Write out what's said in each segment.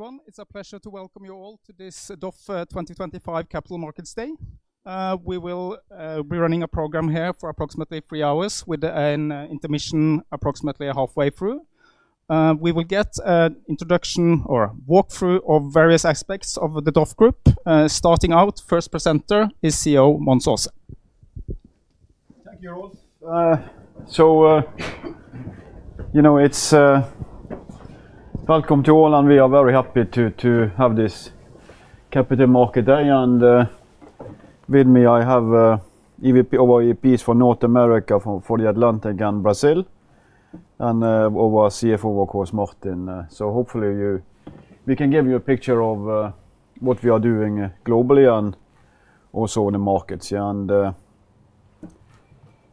Hello everyone, it's a pleasure to welcome you all to this DOF 2025 Capital Markets Day. We will be running a program here for approximately three hours, with an intermission approximately halfway through. We will get an introduction or a walkthrough of various aspects of the DOF Group. Starting out, the first presenter is CEO Mons Aase. Thank you all. It's welcome to all, and we are very happy to have this Capital Markets Day. With me, I have EVPs from North America, the Atlantic, and Brazil, and our CFO, of course, Martin. Hopefully we can give you a picture of what we are doing globally and also in the markets.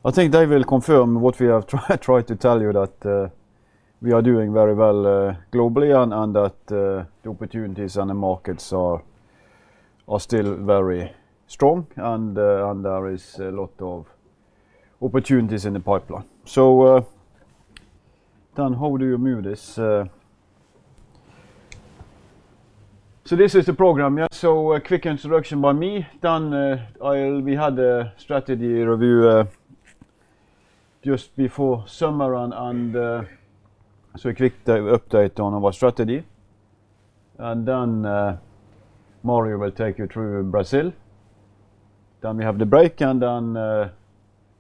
I think they will confirm what we have tried to tell you, that we are doing very well globally and that the opportunities in the markets are still very strong and there are a lot of opportunities in the pipeline. Dan, how do you move this? This is the program, yes. A quick introduction by me. Dan, we had a strategy review just before summer, and a quick update on our strategy. Mario will take you through Brazil. Then we have the break, and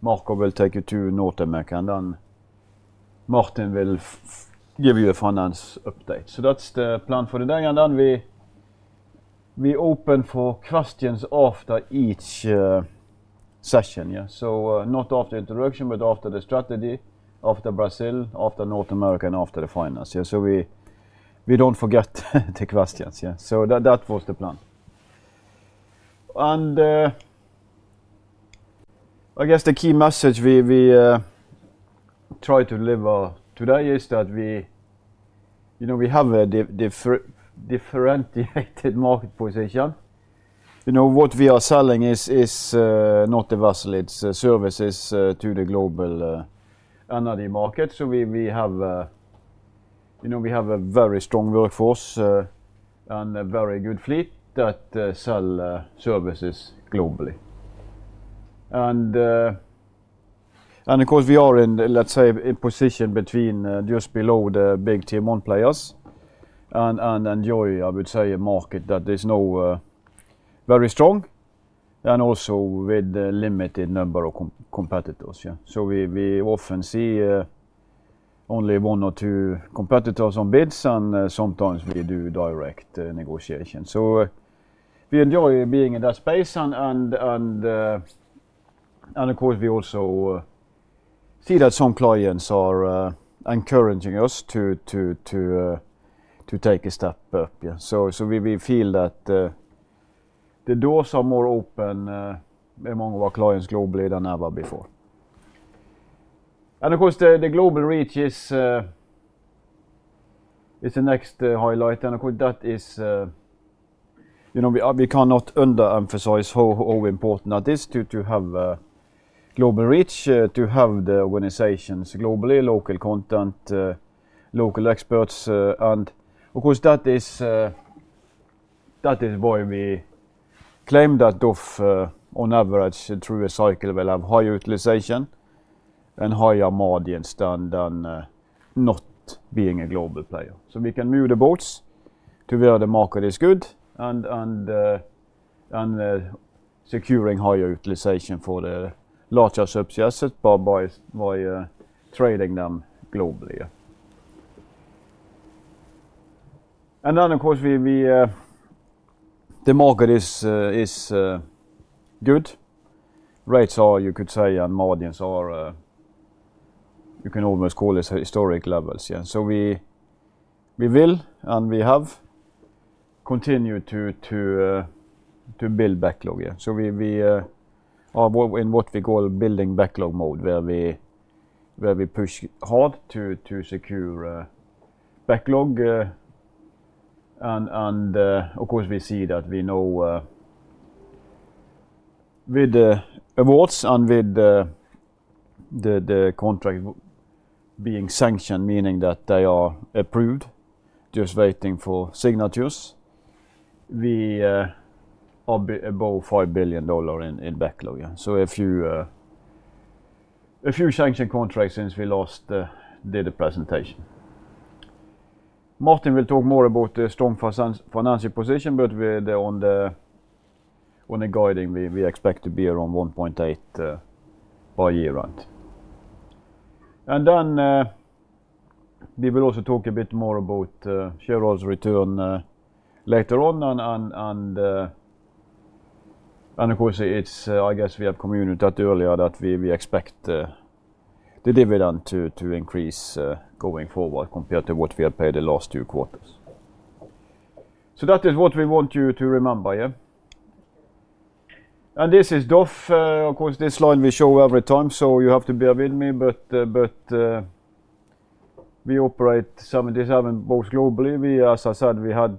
Marco will take you through North America, and then Martin will give you a finance update. That's the plan for the day. We open for questions after each session, not after the introduction, but after the strategy, after Brazil, after North America, and after the finance. We don't forget the questions. That was the plan. I guess the key message we try to deliver today is that we have a differentiated market position. What we are selling is not a vessel, it's services to the global energy market. We have a very strong workforce and a very good fleet that sells services globally. We are in a position just below the big Tier-1 players and enjoy a market that is very strong and also with a limited number of competitors. We often see only one or two competitors on bids, and sometimes we do direct negotiations. We enjoy being in that space. We also see that some clients are encouraging us to take a step up. We feel that the doors are more open among our clients globally than ever before. The global reach is the next highlight. We cannot underemphasize how important it is to have a global reach, to have the organizations globally, local content, local experts. That is why we claim that DOF on average, through a cycle, will have higher utilization and higher margins than not being a global player. We can move the boats to where the market is good and secure higher utilization for the larger subsets by trading them globally. The market is good. Rates are, you could say, and margins are, you can almost call it historic levels. We will and we have continued to build backlog. We are in what we call building backlog mode, where we push hard to secure backlog. Of course, we see that we know with the awards and with the contract being sanctioned, meaning that they are approved, just waiting for signatures, we are above $5 billion in backlog. A few sanctioned contracts since we last did the presentation. Martin will talk more about the strong financial position, but on the guiding, we expect to be around $1.8 billion per year. We will also talk a bit more about shareholders' return later on. We have communicated earlier that we expect the dividend to increase going forward compared to what we have paid the last two quarters. That is what we want you to remember. This is DOF. This slide we show every time, so you have to bear with me. We operate 77 boats globally. As I said, we had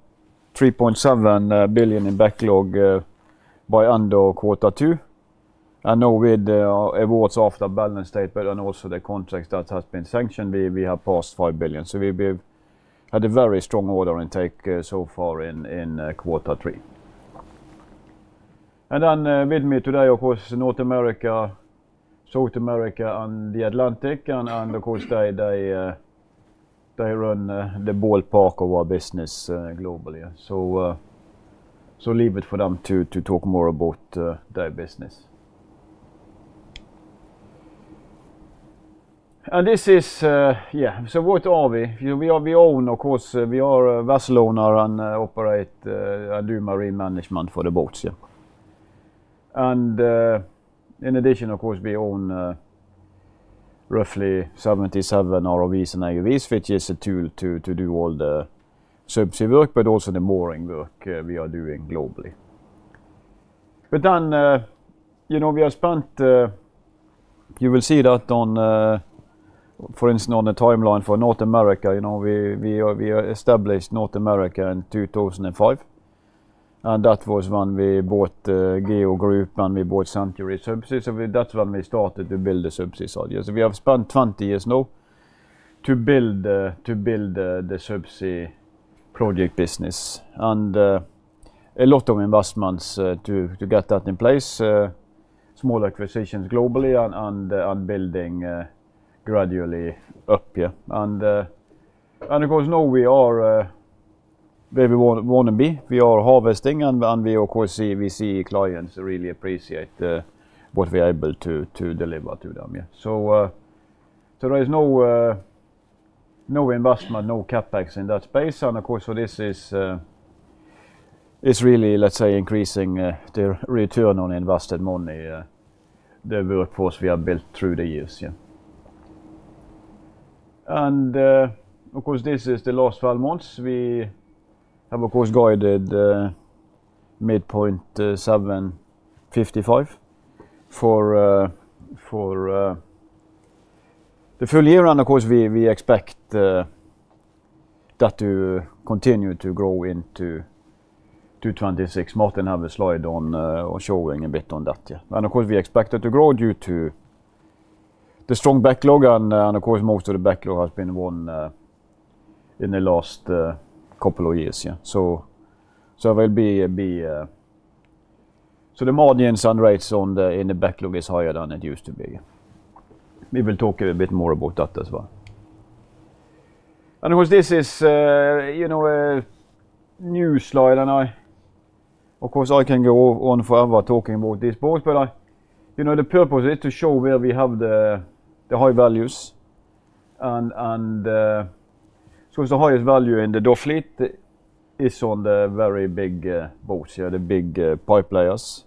$3.7 billion in backlog by end of quarter two. Now with the awards after balance statement and also the contracts that have been sanctioned, we have passed $5 billion. We have a very strong order intake so far in quarter three. With me today, of course, North America, South America, and the Atlantic. They run the ballpark of our business globally. Leave it for them to talk more about their business. What are we? We own, of course, we are a vessel owner and operate and do marine management for the boats. In addition, we own roughly 77 ROVs and AUVs, which is a tool to do all the subsea work, but also the mooring work we are doing globally. We have spent, you will see that on, for instance, on the timeline for North America, we established North America in 2005. That was when we bought GEO Group and we bought Century Subsea. That's when we started to build the subsea side. We have spent 20 years now to build the subsea project business and a lot of investments to get that in place, small acquisitions globally, and building gradually up. Now we are where we want to be. We are harvesting. We see clients really appreciate what we are able to deliver to them. There is no investment, no CapEx in that space. Of course, this is really, let's say, increasing the return on invested money, the workforce we have built through the years. This is the last 12 months. We have, of course, guided midpoint $755 million for the full year. We expect that to continue to grow into 2026. Martin has a slide on showing a bit on that. We expect it to grow due to the strong backlog. Most of the backlog has been won in the last couple of years, so the margins and rates in the backlog are higher than they used to be. We will talk a bit more about that as well. This is a new slide. I can go on forever talking about this boat, but the purpose is to show where we have the high values. The highest value in the DOF fleet is on the very big boats, the big pipe layers,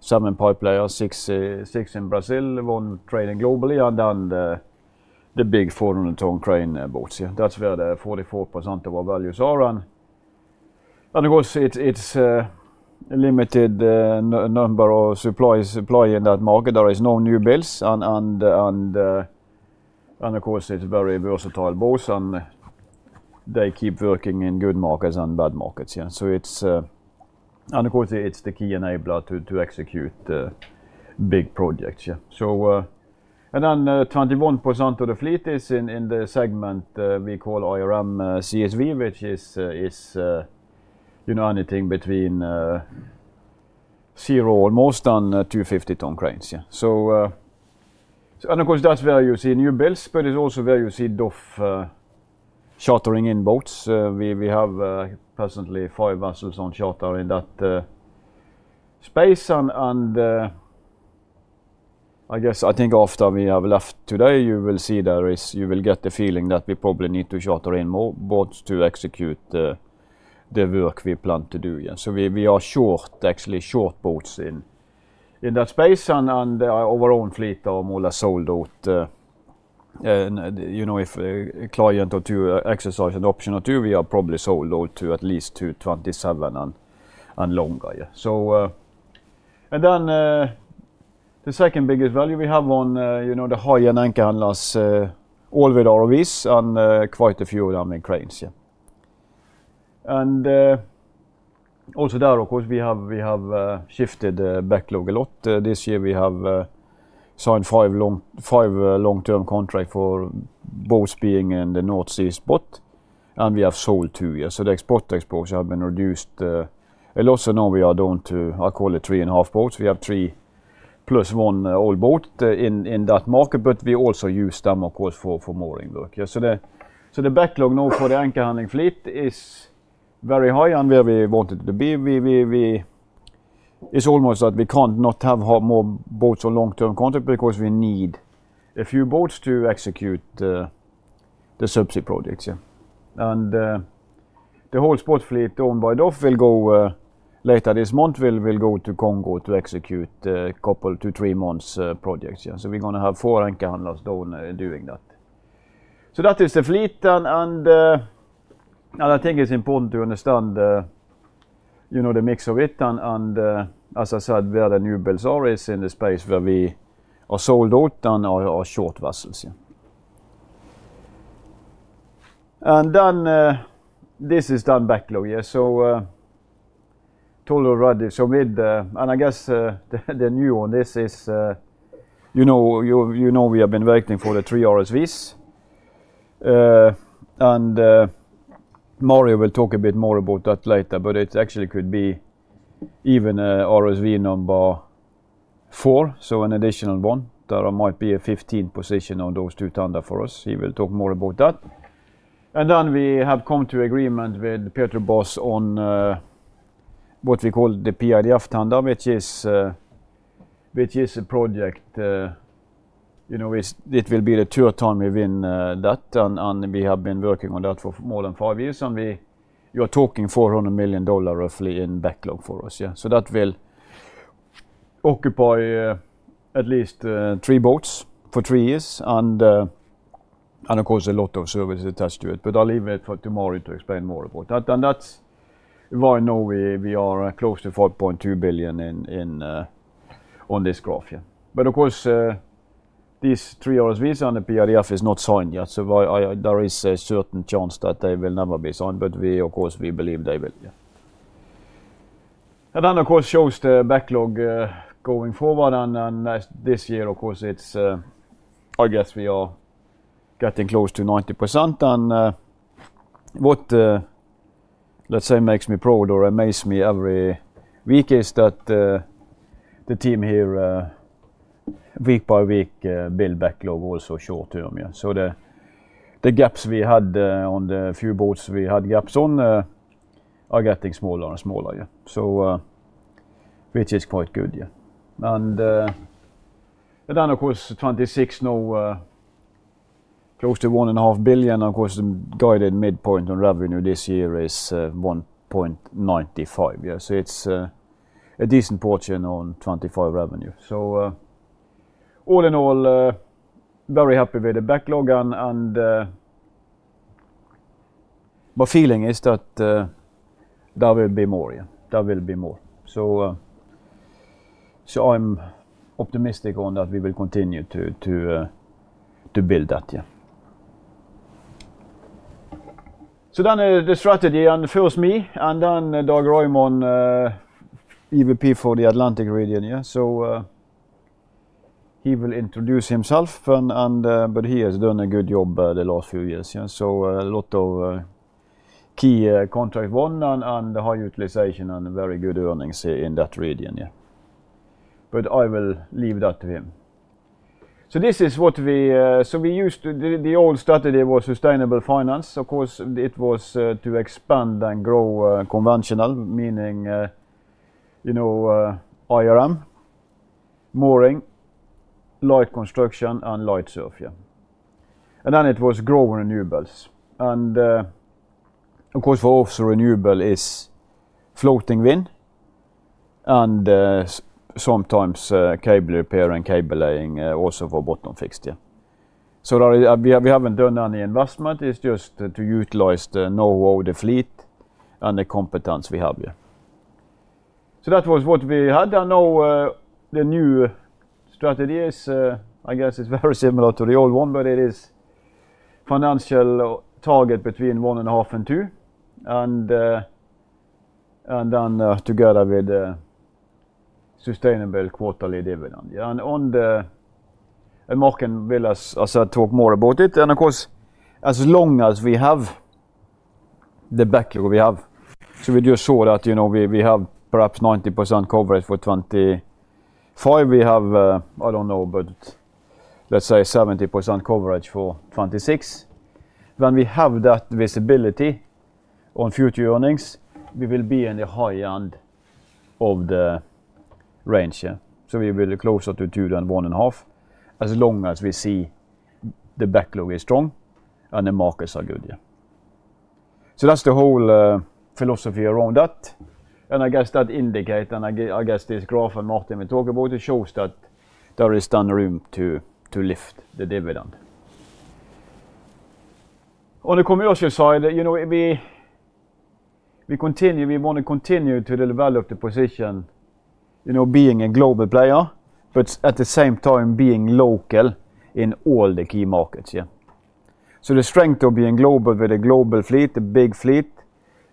seven pipe layers, six in Brazil, one trading globally, and then the big 400-ton crane boats. That's where 44% of our values are. It's a limited number of suppliers in that market. There are no new builds. These are very versatile boats, and they keep working in good markets and bad markets. It's the key enabler to execute big projects. Then 21% of the fleet is in the segment we call IRM/CSV, which is anything between zero or more than 250-ton cranes. That's where you see new builds, but it's also where you see DOF chartering in boats. We have presently five vessels on charter in that space. I think after we have left today, you will get the feeling that we probably need to charter in more boats to execute the work we plan to do. We are actually short boats in that space, Mario will talk a bit more about that later, but it actually could be even RSV number four. An additional one that might be a 15 position on those two tandem for us. He will talk more about that. We have come to agreement with Petrobras on what we call the PIDF tandem, which is a project. It will be the third time we win that. We have been working on that for more than five years. We are talking $400 million roughly in backlog for us. That will occupy at least three boats for three years and a lot of service attached to it. I'll leave it for Mario to explain more about that. That's why now we are close to $5.2 billion on this graph here. These three RSVs and the PIDF are not signed yet. There is a certain chance that they will never be signed. We believe they will. This shows the backlog going forward. This year, we are getting close to 90%. What makes me proud or amazes me every week is that the team here, week by week, build backlog also short term. The gaps we had on the few boats we had gaps on are getting smaller and smaller, which is quite good. For 2026, now close to $1.5 billion. The guided midpoint on revenue this year is $1.95 billion. It's a decent portion on 2025 revenue. All in all, very happy with the backlog. My feeling is that there will be more. There will be more. I'm optimistic that we will continue to build that. Yeah, so then the strategy and the first me, and then Dag Raymond, EVP for the Atlantic region. Yeah, so he will introduce himself, and he has done a good job the last few years. Yeah, so a lot of key contract won and high utilization and very good earnings in that region. Yeah, I will leave that to him. This is what we, so we used to, the old strategy was sustainable finance. Of course, it was to expand and grow conventional, meaning, you know, IRM, mooring, light construction, and light SURF. Yeah, and then it was grow renewables. Of course, for offshore renewable is floating wind and sometimes cable repair and cabling also for bottom fixed. Yeah, we haven't done any investment. It's just to utilize the know-how, the fleet, and the competence we have. Yeah, so that was what we had. Now the new strategy is, I guess it's very similar to the old one, but it is a financial target between one and a half and two. Then together with the sustainable quarterly dividend. Yeah, on the market, we will, as I said, talk more about it. Of course, as long as we have the backlog we have, so we just show that, you know, we have perhaps 90% coverage for 2025. We have, I don't know, but let's say 70% coverage for 2026. When we have that visibility on future earnings, we will be in the high end of the range. Yeah, we will be closer to two than one and a half as long as we see the backlog is strong and the markets are good. Yeah, that's the whole philosophy around that. I guess that indicator, and I guess this graph and Martin will talk about, it shows that there is still room to lift the dividend. On the commercial side, you know, we continue, we want to continue to develop the position, you know, being a global player, but at the same time being local in all the key markets. Yeah, the strength of being global with a global fleet, a big fleet,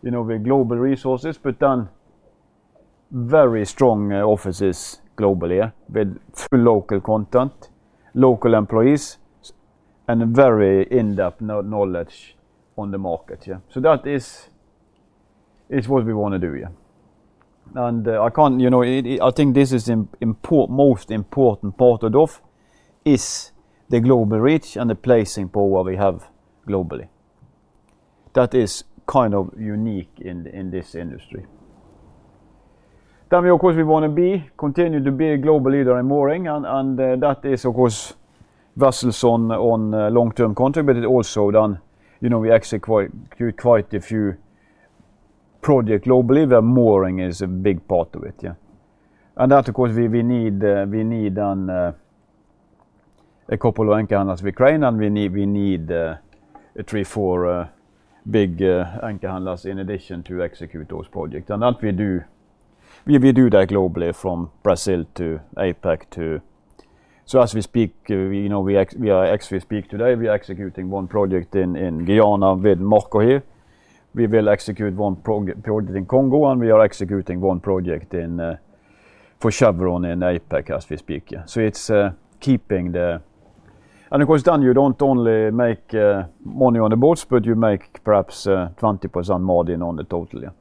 you know, with global resources, but then very strong offices globally with local content, local employees, and very in-depth knowledge on the markets. Yeah, that is what we want to do. Yeah, and I can't, you know, I think this is the most important part of DOF is the global reach and the placing power we have globally. That is kind of unique in this industry. Of course, we want to continue to be a global leader in mooring, and that is, of course, vessels on long-term contract. It also then, you know, we actually quite a few projects globally where mooring is a big part of it. Yeah, and that, of course, we need a couple of anchor handlers with crane, and we need three, four big anchor handlers in addition to execute those projects. We do that globally from Brazil to APAC. As we speak today, we are executing one project in Guyana with Marco here. We will execute one project in Congo, and we are executing one project for Chevron in APAC as we speak. It's keeping the, and of course, then you don't only make money on the boats, but you make perhaps 20% margin on the total.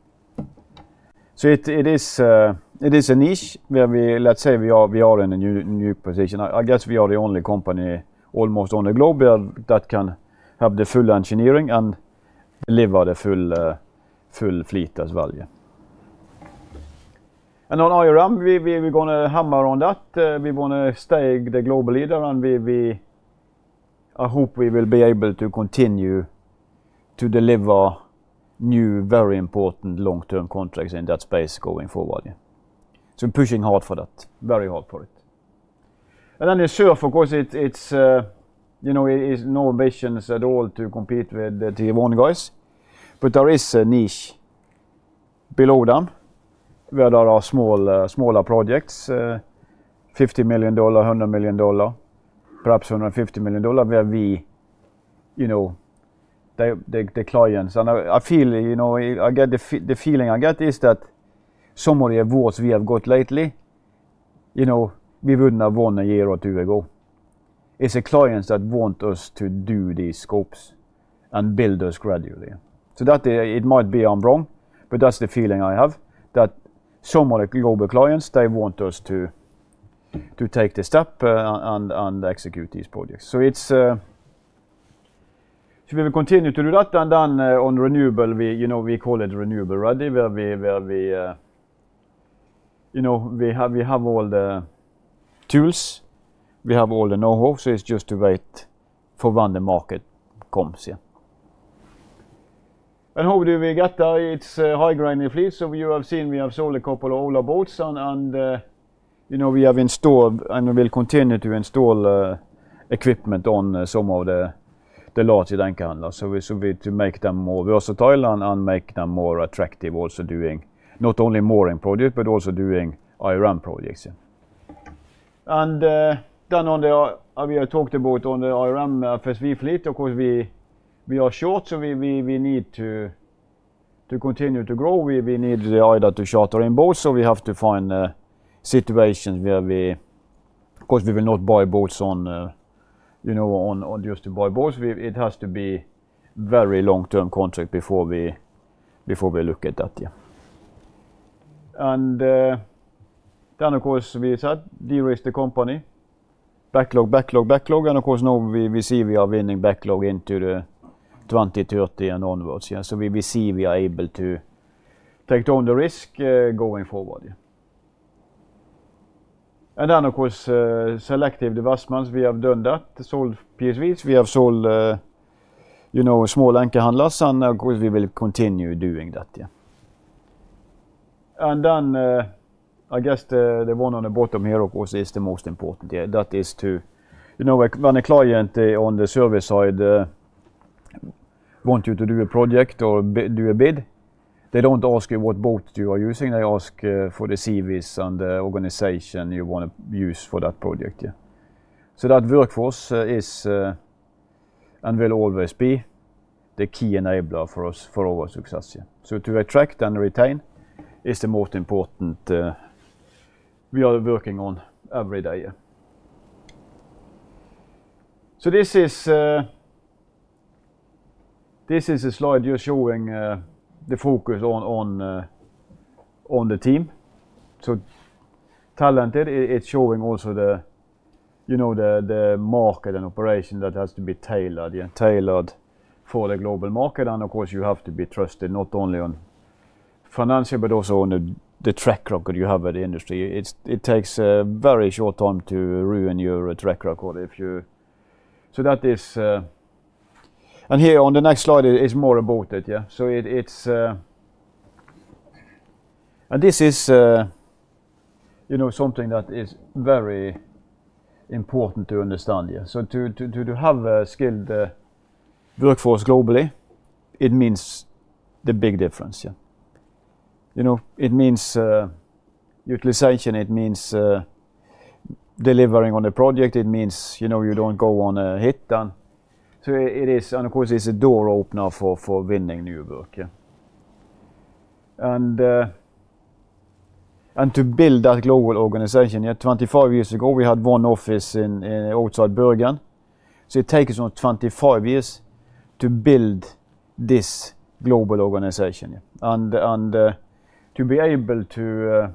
It is a niche where we, let's say, we are in a new position. I guess we are the only company almost on the globe that can have the full engineering and deliver the full fleet as well. On IRM, we're going to hammer on that. We want to stay the global leader, and I hope we will be able to continue to deliver new, very important long-term contracts in that space going forward. Pushing hard for that, very hard for it. The SURF, of course, it's, you know, it's no ambitions at all to compete with the Tier-1 guys, but there is a niche below them where there are small, smaller projects, $50 million, $100 million, perhaps $150 million where we, you know, the clients. I feel, you know, I get the feeling I get is that some of the awards we have got lately, you know, we wouldn't have won a year or two ago. It's the clients that want us to do these scopes and build us gradually. It might be I'm wrong, but that's the feeling I have that some of the global clients, they want us to take the step and execute these projects. We will continue to do that. On renewable, we call it renewable ready where we, you know, we have all the tools, we have all the know-how, so it's just to wait for when the market comes. Yeah, and how do we get there? It's a high-grinding fleet. You have seen we have sold a couple of older boats, and, you know, we have installed and will continue to install equipment on some of the larger anchor handlers. We need to make them more versatile and make them more attractive, also doing not only mooring projects but also doing IRM projects. We have talked about on the IRM first week fleet, of course, we are short, so we need to continue to grow. We need the eye that to charter in boats. We have to find situations where we, of course, we will not buy boats on, you know, on just to buy boats. It has to be a very long-term contract before we look at that. Yeah, and then, of course, we said de-risk the company, backlog, backlog, backlog. Of course, now we see we are winning backlog into 2030 and onwards. Yeah, so we see we are able to take on the risk going forward. Then, of course, selective investments, we have done that. Sold PSVs, we have sold, you know, small anchor handlers, and of course, we will continue doing that. Yeah, and then I guess the one on the bottom here, of course, is the most important. Yeah, that is to, you know, when a client on the service side wants you to do a project or do a bid, they don't ask you what boat you are using. They ask for the service and the organization you want to use for that project. Yeah, so that workforce is, and will always be, the key enabler for us for our success. Yeah, so to attract and retain is the most important we are working on every day. This is a slide just showing the focus on the team. So talented, it's showing also the, you know, the market and operation that has to be tailored for the global market. Of course, you have to be trusted not only on financial but also on the track record you have with the industry. It takes a very short time to ruin your track record if you... That is, and here on the next slide, it's more about it. Yeah, so it's, and this is, you know, something that is very important to understand. Yeah, so to have a skilled workforce globally, it means the big difference. Yeah, you know, it means utilization, it means delivering on the project, it means, you know, you don't go on a hit. It is, and of course, it's a door opener for winning new work. Yeah, and to build that global organization, yeah, 25 years ago, we had one office outside Bergen. It takes us 25 years to build this global organization. Yeah, and to be able to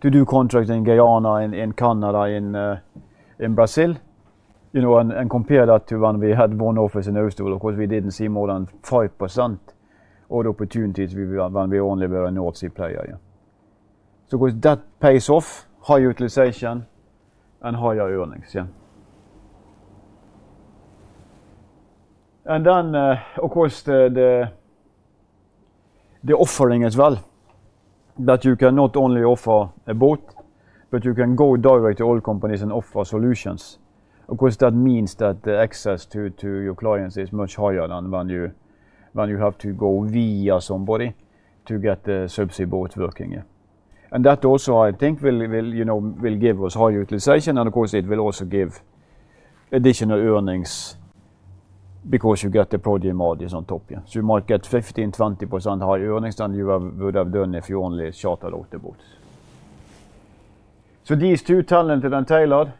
do contracts in Guyana, in Canada, in Brazil, you know, and compare that to when we had one office in Houston, of course, we didn't see more than 5% of the opportunities when we only were a North Sea player. Yeah, so of course, that pays off high utilization and higher earnings. Yeah, and then, of course, the offering as well that you can not only offer a boat, but you can go direct to all companies and offer solutions. Of course, that means that the access to your clients is much higher than when you have to go via somebody to get the subsea boat working. Yeah, and that also, I think, will, you know, give us high utilization. Of course, it will also give additional earnings because you get the project margins on top. You might get 15, 20% higher earnings than you would have done if you only chartered out the boats. These two, talented and tailored,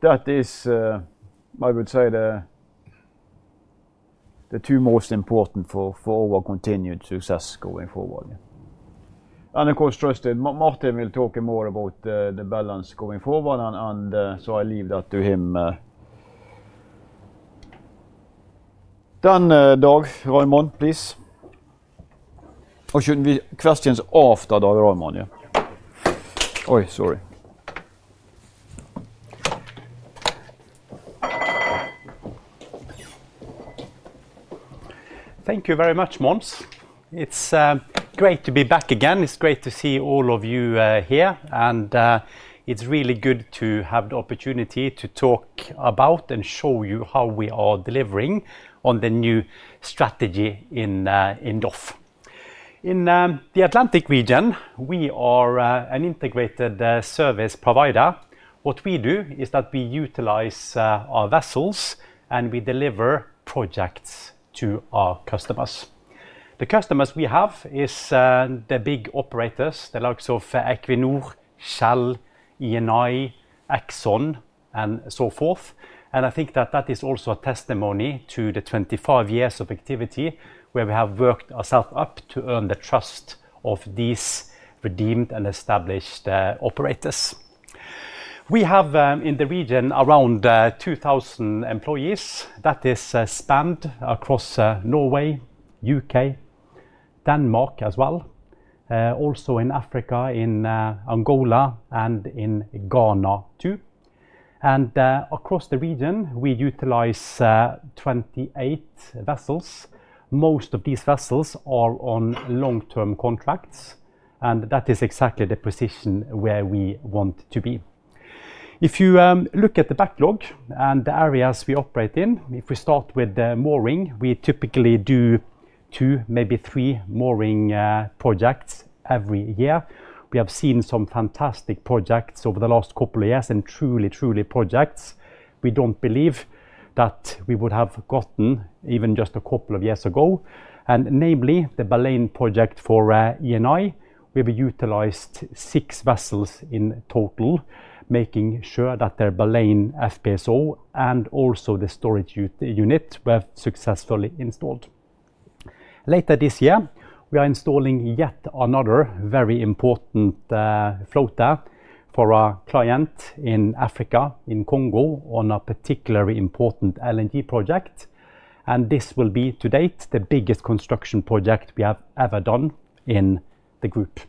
that is, I would say, the two most important for our continued success going forward. Of course, trusted, Martin will talk more about the balance going forward, so I leave that to him. Dag Raymond, please. Questions after Dag Raymond. Oh, sorry. Thank you very much, Mons. It's great to be back again. It's great to see all of you here. It's really good to have the opportunity to talk about and show you how we are delivering on the new strategy in DOF. In the Atlantic region, we are an integrated service provider. What we do is that we utilize our vessels and we deliver projects to our customers. The customers we have are the big operators, the likes of Equinor, Shell, Eni, ExxonMobil, and so forth. I think that that is also a testimony to the 25 years of activity where we have worked ourselves up to earn the trust of these renowned and established operators. We have in the region around 2,000 employees. That is spanned across Norway, U.K., Denmark as well, also in Africa, in Angola, and in Ghana too. Across the region, we utilize 28 vessels. Most of these vessels are on long-term contracts. That is exactly the position where we want to be. If you look at the backlog and the areas we operate in, if we start with the mooring, we typically do two, maybe three mooring projects every year. We have seen some fantastic projects over the last couple of years and truly, truly projects we don't believe that we would have gotten even just a couple of years ago. Namely, the Baleine project for Eni. We have utilized six vessels in total, making sure that their Baleine FPSO and also the storage units were successfully installed. Later this year, we are installing yet another very important floater for our client in Africa, in Congo, on a particularly important LNG project. This will be to date the biggest construction project we have ever done in the group.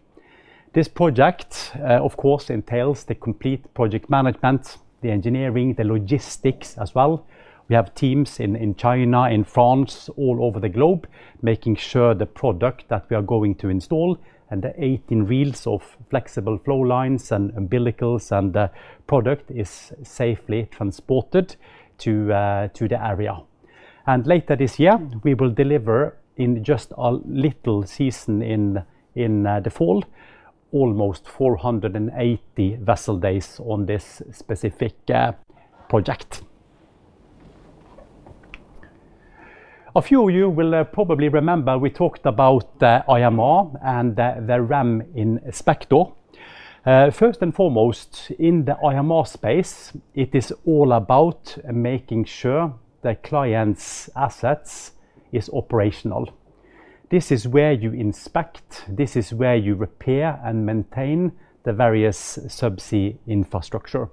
This project, of course, entails the complete project management, the engineering, the logistics as well. We have teams in China, in France, all over the globe, making sure the product that we are going to install and the 18 reels of flexible flowlines and umbilicals and the product is safely transported to the area. Later this year, we will deliver in just a little season in the fall, almost 480 vessel days on this specific project. A few of you will probably remember we talked about IMR and the REM Inspector. First and foremost, in the IMR space, it is all about making sure the client's assets are operational. This is where you inspect. This is where you repair and maintain the various subsea infrastructure.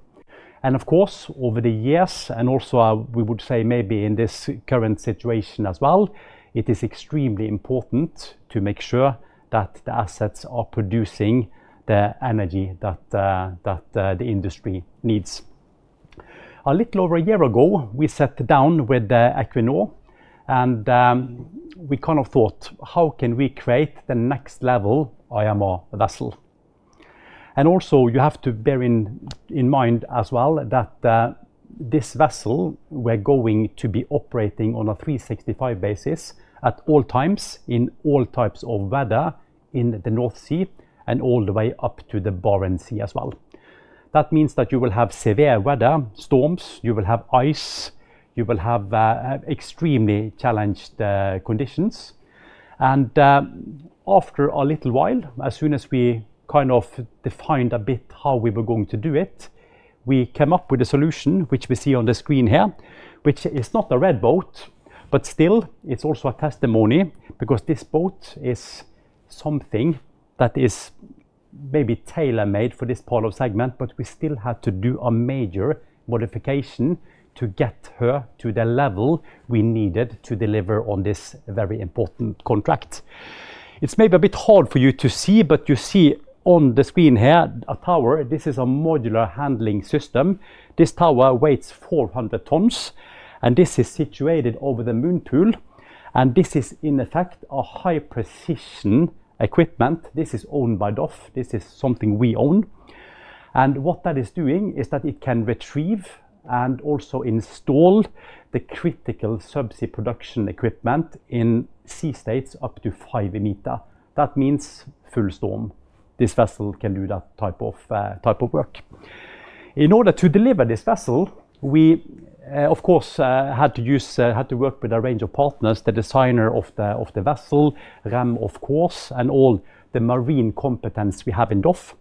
Of course, over the years, and also we would say maybe in this current situation as well, it is extremely important to make sure that the assets are producing the energy that the industry needs. A little over a year ago, we sat down with Equinor and we kind of thought, how can we create the next level IMR vessel? You have to bear in mind as well that this vessel, we're going to be operating on a 365-day basis at all times in all types of weather in the North Sea and all the way up to the Barents Sea as well. That means that you will have severe weather, storms, you will have ice, you will have extremely challenged conditions. After a little while, as soon as we kind of defined a bit how we were going to do it, we came up with a solution, which we see on the screen here, which is not a red boat, but still, it's also a testimony because this boat is something that is maybe tailor-made for this part of the segment, but we still had to do a major modification to get her to the level we needed to deliver on this very important contract. It's maybe a bit hard for you to see, but you see on the screen here a tower. This is a modular handling system. This tower weighs 400 t, and this is situated over the moon pool. This is, in effect, a high-precision equipment. This is owned by DOF. This is something we own. What that is doing is that it can retrieve and also install the critical subsea production equipment in sea states up to five meters. That means full storm. This vessel can do that type of work. In order to deliver this vessel, we, of course, had to work with a range of partners, the designer of the vessel, REM, of course, and all the marine competence we have in DOF.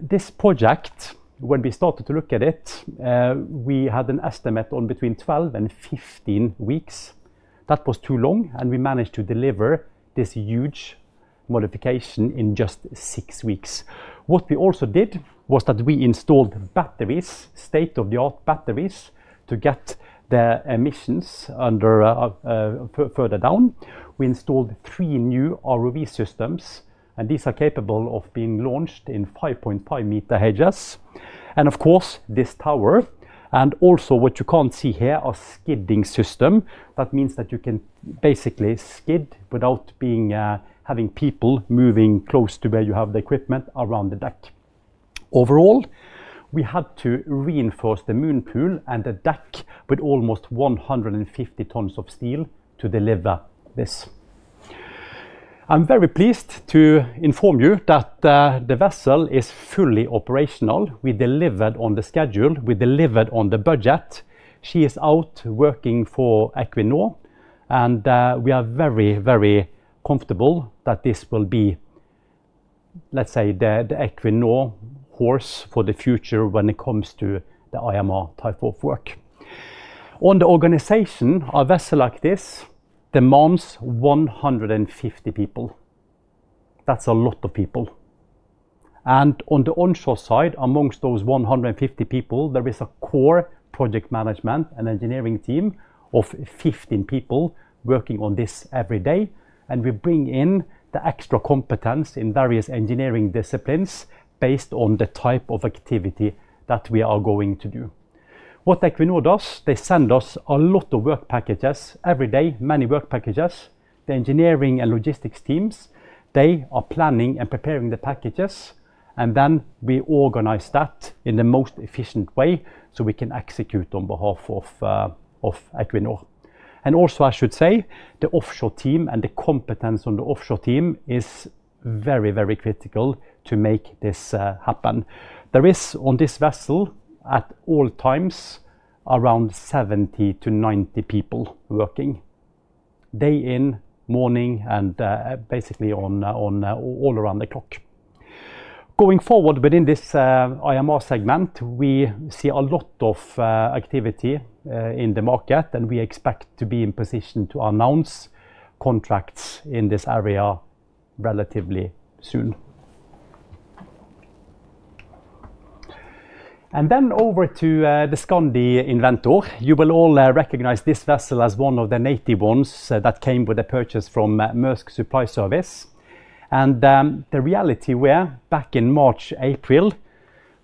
This project, when we started to look at it, we had an estimate on between 12 and 15 weeks. That was too long, and we managed to deliver this huge modification in just six weeks. What we also did was that we installed batteries, state-of-the-art batteries, to get the emissions further down. We installed three new ROV systems, and these are capable of being launched in 5.5-meter HS. This tower, and also what you can't see here, a skidding system. That means that you can basically skid without having people moving close to where you have the equipment around the deck. Overall, we had to reinforce the moon pool and the deck with almost 150 tons of steel to deliver this. I'm very pleased to inform you that the vessel is fully operational. We delivered on the schedule. We delivered on the budget. She is out working for Equinor, and we are very, very comfortable that this will be, let's say, the Equinor horse for the future when it comes to the IMR type of work. On the organization, a vessel like this demands 150 people. That's a lot of people. On the onshore side, amongst those 150 people, there is a core project management and engineering team of 15 people working on this every day. We bring in the extra competence in various engineering disciplines based on the type of activity that we are going to do. What Equinor does, they send us a lot of work packages every day, many work packages. The engineering and logistics teams are planning and preparing the packages, and then we organize that in the most efficient way so we can execute on behalf of Equinor. I should say the offshore team and the competence on the offshore team is very, very critical to make this happen. There is on this vessel at all times around 70-90 people working, day in, morning, and basically all around the clock. Going forward within this IMR segment, we see a lot of activity in the market, and we expect to be in position to announce contracts in this area relatively soon. Over to the Skandi Inventor, you will all recognize this vessel as one of the native ones that came with a purchase from Maersk Supply Service. The reality where back in March, April,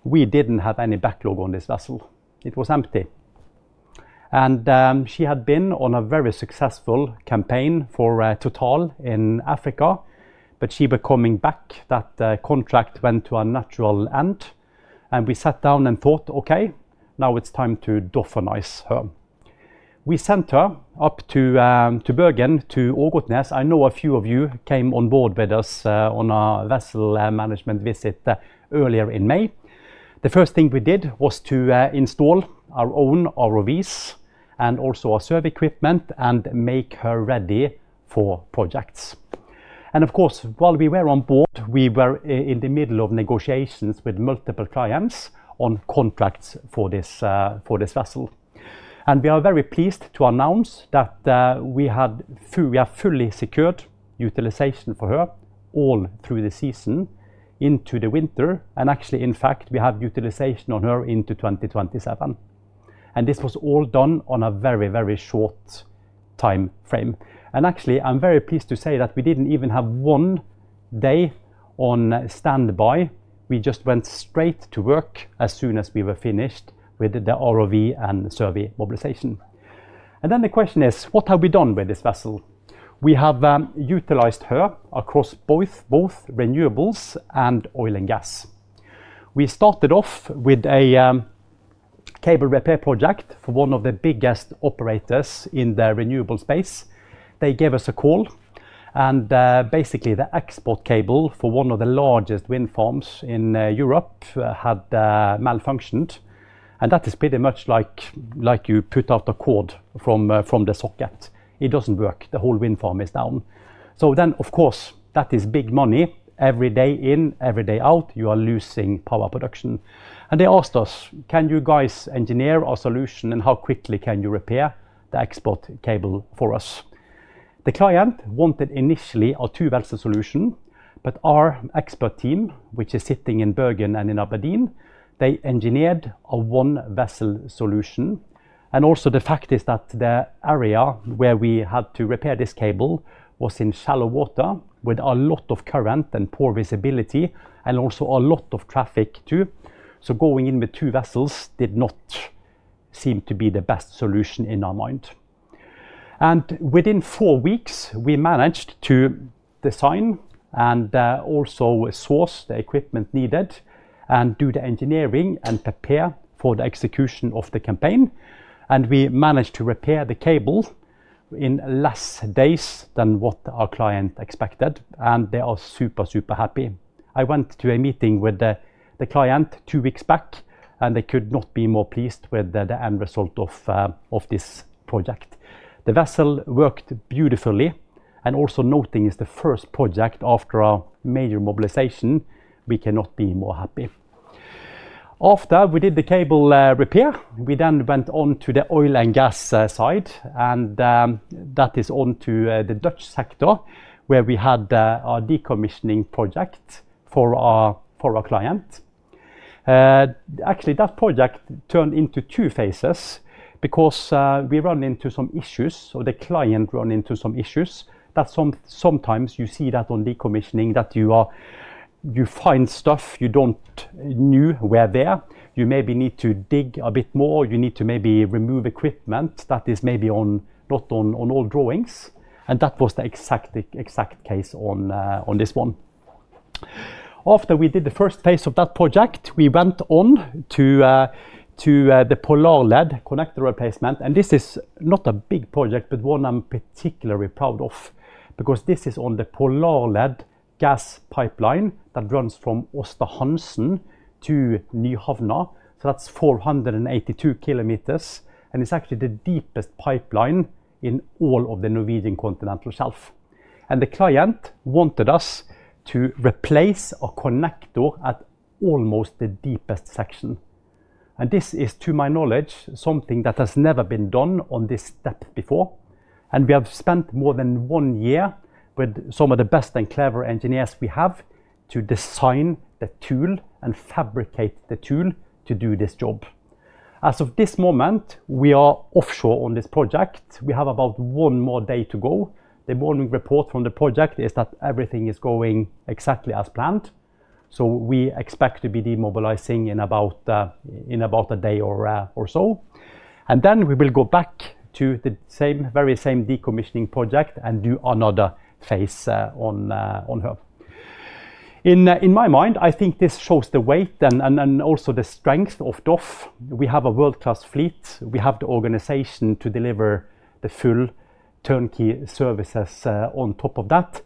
we didn't have any backlog on this vessel. It was empty. She had been on a very successful campaign for Total in Africa, but she was coming back. That contract went to a natural end, and we sat down and thought, okay, now it's time to DOF-anize her. We sent her up to Bergen to Aarhusnes. I know a few of you came on board with us on a vessel management visit earlier in May. The first thing we did was to install our own ROVs and also our survey equipment and make her ready for projects. Of course, while we were on board, we were in the middle of negotiations with multiple clients on contracts for this vessel. We are very pleased to announce that we had fully secured utilization for her all through the season into the winter. In fact, we have utilization on her into 2027. This was all done on a very, very short time frame. I'm very pleased to say that we didn't even have one day on standby. We just went straight to work as soon as we were finished with the ROV and survey mobilization. The question is, what have we done with this vessel? We have utilized her across both renewables and oil and gas. We started off with a cable repair project for one of the biggest operators in the renewable space. They gave us a call, and basically, the export cable for one of the largest wind farms in Europe had malfunctioned. That is pretty much like you put out a cord from the socket. It doesn't work. The whole wind farm is down. Of course, that is big money every day in, every day out. You are losing power production. They asked us, can you guys engineer a solution and how quickly can you repair the export cable for us? The client wanted initially a two-vessel solution, but our expert team, which is sitting in Bergen and in Aberdeen, engineered a one-vessel solution. The fact is that the area where we had to repair this cable was in shallow water with a lot of current and poor visibility and also a lot of traffic too. Going in with two vessels did not seem to be the best solution in our mind. Within four weeks, we managed to design and also source the equipment needed and do the engineering and prepare for the execution of the campaign. We managed to repair the cable in less days than what our client expected, and they are super, super happy. I went to a meeting with the client two weeks back, and they could not be more pleased with the end result of this project. The vessel worked beautifully. Also, noting it is the first project after a major mobilization, we cannot be more happy. After we did the cable repair, we then went on to the oil and gas side. That is onto the Dutch sector where we had a decommissioning project for our client. Actually, that project turned into two phases because we ran into some issues or the client ran into some issues that sometimes you see that on decommissioning that you find stuff you don't know were there. You maybe need to dig a bit more or you need to maybe remove equipment that is maybe not on all drawings. That was the exact case on this one. After we did the first phase of that project, we went on to the Polarled connector replacement. This is not a big project, but one I'm particularly proud of because this is on the Polarled gas pipeline that runs from Åsthamnsen to Nyhavn. That's 482 km. It is actually the deepest pipeline in all of the Norwegian continental shelf. The client wanted us to replace a connector at almost the deepest section. This is, to my knowledge, something that has never been done at this depth before. We have spent more than one year with some of the best and clever engineers we have to design the tool and fabricate the tool to do this job. As of this moment, we are offshore on this project. We have about one more day to go. The morning report from the project is that everything is going exactly as planned. We expect to be demobilizing in about a day or so. We will go back to the very same decommissioning project and do another phase on her. In my mind, I think this shows the weight and also the strength of DOF. We have a world-class fleet. We have the organization to deliver the full turnkey services on top of that.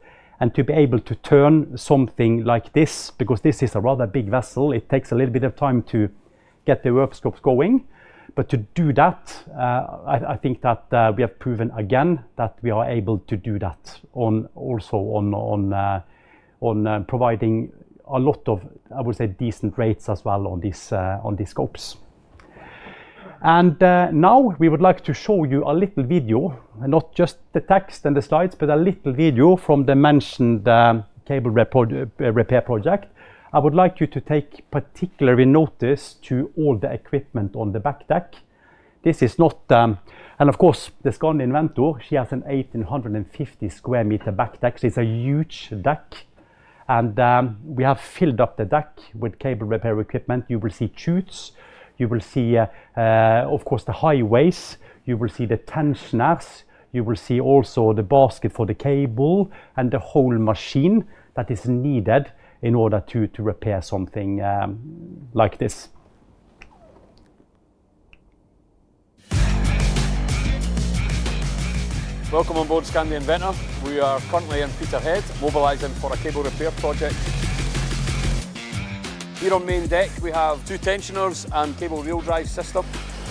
To be able to turn something like this, because this is a rather big vessel, it takes a little bit of time to get the workscopes going. To do that, I think that we have proven again that we are able to do that on also on providing a lot of, I would say, decent rates as well on these scopes. Now we would like to show you a little video, not just the text and the slides, but a little video from the mentioned cable repair project. I would like you to take particular notice to all the equipment on the back deck. This is not, and of course, the Skandi Inventor, she has a 1,850 sq m. back deck. She's a huge deck. We have filled up the deck with cable repair equipment. You will see chutes. You will see, of course, the highways. You will see the tensioners. You will see also the basket for the cable and the whole machine that is needed in order to repair something like this. Welcome on board, Skandi Inventor. We are currently in Peterhead, mobilizing for a cable repair project. Here on main deck, we have two tensioners and a cable reel drive system.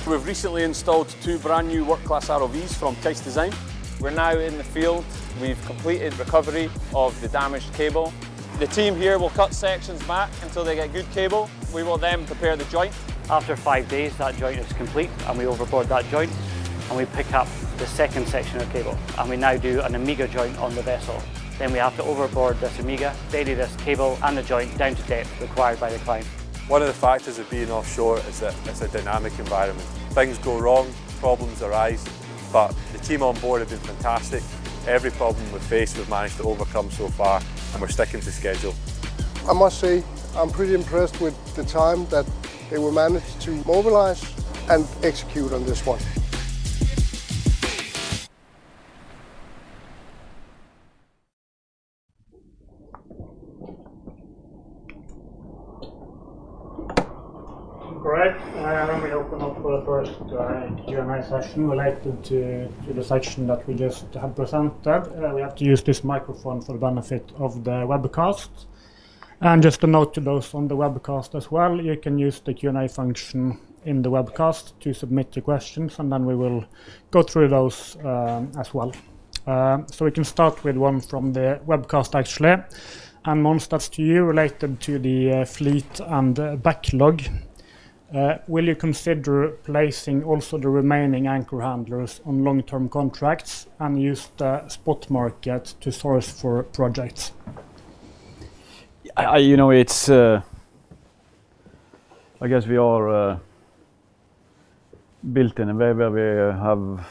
We've recently installed two brand new world-class ROVs from Case Design. We're now in the field. We've completed recovery of the damaged cable. The team here will cut sections back until they get good cable. We will then prepare the joint. After five days, that joint is complete, and we overboard that joint. We pick up the second section of cable, and we now do an Amiga joint on the vessel. We have to overboard this Amiga, daily this cable and the joint down to depth required by the client. One of the factors of being offshore is that it's a dynamic environment. Things go wrong, problems arise, but the team on board have been fantastic. Every problem we've faced, we've managed to overcome so far, and we're sticking to schedule. I must say I'm pretty impressed with the time that they will manage to mobilize and execute on this one. All right, let me open up for the first Q&A session. We'll take them to the section that we just have presented. We have to use this microphone for the benefit of the webcast. Just a note to those on the webcast as well, you can use the Q&A function in the webcast to submit your questions and then we will go through those as well. We can start with one from the webcast actually. Mons, that's to you related to the fleet and backlog. Will you consider placing also the remaining anchor handlers on long-term contracts and use the spot market to source for projects? You know, I guess we are built in a way where we have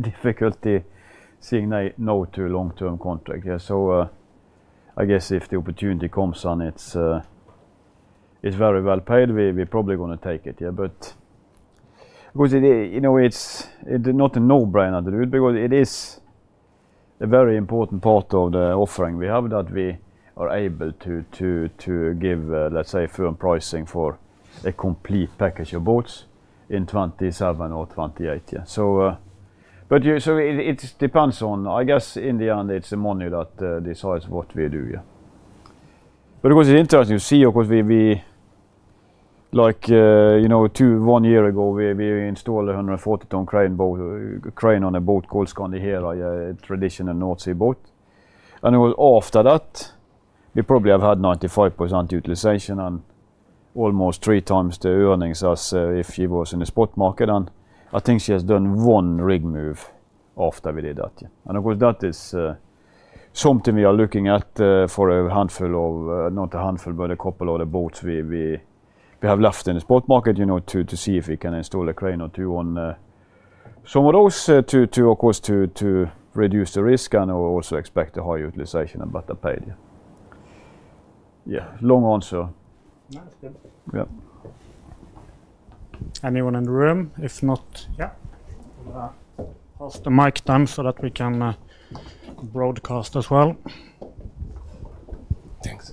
difficulty saying no to long-term contracts. Yeah, I guess if the opportunity comes and it's very well paid, we're probably going to take it. Of course, it's not a no-brainer, because it is a very important part of the offering we have that we are able to give, let's say, firm pricing for a complete package of boats in 2027 or 2028. Usually it depends on, I guess in the end it's the money that decides what we do. Of course, it's interesting to see, of course, we, like, you know, one year ago we installed a 140-ton crane on a boat called Skandi Hera, a traditional North Sea boat. After that we probably have had 95% utilization and almost three times the earnings as if she was in the spot market. I think she has done one rig move after we did that. Of course, that is something we are looking at for a couple of the boats we have left in the spot market, you know, to see if we can install a crane or two on some of those to reduce the risk and also expect a high utilization and better paid. Yeah, long answer. Yeah. Anyone in the room? If not, pass the mic then so that we can broadcast as well. Thanks.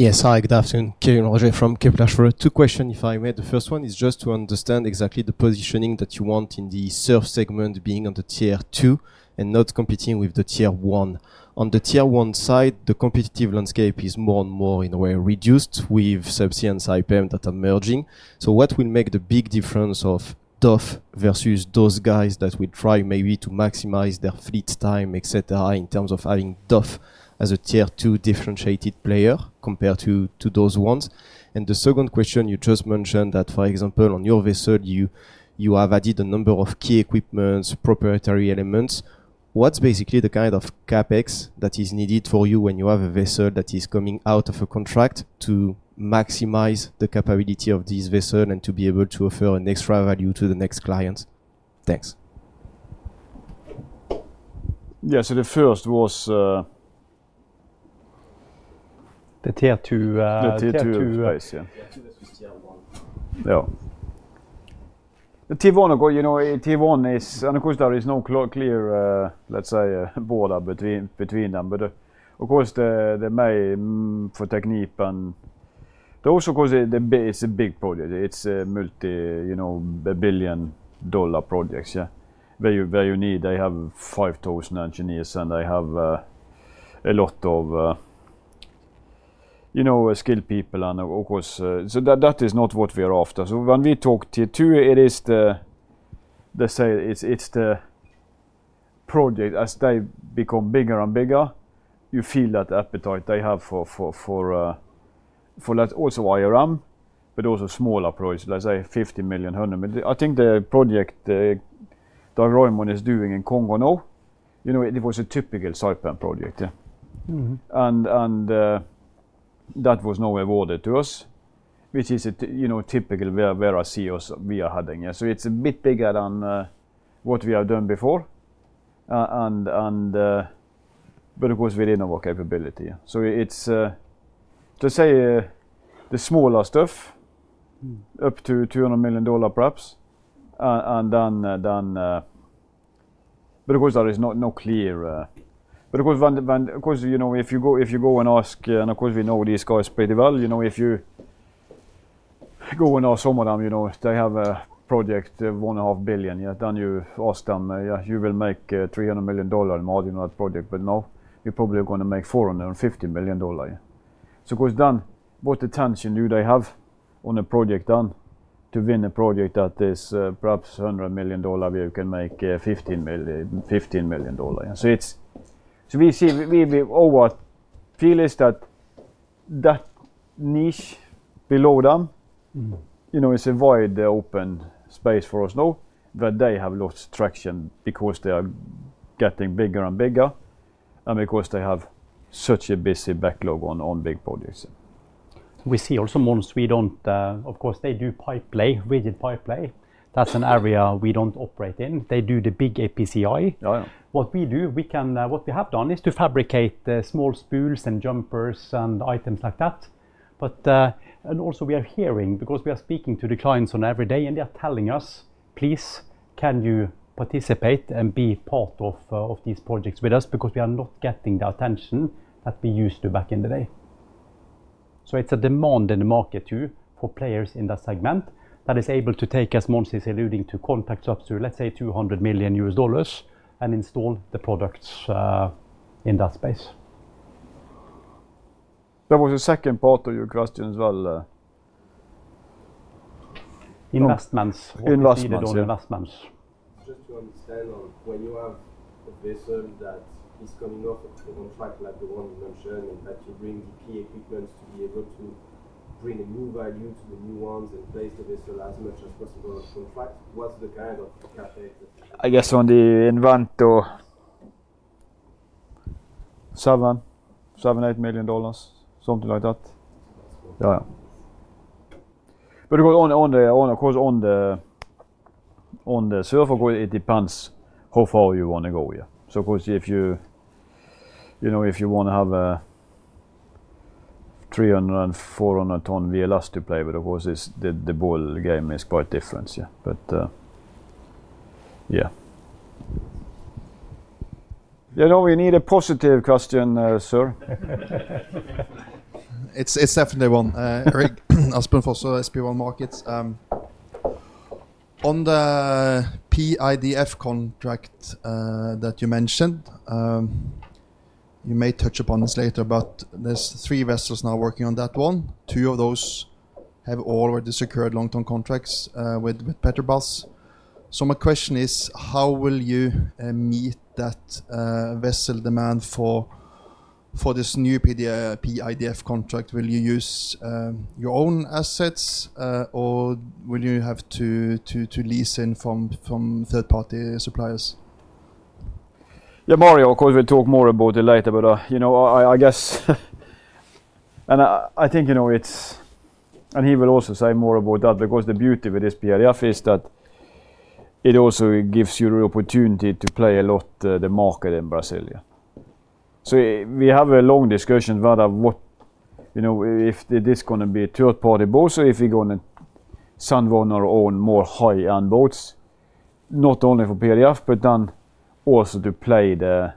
Yes, hi, good afternoon. Kevin Roger from Kepler. Two questions. If I may, the first one is just to understand exactly the positioning that you want in the SURF segment being on the Tier 2 and not competing with the Tier 1. On the Tier-1 side, the competitive landscape is more and more, in a way, reduced with Subsea and Saipem that are merging. What will make the big difference of DOF versus those guys that will try maybe to maximize their fleet time, etc., in terms of having DOF as Tier-2 differentiated player compared to those ones? The second question, you just mentioned that, for example, on your vessel, you have added a number of key equipments, proprietary elements. What's basically the kind of CapEx that is needed for you when you have a vessel that is coming out of a contract to maximize the capability of this vessel and to be able to offer an extra value to the next client? Thanks. Yeah, the first was. The Tier 2. The Tier 2. Yeah. The Tier 1, of course, you know, Tier 1 is, and of course, there is no clear, let's say, border between them. The main for Technip, and also, of course, it's a big project. It's a multi, you know, billion dollar projects. Yeah, very, very unique. They have 5,000 engineers and they have a lot of, you know, skilled people. That is not what we are after. When we talk Tier 2, it is the, let's say, it's the project as they become bigger and bigger, you feel that appetite they have for, for, for let's also IRM, but also smaller projects, let's say $15 million, $100 million. I think the project that Dag Raymond is doing in Congo, no, you know, it was a typical Saipem project. Yeah, and that was not awarded to us, which is a, you know, typical where I see us, we are heading. Yeah, it's a bit bigger than what we have done before, and, but of course, within our capability. It's to say the smaller stuff up to $200 million perhaps. Of course, there is no clear, but of course, you know, if you go and ask, and of course, we know these guys pretty well, you know, if you go and ask some of them, you know, they have a project of $1.5 billion. Yeah, then you ask them, yeah, you will make a $300 million margin on that project. No, you're probably going to make $450 million. Of course, then what attention do they have on a project then to win a project that is perhaps $100 million where you can make $15 million? We see, our feel is that that niche below them, you know, is a wide open space for us now, but they have lost traction because they are getting bigger and bigger and because they have such a busy backlog on big projects. We see also Mons, we don't, of course, they do pipelay. We did pipelay. That's an area we don't operate in. They do the big APCI. What we do, what we have done is to fabricate small spools and jumpers and items like that. Also, we are hearing because we are speaking to the clients every day and they are telling us, please, can you participate and be part of these projects with us because we are not getting the attention that we used to back in the day. There is a demand in the market too for players in that segment that are able to take, as Mons is alluding to, contracts up to, let's say, $200 million and install the products in that space. That was the second part of your question as well. Investments. Investments. Investments. Just to understand, when you have a vessel that is coming off a prototype like the one you mentioned and that you're doing the key equipment to be able to bring a new value to the new ones and place the vessel as much as possible, what's the kind of CapEx? I guess on the Inventor, $7 million, $8 million, something like that. Yeah, yeah. Of course, on the SURF, it depends how far you want to go. If you want to have a 300 and 400-ton VLS to play, the ball game is quite different. Yeah, but yeah. No, we need a positive question, sir. It's definitely one. Erik Aspen Fossa, SB1 Markets. On the PIDF contract that you mentioned, you may touch upon this later, but there's three vessels now working on that one. Two of those have already secured long-term contracts with Petrobras. My question is, how will you meet that vessel demand for this new PIDF contract? Will you use your own assets or will you have to lease in from third-party suppliers? Yeah, Mario, of course, we'll talk more about it later, but I guess, and I think, you know, it's, and he will also say more about that because the beauty with this PIDF is that it also gives you the opportunity to play a lot the market in Brazil. We have a long discussion about what, you know, if this is going to be a third-party boat or if we're going to send one of our own more high-end boats, not only for PIDF, but then also to play the,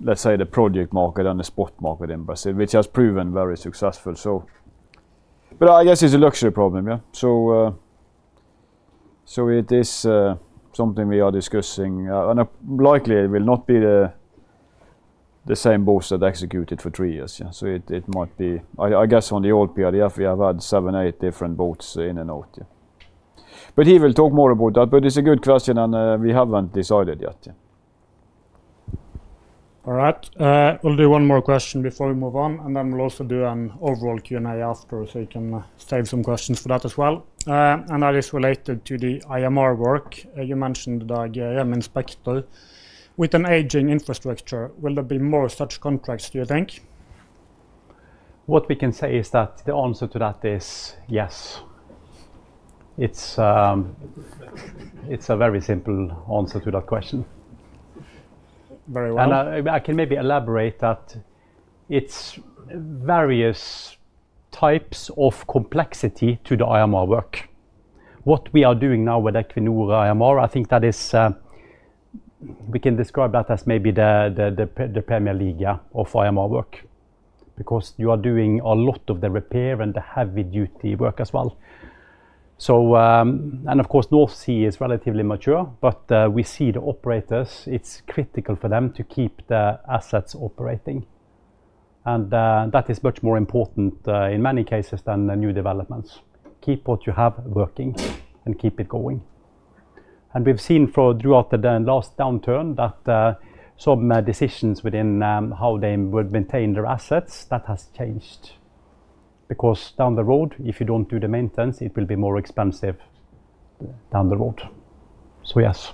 let's say, the project market and the spot market in Brazil, which has proven very successful. I guess it's a luxury problem. It is something we are discussing, and likely it will not be the same boats that executed for three years. It might be, I guess, on the old PIDF, we have had seven, eight different boats in and out. He will talk more about that, but it's a good question and we haven't decided yet. All right, we'll do one more question before we move on, and then we'll also do an overall Q&A after, so you can save some questions for that as well. That is related to the IMR work. You mentioned that IMR Inspector with an aging infrastructure. Will there be more such contracts, do you think? What we can say is that the answer to that is yes. It's a very simple answer to that question. Very well. I can maybe elaborate that it's various types of complexity to the IMR work. What we are doing now with Equinor IMR, I think that is, we can describe that as maybe the Premier League of IMR work because you are doing a lot of the repair and the heavy-duty work as well. North Sea is relatively mature, but we see the operators, it's critical for them to keep the assets operating. That is much more important in many cases than the new developments. Keep what you have working and keep it going. We've seen throughout the last downturn that some decisions within how they would maintain their assets, that has changed. Because down the road, if you don't do the maintenance, it will be more expensive down the road. Yes.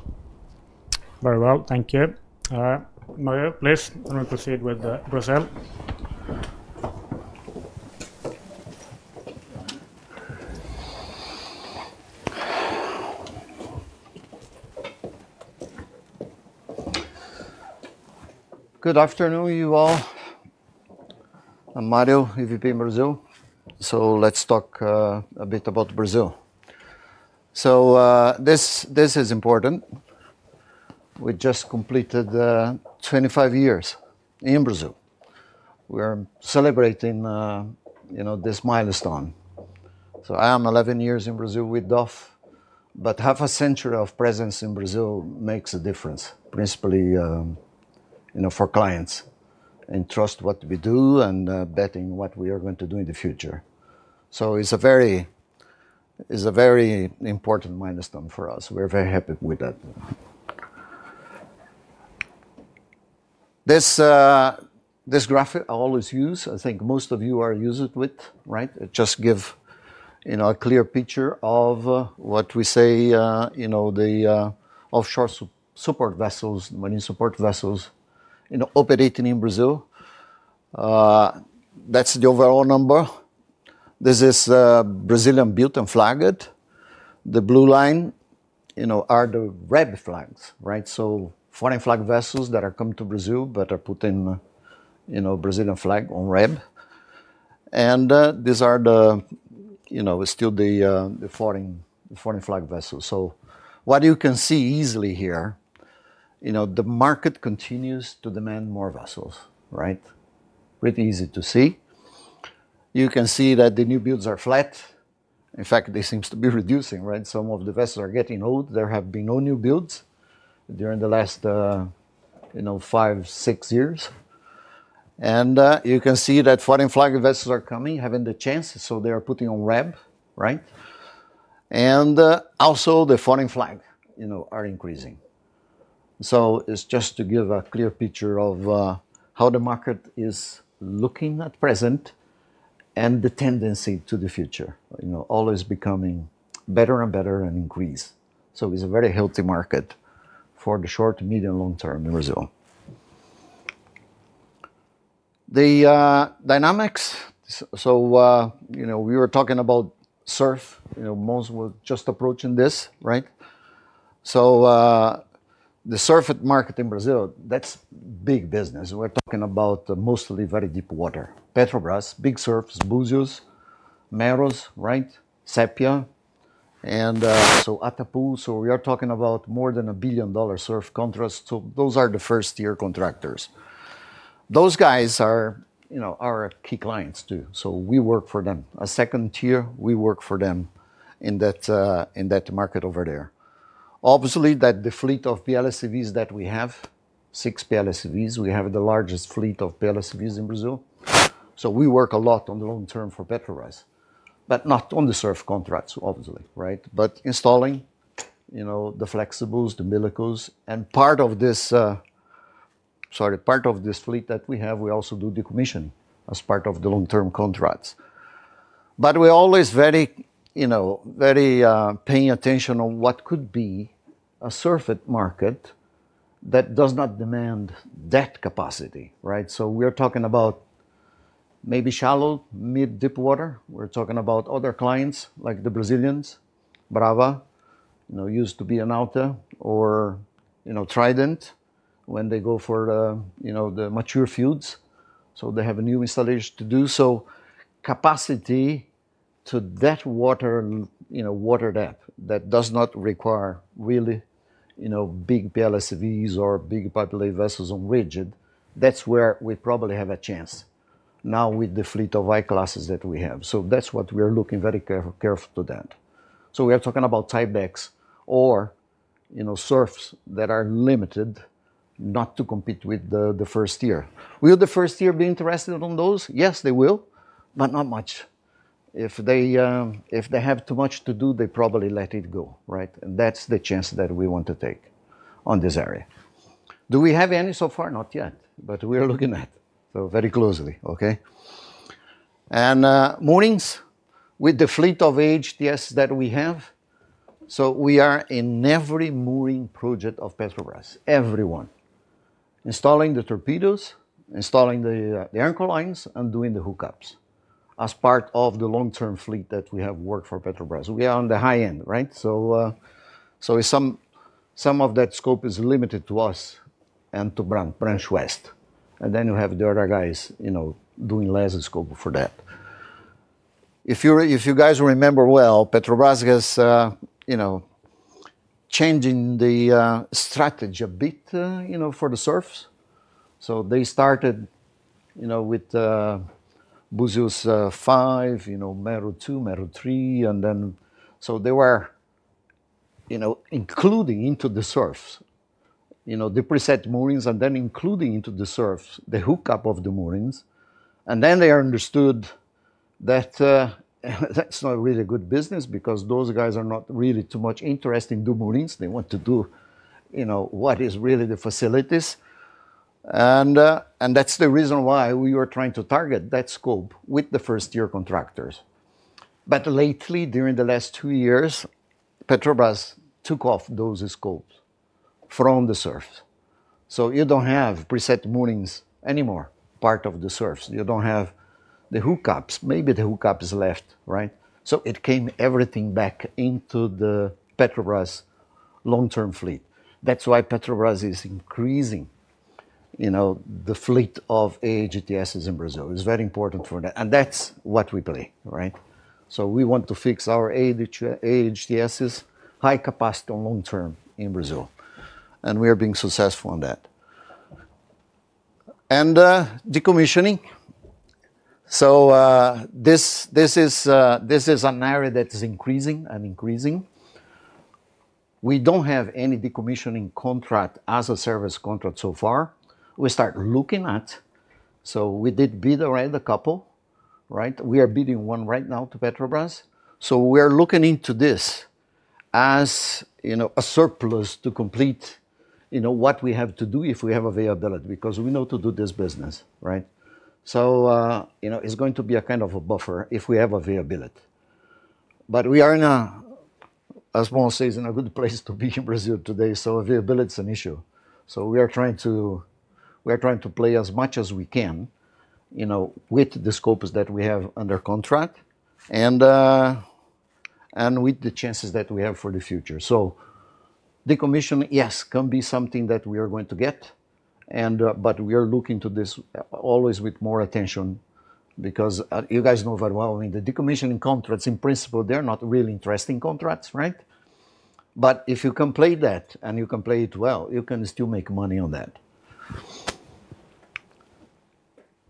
Very well, thank you. Mario, please, can we proceed with Brazil? Good afternoon, you all. I'm Mario, EVP Brazil. Let's talk a bit about Brazil. This is important. We just completed 25 years in Brazil. We are celebrating this milestone. I am 11 years in Brazil with DOF, but half a century of presence in Brazil makes a difference, principally for clients and trust in what we do and betting on what we are going to do in the future. It's a very important milestone for us. We're very happy with that. This graphic I always use, I think most of you are used to it, right? It just gives a clear picture of what we say, the offshore support vessels, the mini support vessels, operating in Brazil. That's the overall number. This is Brazilian built and flagged. The blue line are the REB flags, right? Foreign flag vessels that have come to Brazil but are putting Brazilian flag on REB. These are still the foreign flag vessels. What you can see easily here, the market continues to demand more vessels, right? Pretty easy to see. You can see that the new builds are flat. In fact, this seems to be reducing. Some of the vessels are getting old. There have been no new builds during the last five, six years. You can see that foreign flag vessels are coming, having the chance. They are putting on red, right? Also, the foreign flag are increasing. It's just to give a clear picture of how the market is looking at present and the tendency to the future, always becoming better and better and increase. It's a very healthy market for the short, medium, and long term in Brazil. The dynamics, we were talking about SURF, Mons was just approaching this, right? The SURF market in Brazil, that's big business. We're talking about mostly very deep water. Petrobras, big SURFs, Búzios, Mero, Sépia, and Atapu. We are talking about more than $1 billion SURF contracts. Those are the first-tier contractors. Those guys are our key clients too. We work for them. A second tier, we work for them in that market over there. Obviously, the fleet of PLSCVs that we have, six PLSCVs, we have the largest fleet of PLSCVs in Brazil. We work a lot on the long term for Petrobras, but not on the SURF contracts, obviously, right? Installing the flexibles, the umbilicals, and part of this fleet that we have, we also do decommission as part of the long-term contracts. We're always very, you know, very paying attention on what could be a SURF market that does not demand that capacity, right? We're talking about maybe shallow, mid-depth water. We're talking about other clients like the Brazilians, Brava, used to be Enauta, or Trident when they go for the mature fields. They have a new installation to do, so capacity to that water depth that does not require really big PLSCVs or big pipelay vessels on rigid. That's where we probably have a chance now with the fleet of I-classes that we have. That's what we are looking very carefully to. We are talking about small-type BECs or SURFs that are limited not to compete with the first tier. Will the first tier be interested in those? Yes, they will, but not much. If they have too much to do, they probably let it go, right? That's the chance that we want to take on this area. Do we have any so far? Not yet, but we are looking at it very closely, okay? Moorings with the fleet of AHTS that we have, we are in every mooring project of Petrobras, everyone, installing the torpedoes, installing the anchor lines, and doing the hookups as part of the long-term fleet that we have worked for Petrobras. We are on the high end, right? Some of that scope is limited to us and to Bram. Then you have the other guys doing lesser scope for that. If you guys remember well, Petrobras is changing the strategy a bit for the SURFs. They started with Búzios 5, Mero 2, Mero 3, and they were including into the SURFs the preset moorings and then including into the SURFs the hookup of the moorings. They understood that that's not really a good business because those guys are not really too much interested in the moorings. They want to do what is really the facilities. That's the reason why we were trying to target that scope with the first-tier contractors. Lately, during the last two years, Petrobras took off those scopes from the SURFs. You don't have preset moorings anymore, part of the SURFs. You don't have the hookups. Maybe the hookup is left, right? It came everything back into the Petrobras long-term fleet. That's why Petrobras is increasing, you know, the fleet of AHTSs in Brazil. It's very important for that. That's what we play, right? We want to fix our AHTSs, high capacity on long term in Brazil. We are being successful on that. Decommissioning is an area that is increasing and increasing. We don't have any decommissioning contract as a service contract so far. We start looking at it. We did bid already a couple, right? We are bidding one right now to Petrobras. We are looking into this as, you know, a surplus to complete, you know, what we have to do if we have availability because we know to do this business, right? It's going to be a kind of a buffer if we have availability. We are in a, as Mons says, in a good place to be in Brazil today. Availability is an issue. We are trying to play as much as we can, you know, with the scopes that we have under contract and with the chances that we have for the future. Decommission, yes, can be something that we are going to get. We are looking to this always with more attention because you guys know very well, I mean, the decommissioning contracts, in principle, they're not really interesting contracts, right? If you can play that and you can play it well, you can still make money on that.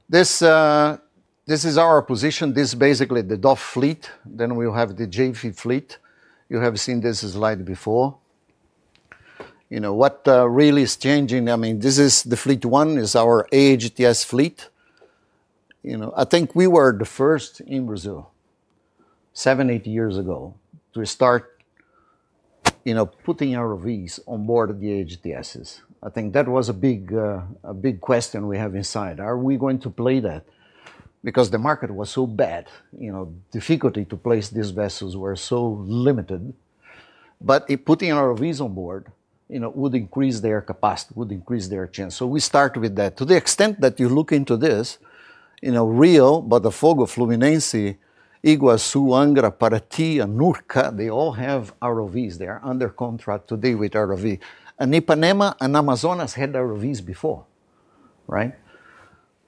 This is our position. This is basically the DOF fleet. Then we'll have the JV fleet. You have seen this slide before. You know, what really is changing, I mean, this is the fleet one, is our AHTS fleet. I think we were the first in Brazil seven, eight years ago to start, you know, putting ROVs on board the AHTSs. I think that was a big, a big question we have inside. Are we going to play that? The market was so bad, you know, difficulty to place these vessels was so limited. Putting ROVs on board, you know, would increase their capacity, would increase their chance. We start with that. To the extent that you look into this, you know, Rio, Botafogo, Fluminense, Iguaçu, Angra, Paraty, and Urca, they all have ROVs. They are under contract today with ROV. Ipanema and Amazonas had ROVs before, right?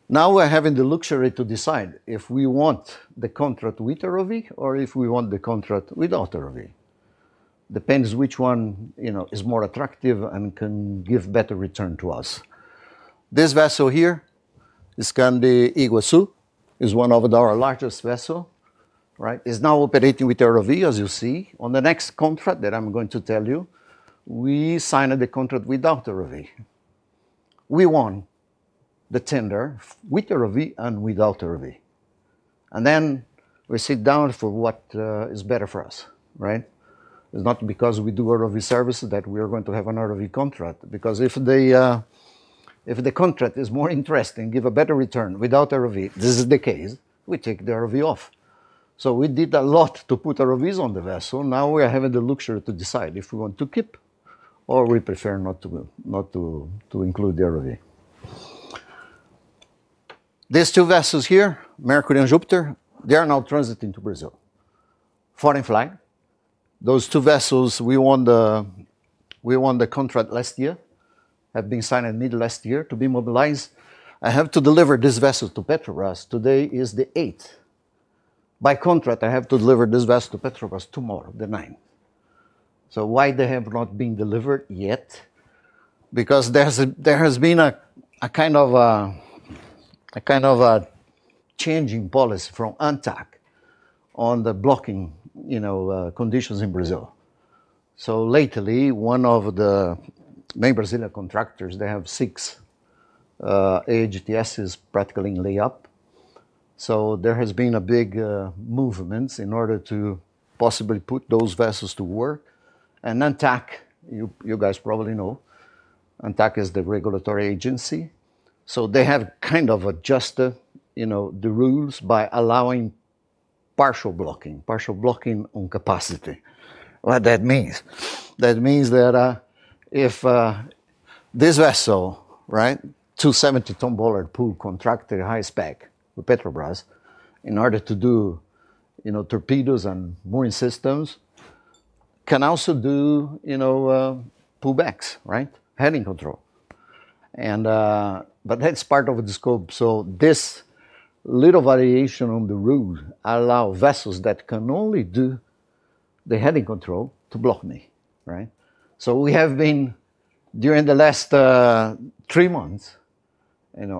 Now we're having the luxury to decide if we want the contract with ROV or if we want the contract without ROV. Depends which one, you know, is more attractive and can give better return to us. This vessel here, this Skandi Iguaçu, is one of our largest vessels, right? It's now operating with ROV, as you see. On the next contract that I'm going to tell you, we signed the contract without ROV. We won the tender with ROV and without ROV. Then we sit down for what is better for us, right? It's not because we do ROV services that we are going to have an ROV contract because if the contract is more interesting, gives a better return without ROV, this is the case, we take the ROV off. We did a lot to put ROVs on the vessel. Now we are having the luxury to decide if we want to keep or we prefer not to include the ROV. These two vessels here, Mercury and Jupiter, they are now transiting to Brazil. Foreign flag. Those two vessels, we won the contract last year, have been signed in the middle of last year to be mobilized. I have to deliver this vessel to Petrobras. Today is the 8th. By contract, I have to deliver this vessel to Petrobras tomorrow, the 9th. Why have they not been delivered yet? There has been a kind of a changing policy from ANTAQ on the blocking, you know, conditions in Brazil. Lately, one of the main Brazilian contractors, they have six AHTSs practically in layup. There has been a big movement in order to possibly put those vessels to work. ANTAQ, you guys probably know, ANTAQ is the regulatory agency. They have kind of adjusted, you know, the rules by allowing partial blocking, partial blocking on capacity. What that means? That means that if this vessel, right, 270-ton bollard pull contractor, high spec with Petrobras, in order to do, you know, torpedoes and mooring systems, can also do, you know, pullbacks, right? Heading control. That's part of the scope. So this little variation. The rules allow vessels that can only do they had in control to block me, right? We have been, during the last three months,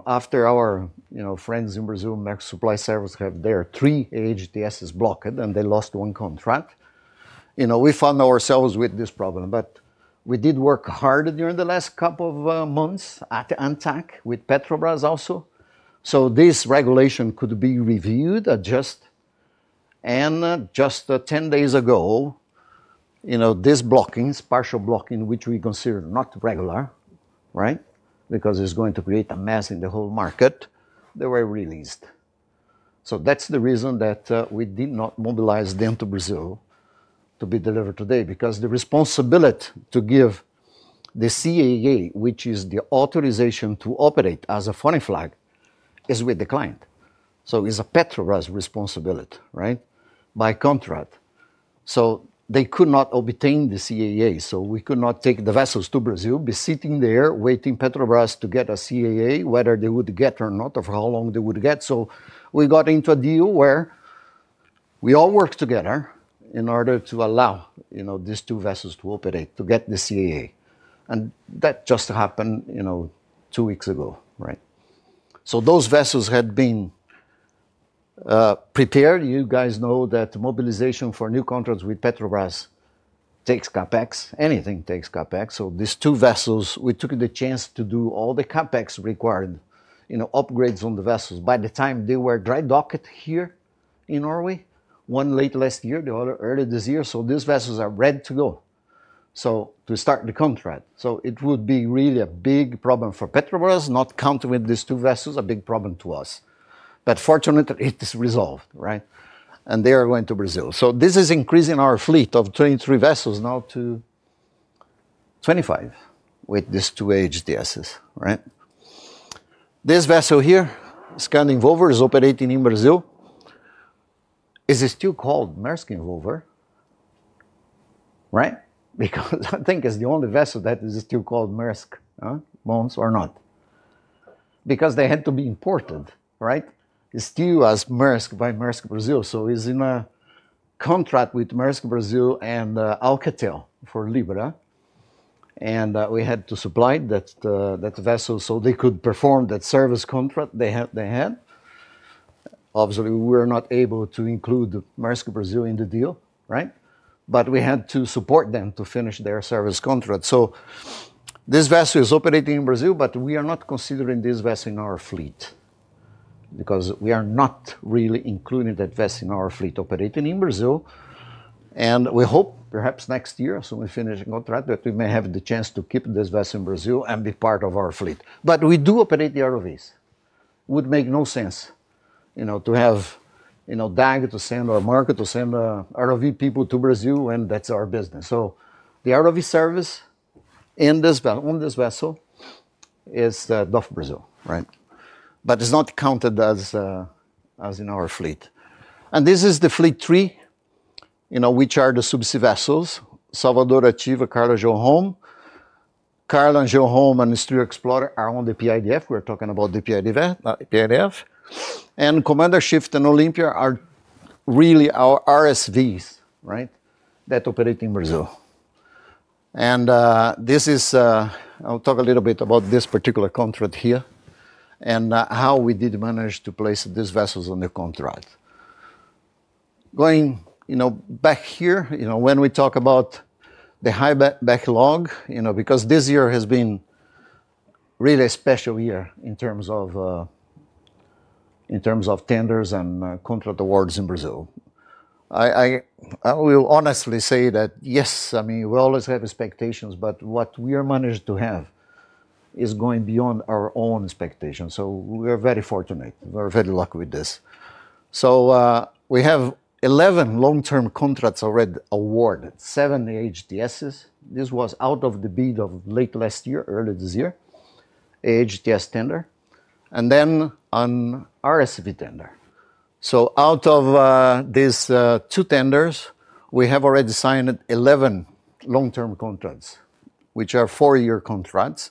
after our friends in Brazil, Maersk Supply Service, had their three AHTSs blocked and they lost one contract, we found ourselves with this problem. We did work hard during the last couple of months at the ANTAQ with Petrobras also, so this regulation could be reviewed, adjusted. Just 10 days ago, these blockings, partial blocking, which we consider not regular, because it's going to create a mess in the whole market, they were released. That's the reason that we did not mobilize them to Brazil to be delivered today. The responsibility to give the CAA, which is the authorization to operate as a foreign flag, is with the client. It's a Petrobras responsibility, by contract. They could not obtain the CAA, so we could not take the vessels to Brazil, be sitting there waiting for Petrobras to get a CAA, whether they would get or not, or how long they would get. We got into a deal where we all worked together in order to allow these two vessels to operate, to get the CAA. That just happened two weeks ago, right? Those vessels had been prepared. You guys know that mobilization for new contracts with Petrobras takes CapEx. Anything takes CapEx. These two vessels, we took the chance to do all the CapEx required, upgrades on the vessels. By the time they were dry docked here in Norway, one late last year, the other early this year. These vessels are ready to go to start the contract. It would be really a big problem for Petrobras not counting with these two vessels, a big problem to us. Fortunately, it is resolved, right? They are going to Brazil. This is increasing our fleet of 23 vessels now to 25 with these two AHTSs, right? This vessel here, Skandi Involver, is operating in Brazil. It is still called Maersk Involver, right? I think it's the only vessel that is still called Maersk, Mons or not. They had to be imported, right? It's still as Maersk by Maersk Brazil. It's in a contract with Maersk Brazil and Alcatel for Libra. We had to supply that vessel so they could perform that service contract they had. Obviously, we were not able to include Maersk Brazil in the deal, right? We had to support them to finish their service contract. This vessel is operating in Brazil, but we are not considering this vessel in our fleet because we are not really including that vessel in our fleet operating in Brazil. We hope perhaps next year, when we finish the contract, that we may have the chance to keep this vessel in Brazil and be part of our fleet. We do operate the ROVs. It would make no sense, you know, to have Dag to send or Marco to send ROV people to Brazil, and that's our business. The ROV service on this vessel is DOF Brazil, right? It's not counted as in our fleet. This is the fleet tree, which are the subsea vessels: Salvador, AChiever, Carla, and Geoholm. Carla, Geoholm, and the Stril Explorer are on the PIDF. We're talking about the PIDF. Commander, Chieftain and Olympia are really our RSVs that operate in Brazil. I'll talk a little bit about this particular contract here and how we did manage to place these vessels on the contract. Going back here, when we talk about the high backlog, this year has been really a special year in terms of tenders and contract awards in Brazil. I will honestly say that, yes, I mean, we always have expectations, but what we are managing to have is going beyond our own expectations. We are very fortunate. We're very lucky with this. We have 11 long-term contracts already awarded, seven AHTSs. This was out of the bid of late last year, early this year, AHTS tender, and then an RSV tender. Out of these two tenders, we have already signed 11 long-term contracts, which are four-year contracts,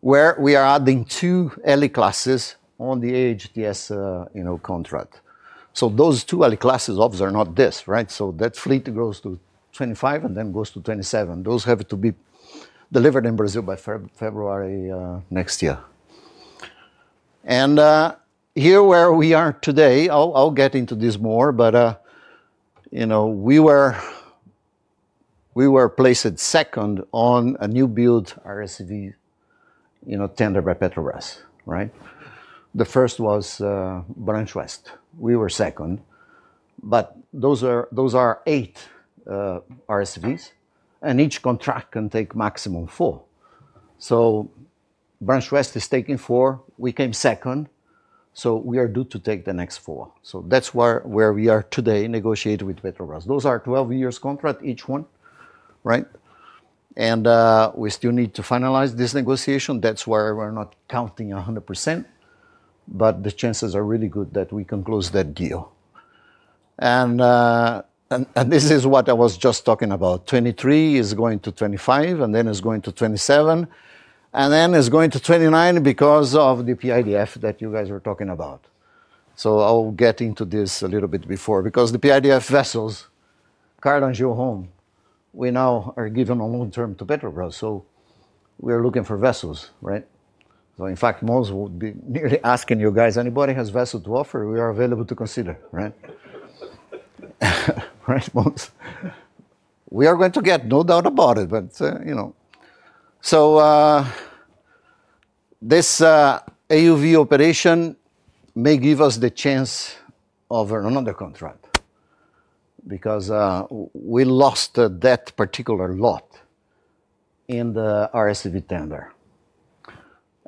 where we are adding two LE-classes on the AHTS contract. Those two LE-classes obviously are not this, right? That fleet goes to 25 and then goes to 27. Those have to be delivered in Brazil by February next year. Here where we are today, I'll get into this more, but we were placed second on a new build RSV tender by Petrobras, right? The first was Bram. We were second. Those are eight RSVs, and each contract can take maximum four. Bram is taking four. We came second. We are due to take the next four. That's where we are today negotiating with Petrobras. Those are 12-year contracts, each one, right? We still need to finalize this negotiation. That's why we're not counting 100%. The chances are really good that we can close that deal. This is what I was just talking about. 23 is going to 25, and then it's going to 27, and then it's going to 29 because of the PIDF that you guys were talking about. I'll get into this a little bit before because the PIDF vessels, Carla and Geoholm, we now are giving a long term to Petrobras. We are looking for vessels, right? In fact, Mons would be nearly asking you guys, anybody who has vessels to offer, we are available to consider, right? We are going to get, no doubt about it, but you know. This AUV operation may give us the chance of another contract because we lost that particular lot in the RSV tender.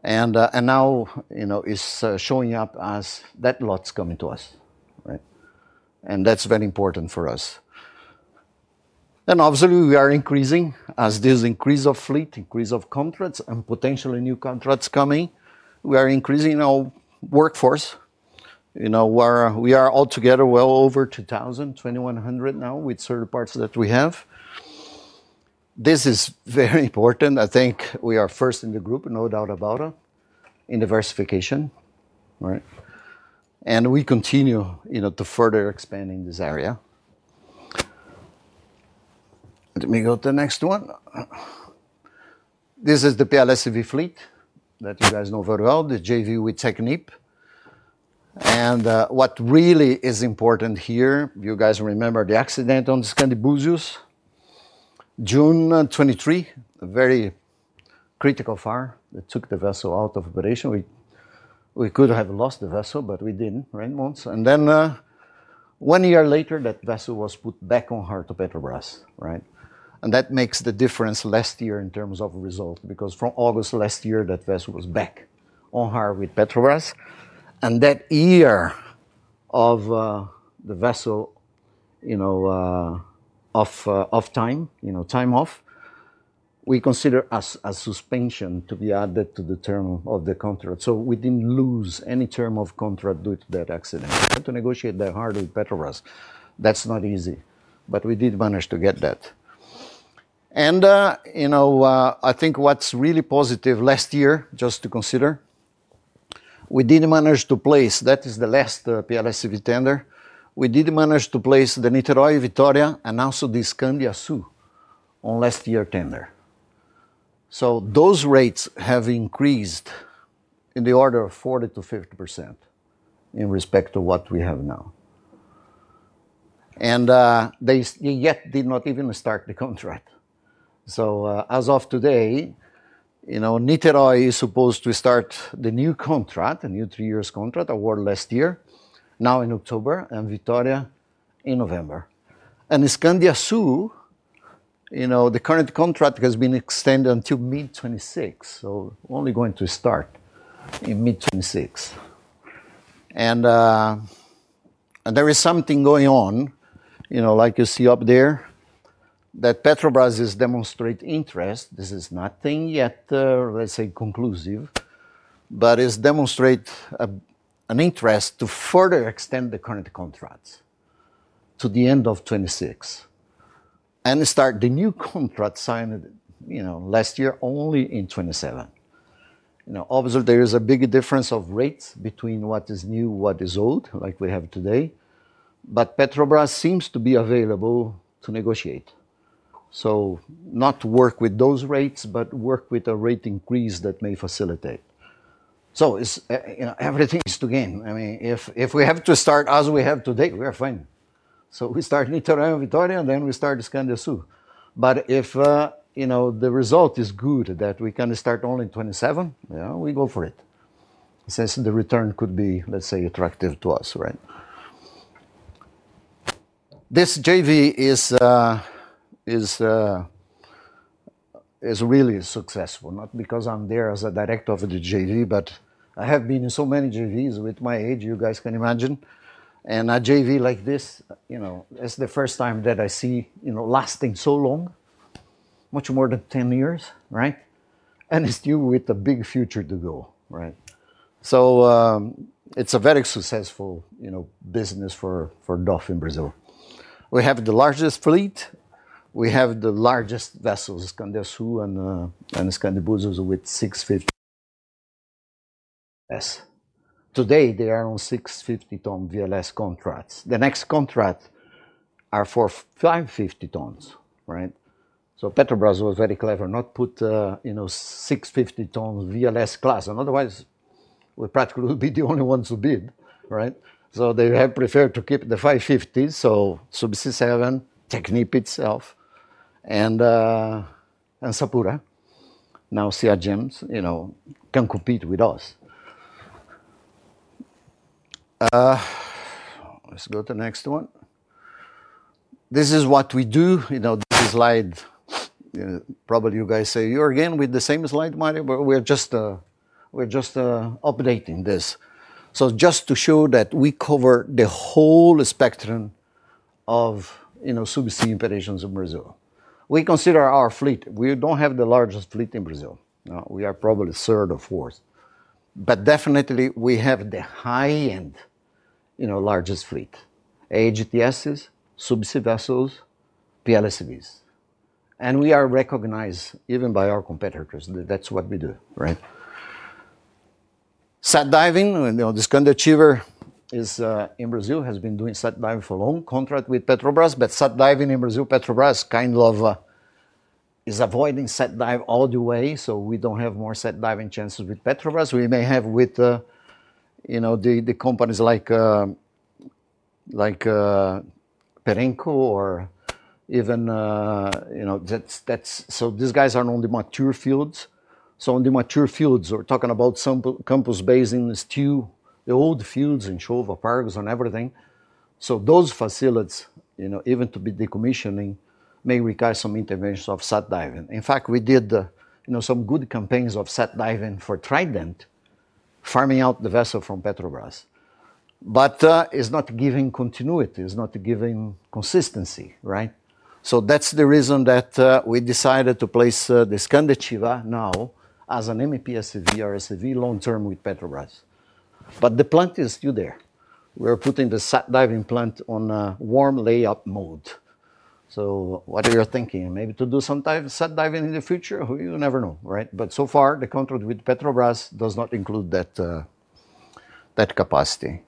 Now, it's showing up as that lot's coming to us, right? That's very important for us. Obviously, we are increasing as there's increase of fleet, increase of contracts, and potentially new contracts coming. We are increasing our workforce. We are altogether well over 2,000, 2,100 now with certain parts that we have. This is very important. I think we are first in the group, no doubt about it, in diversification, right? We continue to further expand in this area. Let me go to the next one. This is the PLSV fleet that you guys know very well, the JV with Technip. What really is important here, you guys remember the accident on the Skandi Buzios, June 2023, a very critical fire that took the vessel out of operation. We could have lost the vessel, but we didn't, right, Mons? One year later, that vessel was put back on hard to Petrobras, right? That makes the difference last year in terms of results because from August last year, that vessel was back on hard with Petrobras. That year of the vessel, off time, time off, we consider as a suspension to be added to the term of the contract. We didn't lose any term of contract due to that accident. To negotiate that hard with Petrobras, that's not easy. We did manage to get that. I think what's really positive last year, just to consider, we did manage to place, that is the last PLSV tender, we did manage to place the Niteroi, Vitória, and also the Skandi Açu on last year's tender. Those rates have increased in the order of 40%-50% in respect to what we have now. They yet did not even start the contract. As of today, Niteroi is supposed to start the new contract, a new three-year contract awarded last year, now in October, and Vitória in November. The Skandi Açu, you know, the current contract has been extended until mid-2026. Only going to start in mid-2026. There is something going on, you know, like you see up there, that Petrobras is demonstrating interest. This is nothing yet, let's say, conclusive, but it demonstrates an interest to further extend the current contracts to the end of 2026 and start the new contract signed, you know, last year only in 2027. Obviously, there is a big difference of rates between what is new, what is old, like we have today. Petrobras seems to be available to negotiate, not to work with those rates, but work with a rate increase that may facilitate. It's, you know, everything is to gain. I mean, if we have to start as we have today, we are fine. We start Niteroi, Vitória and then we start the Skandi Açu. If, you know, the result is good that we can start only in 2027, you know, we go for it. It says the return could be, let's say, attractive to us, right? This JV is really successful, not because I'm there as a Director of the JV, but I have been in so many JVs with my age, you guys can imagine. A JV like this, you know, it's the first time that I see, you know, lasting so long, much more than 10 years, right? It's still with a big future to go, right? It's a very successful, you know, business for DOF in Brazil. We have the largest fleet. We have the largest vessels, Skandi Açu and Skandi Buzios, with 650 tons. Today, they are on 650-ton VLS contracts. The next contract is for 550 tons, right? Petrobras was very clever, not put, you know, 650-ton VLS class. Otherwise, we practically would be the only ones who bid, right? They have preferred to keep the 550 tons, so Subsea7, Technip itself, and Sapura, now Seagems, you know, can compete with us. Let's go to the next one. This is what we do. This slide, you know, probably you guys say, "You're again with the same slide, Mario," but we're just updating this. Just to show that we cover the whole spectrum of, you know, subsea operations in Brazil. We consider our fleet. We don't have the largest fleet in Brazil. We are probably third or fourth. But definitely, we have the high-end, you know, largest fleet, AHTSs, subsea vessels, PLSVs. We are recognized even by our competitors. That's what we do, right? SAT diving, you know, the Skandi Achiver in Brazil has been doing SAT diving for a long contract with Petrobras, but SAT diving in Brazil, Petrobras kind of is avoiding SAT dive all the way. We don't have more SAT diving chances with Petrobras. We may have with, you know, companies like Perenco or even, you know, that's, that's, so these guys are on the mature fields. On the mature fields, we're talking about some Campos basins, still, the old fields in Chova, Pargos, and everything. Those facilities, you know, even to be decommissioning, may require some interventions of SAT diving. In fact, we did, you know, some good campaigns of SAT diving for Trident, farming out the vessel from Petrobras. It's not giving continuity. It's not giving consistency, right? That's the reason that we decided to place the Skandi Achiever now as an MEPSV/RSV long-term with Petrobras. The plant is still there. We're putting the SAT diving plant on a warm lay-up mode. What are you thinking? Maybe to do some type of SAT diving in the future? You never know, right? So far, the contract with Petrobras does not include that capacity.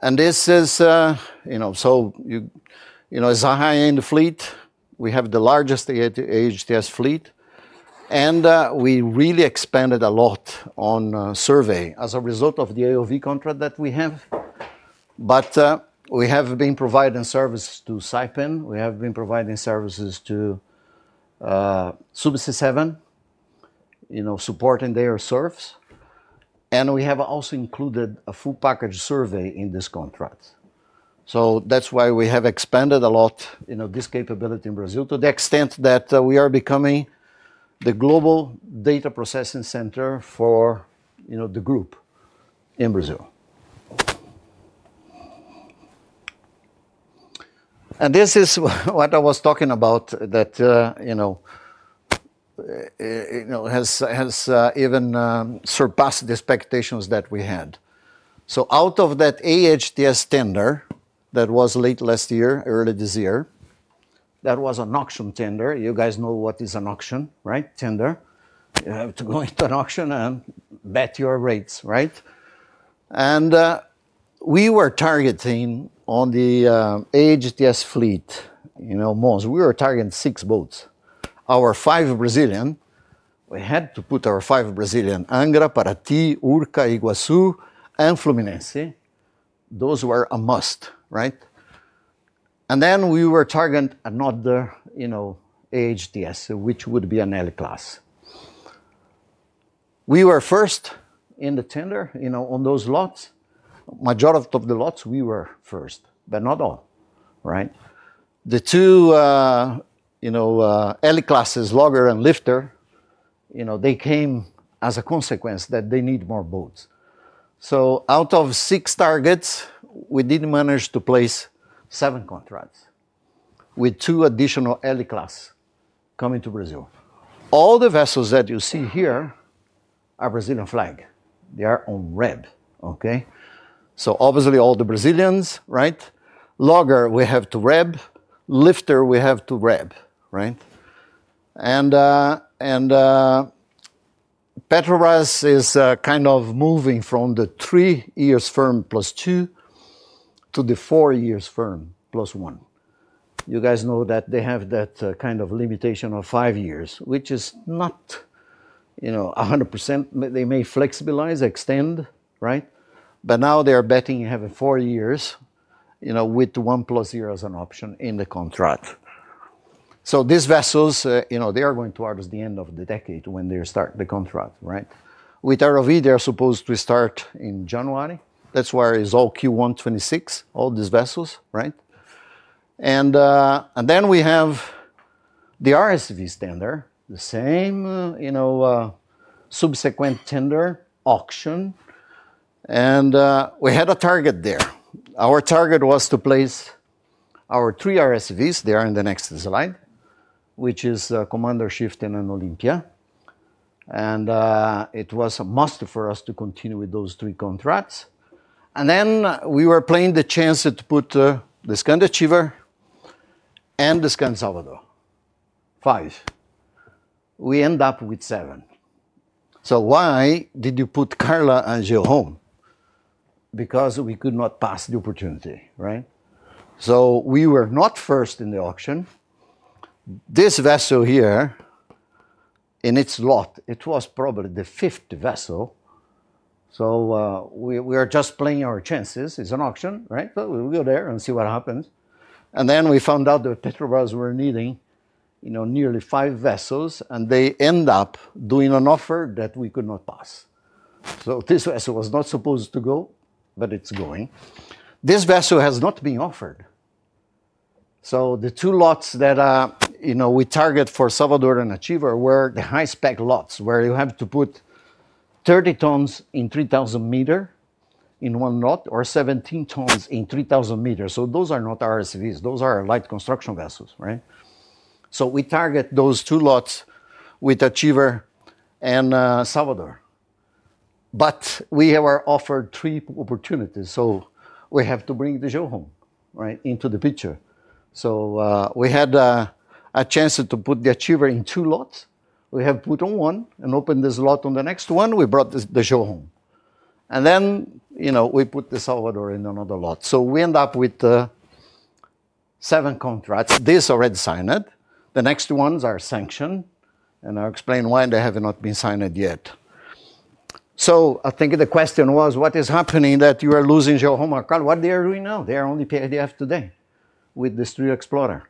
This is, you know, so you, you know, it's a high-end fleet. We have the largest AHTS fleet. We really expanded a lot on survey as a result of the AUV contract that we have. We have been providing services to Saipem. We have been providing services to Subsea7, you know, supporting their service. We have also included a full package survey in this contract. That's why we have expanded a lot, you know, this capability in Brazil to the extent that we are becoming the global data processing center for, you know, the group in Brazil. This is what I was talking about that, you know, has even surpassed the expectations that we had. Out of that AHTS tender that was late last year, early this year, that was an auction tender. You guys know what is an auction, right? Tender. You have to go into an auction and bet your rates, right? We were targeting on the AHTS fleet, you know, most. We were targeting six boats. Our five Brazilian. We had to put our five Brazilian: Angra, Paraty, Urca, Iguaçu, and Fluminense. Those were a must, right? We were targeting another, you know, AHTS, which would be an L class. We were first in the tender, you know, on those lots. The majority of the lots, we were first, but not all, right? The two, you know, L classes, Logger and Lifter, you know, they came as a consequence that they need more boats. Out of six targets, we didn't manage to place seven contracts with two additional L class coming to Brazil. All the vessels that you see here are Brazilian flag. They are on REB, okay? Obviously, all the Brazilians, right? Logger, we have to REB. Lifter, we have to REB, right? Petrobras is kind of moving from the three years firm plus two to the four years firm plus one. You guys know that they have that kind of limitation of five years, which is not, you know, 100%. They may flexibilize, extend, right? Now they are betting having four years, you know, with one plus zero as an option in the contract. These vessels, you know, they are going towards the end of the decade when they start the contract, right? With ROV, they are supposed to start in January. That's why it's all Q1 2026, all these vessels, right? We have the RSV tender, the same, you know, subsequent tender, auction. We had a target there. Our target was to place our three RSVs there in the next slide, which is Commander, Chieftain, and Olympia. It was a must for us to continue with those three contracts. We were playing the chance to put the Skandi Achiever and the Skandi Salvador, five. We end up with seven. Why did you put Carla and Geoholm? Because we could not pass the opportunity, right? We were not first in the auction. This vessel here, in its lot, it was probably the fifth vessel. We are just playing our chances. It's an auction, right? We go there and see what happens. We found out that Petrobras were needing, you know, nearly five vessels, and they end up doing an offer that we could not pass. This vessel was not supposed to go, but it's going. This vessel has not been offered. The two lots that, you know, we target for Salvador and Achiever were the high-spec lots where you have to put 30 tons in 3,000 m in one lot or 17 tons in 3,000 m. Those are not RSVs. Those are light construction vessels, right? We target those two lots with Achiever and Salvador. We were offered three opportunities. We have to bring the Geoholm, right, into the picture. We had a chance to put the Achiever in two lots. We have put on one and opened this lot on the next one. We brought the Geoholm. You know, we put the Salvador in another lot. We end up with seven contracts. This is already signed. The next ones are sanctioned and I'll explain why they have not been signed yet. I think the question was, what is happening that you are losing Geoholm and Carla? What they are doing now? They are only PIDF today with the Stril Explorer.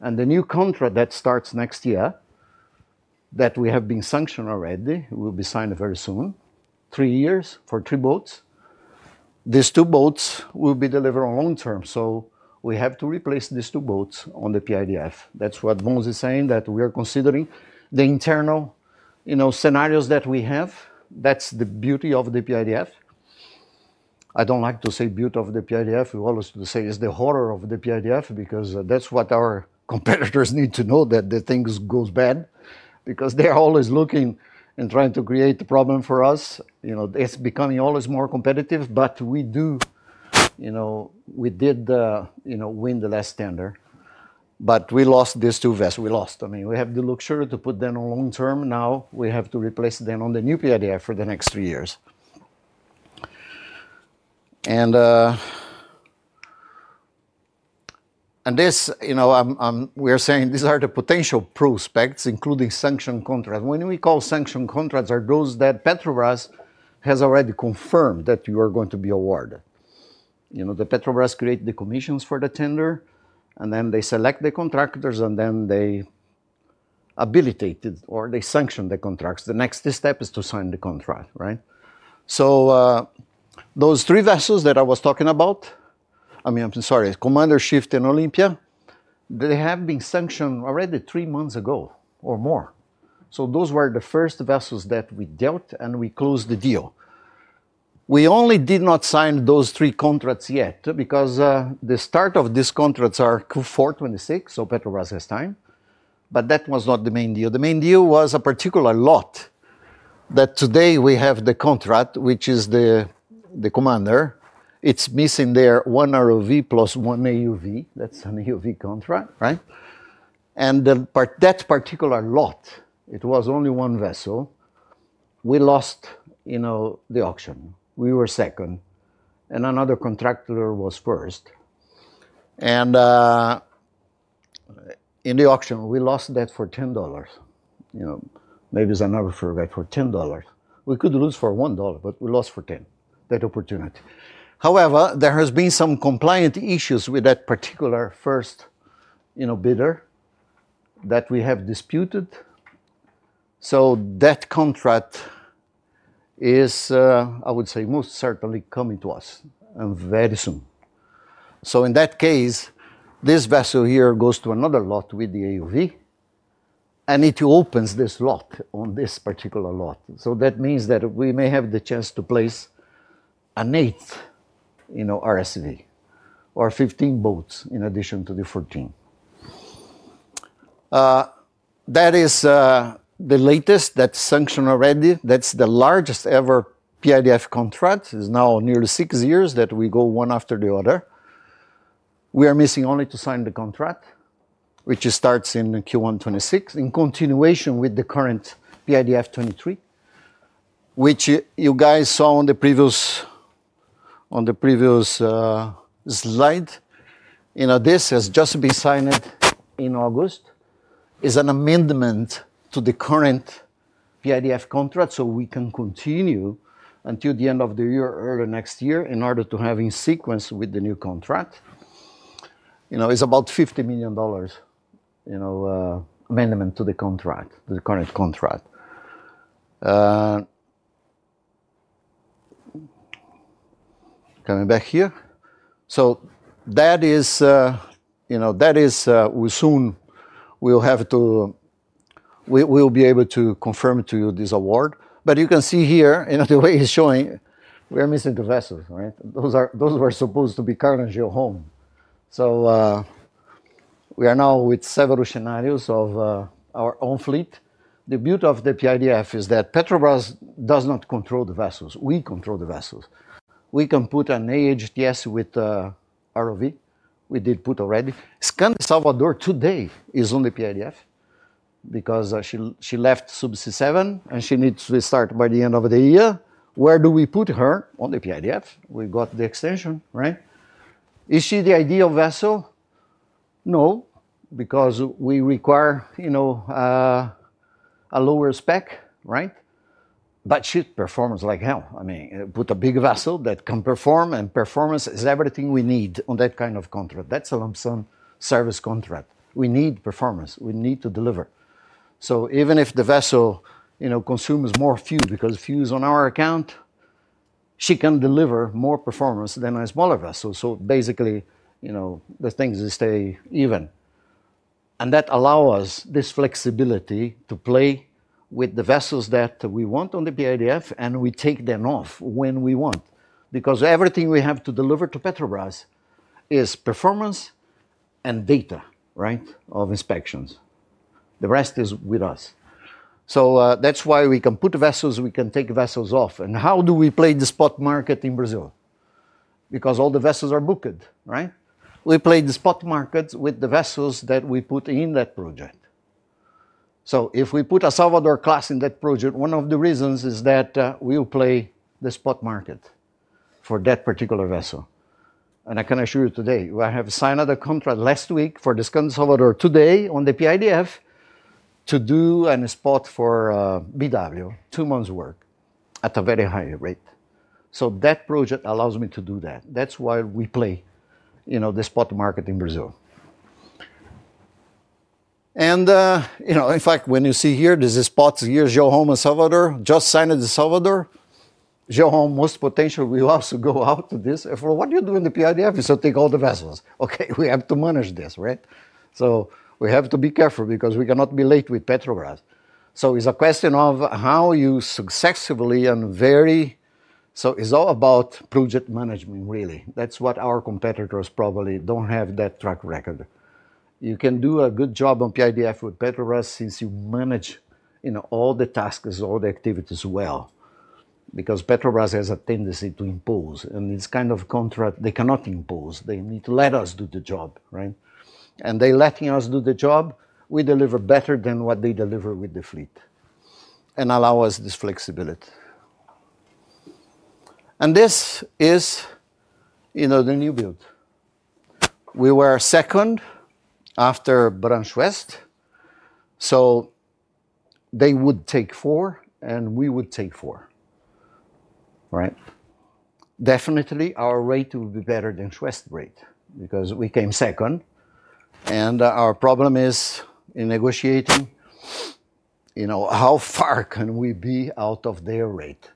The new contract that starts next year that we have been sanctioned already will be signed very soon. Three years for three boats. These two boats will be delivered on long term. We have to replace these two boats on the PIDF. That's what Mons is saying that we are considering the internal, you know, scenarios that we have. That's the beauty of the PIDF. I don't like to say beauty of the PIDF. We always say it's the horror of the PIDF because that's what our competitors need to know that the things go bad because they're always looking and trying to create a problem for us. It's becoming always more competitive, but we do, you know, we did, you know, win the last tender, but we lost these two vessels. We lost. I mean, we have the luxury to put them on long term. Now we have to replace them on the new PIDF for the next three years. This, you know, we're saying these are the potential prospects, including sanctioned contracts. When we call sanctioned contracts, those are that Petrobras has already confirmed that you are going to be awarded. The Petrobras creates the commissions for the tender, and then they select the contractors, and then they abilitate it or they sanction the contracts. The next step is to sign the contract, right? Those three vessels that I was talking about, I mean, I'm sorry, Commander, Chieftain and Olympia, they have been sanctioned already three months ago or more. Those were the first vessels that we dealt and we closed the deal. We only did not sign those three contracts yet because the start of these contracts are Q4 2026, so Petrobras has time. That was not the main deal. The main deal was a particular lot that today we have the contract, which is the commander. It's missing there one ROV plus one AUV. That's an AUV contract, right? That particular lot, it was only one vessel. We lost, you know, the auction. We were second. Another contractor was first. In the auction, we lost that for $10. Maybe it's another for that for $10. We could lose for $1, but we lost for $10, that opportunity. However, there have been some compliance issues with that particular first, you know, bidder that we have disputed. That contract is, I would say, most certainly coming to us very soon. In that case, this vessel here goes to another lot with the AUV. It opens this lot on this particular lot. That means that we may have the chance to place an eighth, you know, RSV or 15 boats in addition to the 14. That is the latest that's sanctioned already. That's the largest ever PIDF contract. It's now nearly six years that we go one after the other. We are missing only to sign the contract, which starts in Q1 2026, in continuation with the current PIDF 23, which you guys saw on the previous slide. This has just been signed in August. It's an amendment to the current PIDF contract so we can continue until the end of the year or next year in order to have in sequence with the new contract. It's about $50 million, you know, amendment to the contract, to the current contract. Coming back here. That is, you know, we soon will have to, we'll be able to confirm to you this award. You can see here, in a way, it's showing we're missing the vessels, right? Those were supposed to be Carla and Geoholm. We are now with several scenarios of our own fleet. The beauty of the PIDF is that Petrobras does not control the vessels. We control the vessels. We can put an AHTS with ROV. We did put already. Skandi Salvador today is on the PIDF because she left Subsea7 and she needs to restart by the end of the year. Where do we put her on the PIDF? We got the extension, right? Is she the ideal vessel? No, because we require, you know, a lower spec, right? She performs like hell. I mean, put a big vessel that can perform and performance is everything we need on that kind of contract. That's a lump sum service contract. We need performance. We need to deliver. Even if the vessel, you know, consumes more fuel because fuel is on our account, she can deliver more performance than a smaller vessel. Basically, you know, the things stay even. That allows us this flexibility to play with the vessels that we want on the PIDF and we take them off when we want. Everything we have to deliver to Petrobras is performance and data, right, of inspections. The rest is with us. That's why we can put vessels, we can take vessels off. How do we play the spot market in Brazil? All the vessels are booked, right? We play the spot market with the vessels that we put in that project. If we put a Salvador class in that project, one of the reasons is that we will play the spot market for that particular vessel. I can assure you today, I have signed a contract last week for the Skandi Salvador today on the PIDF to do a spot for BW, two months' work at a very high rate. That project allows me to do that. That's why we play the spot market in Brazil. In fact, when you see here, this is spots here, Geoholm, Salvador, just signed the Salvador. Geoholm, most potential, we love to go out to this. For what you're doing in the PIDF, you said take all the vessels. We have to manage this, right? We have to be careful because we cannot be late with Petrobras. It's a question of how you successfully and very, so it's all about project management, really. That's what our competitors probably don't have, that track record. You can do a good job on PIDF with Petrobras since you manage all the tasks, all the activities well. Petrobras has a tendency to impose, and this kind of contract, they cannot impose. They need to let us do the job, right? They're letting us do the job. We deliver better than what they deliver with the fleet and allow us this flexibility. This is the new build. We were second after Bravante West. They would take four, and we would take four, right? Definitely, our rate would be better than the West rate because we came second. Our problem is in negotiating how far can we be out of their rate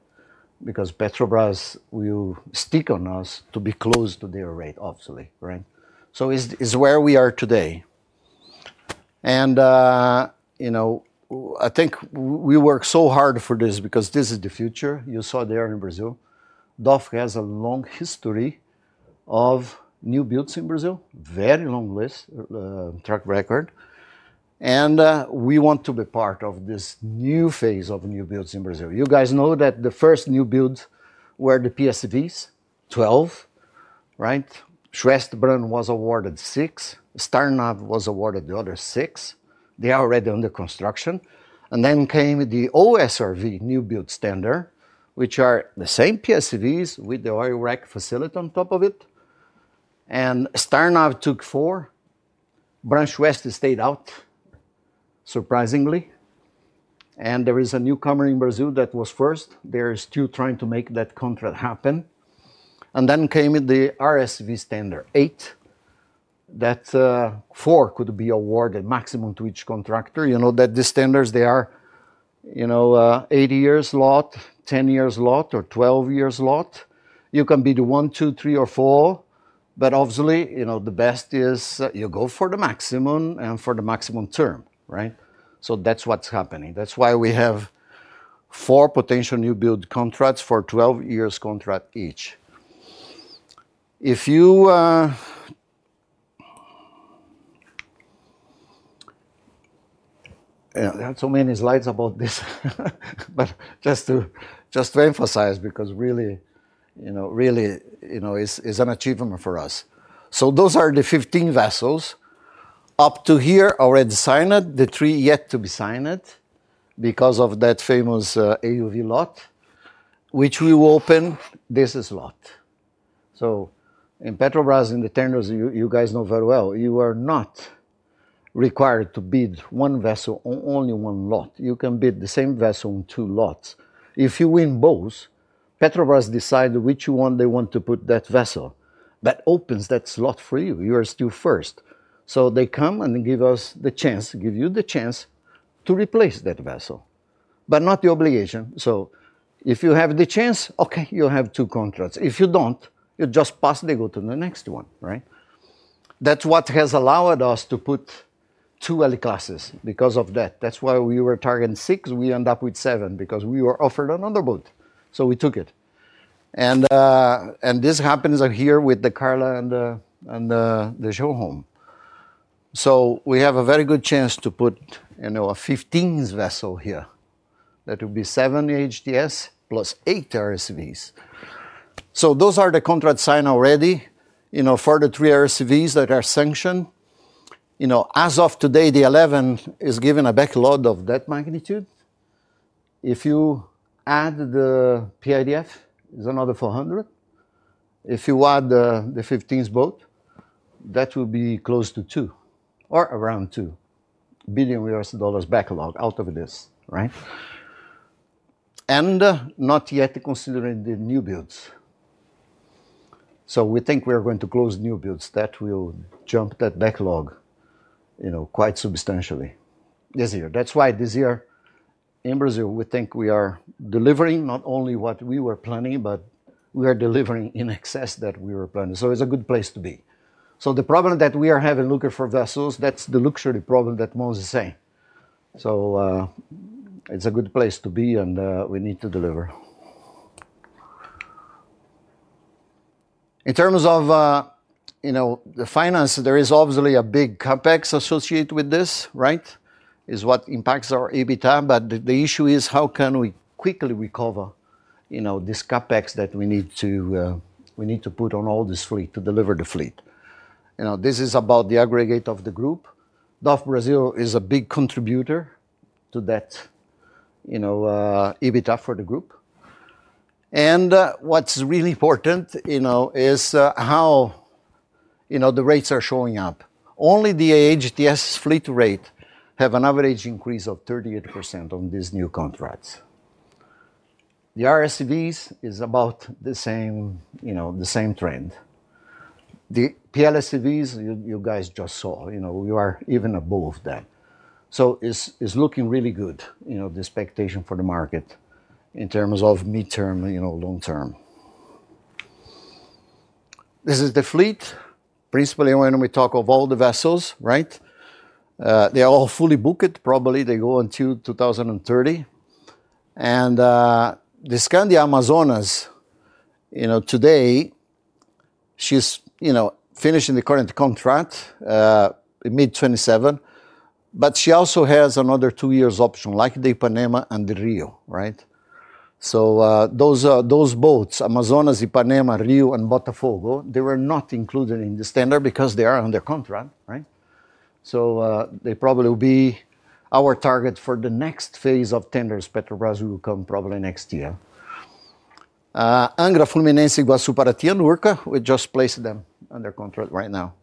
because Petrobras will stick on us to be close to their rate, obviously, right? It's where we are today. I think we work so hard for this because this is the future. You saw there in Brazil, DOF has a long history of new builds in Brazil, very long list track record. We want to be part of this new phase of new builds in Brazil. You guys know that the first new builds were the PSVs, 12, right? Bram was awarded six. Starnav was awarded the other six. They are already under construction. Then came the OSRV new build standard, which are the same PSVs with the oil rack facility on top of it. Starnav took four. Bram stayed out, surprisingly. There is a newcomer in Brazil that was first. They're still trying to make that contract happen. Then came the RSV standard, eight. That four could be awarded maximum to each contractor. You know that the standards, they are, you know, 8 years lot, 10 years lot, or 12 years lot. You can be the one, two, three, or four. Obviously, the best is you go for the maximum and for the maximum term, right? That's what's happening. That's why we have four potential new build contracts for 12 years contract each. I have so many slides about this. Just to emphasize, because really, you know, it's an achievement for us. Those are the 15 vessels. Up to here, already signed. The three yet to be signed because of that famous AUV lot, which we will open this lot. In Petrobras, in the tenders, you guys know very well, you are not required to bid one vessel on only one lot. You can bid the same vessel on two lots. If you win both, Petrobras decides which one they want to put that vessel. That opens that slot for you. You are still first. They come and give us the chance, give you the chance to replace that vessel, but not the obligation. If you have the chance, okay, you have two contracts. If you don't, you just pass, they go to the next one, right? That's what has allowed us to put two LE-classes because of that. That's why we were targeting six. We end up with seven because we were offered another boat. We took it. This happens here with the Carla and the Geoholm. We have a very good chance to put a 15 vessel here. That would be seven AHTS plus eight RSVs. Those are the contracts signed already for the three RSVs that are sanctioned. As of today, the 11 is giving a backlog of that magnitude. If you add the PIDF, it's another $400 million. If you add the 15 boat, that would be close to or around $2 billion backlog out of this, right? Not yet considering the new builds. We think we're going to close new builds that will jump that backlog quite substantially this year. This year in Brazil, we think we are delivering not only what we were planning, but we are delivering in excess that we were planning. It's a good place to be. The problem that we are having looking for vessels, that's the luxury problem that Mons is saying. It's a good place to be, and we need to deliver. In terms of the finance, there is obviously a big CapEx associated with this, right? It's what impacts our EBITDA. The issue is how can we quickly recover, you know, this CapEx that we need to, we need to put on all this fleet to deliver the fleet. This is about the aggregate of the group. DOF Brazil is a big contributor to that, you know, EBITDA for the group. What's really important, you know, is how, you know, the rates are showing up. Only the AHTS fleet rate has an average increase of 38% on these new contracts. The RSVs are about the same, you know, the same trend. The PLSVs, you guys just saw, you know, we are even above that. It's looking really good, you know, the expectation for the market in terms of mid-term, you know, long-term. This is the fleet, principally when we talk of all the vessels, right? They are all fully booked, probably they go until 2030. The Skandi Amazonas, you know, today, she's, you know, finishing the current contract mid-2027. She also has another two years option, like the Ipanema and the Rio, right? Those boats, Amazonas, Ipanema, Rio, and Botafogo, they were not included in the standard because they are under contract, right? They probably will be our target for the next phase of tenders. Petrobras will come probably next year. Angra, Fluminense, Iguaçu, Paraty, and Urca, we just placed them under contract right now.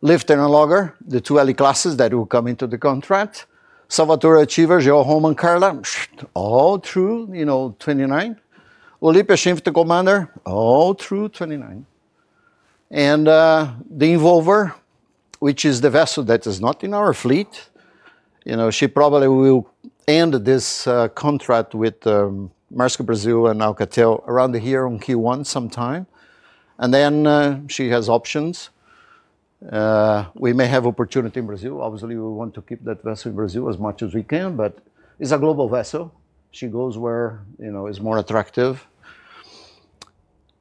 Lifter and Logger, the two LE-classes that will come into the contract. Salvador, Achiever, Geoholm, and Carla, all through, you know, 2029. Olympia, Chieftain, Commander, all through 2029. The Involver, which is the vessel that is not in our fleet, you know, she probably will end this contract with Maersk Brazil and Alcatel around here on Q1 sometime. She has options. We may have opportunity in Brazil. Obviously, we want to keep that vessel in Brazil as much as we can, but it's a global vessel. She goes where, you know, it's more attractive.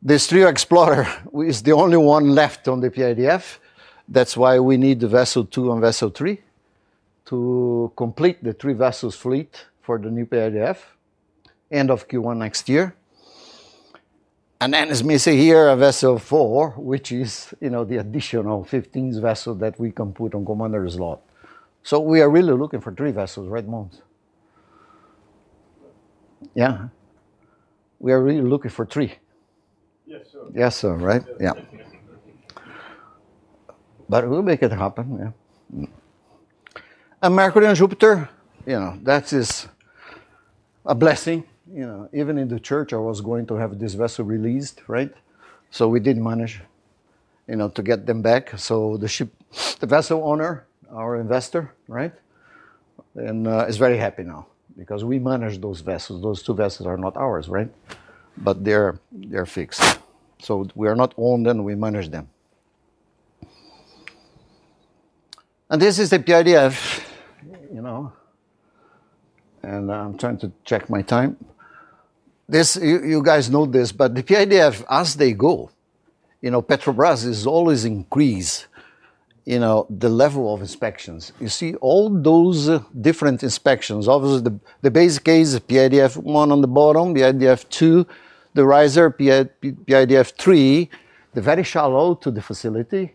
The Stril Explorer is the only one left on the PIDF. That's why we need the vessel two and vessel three to complete the three vessels fleet for the new PIDF end of Q1 next year. It's missing here a vessel four, which is, you know, the additional 15 vessels that we can put on Commander's lot. We are really looking for three vessels, right, Mons? Yeah. We are really looking for three. Yes, sir, right? Yeah. We'll make it happen. Yeah. Mercury and Jupiter, you know, that is a blessing, you know, even in the church I was going to have this vessel released, right? We didn't manage, you know, to get them back. The ship, the vessel owner, our investor, right, is very happy now because we manage those vessels. Those two vessels are not ours, right? They're fixed. We are not owned and we manage them. This is the PIDF, you know, and I'm trying to check my time. You guys know this, but the PIDF, as they go, Petrobras is always increasing the level of inspections. You see all those different inspections. Obviously, the base case, the PIDF one on the bottom, the PIDF two, the riser, PIDF three, the very shallow to the facility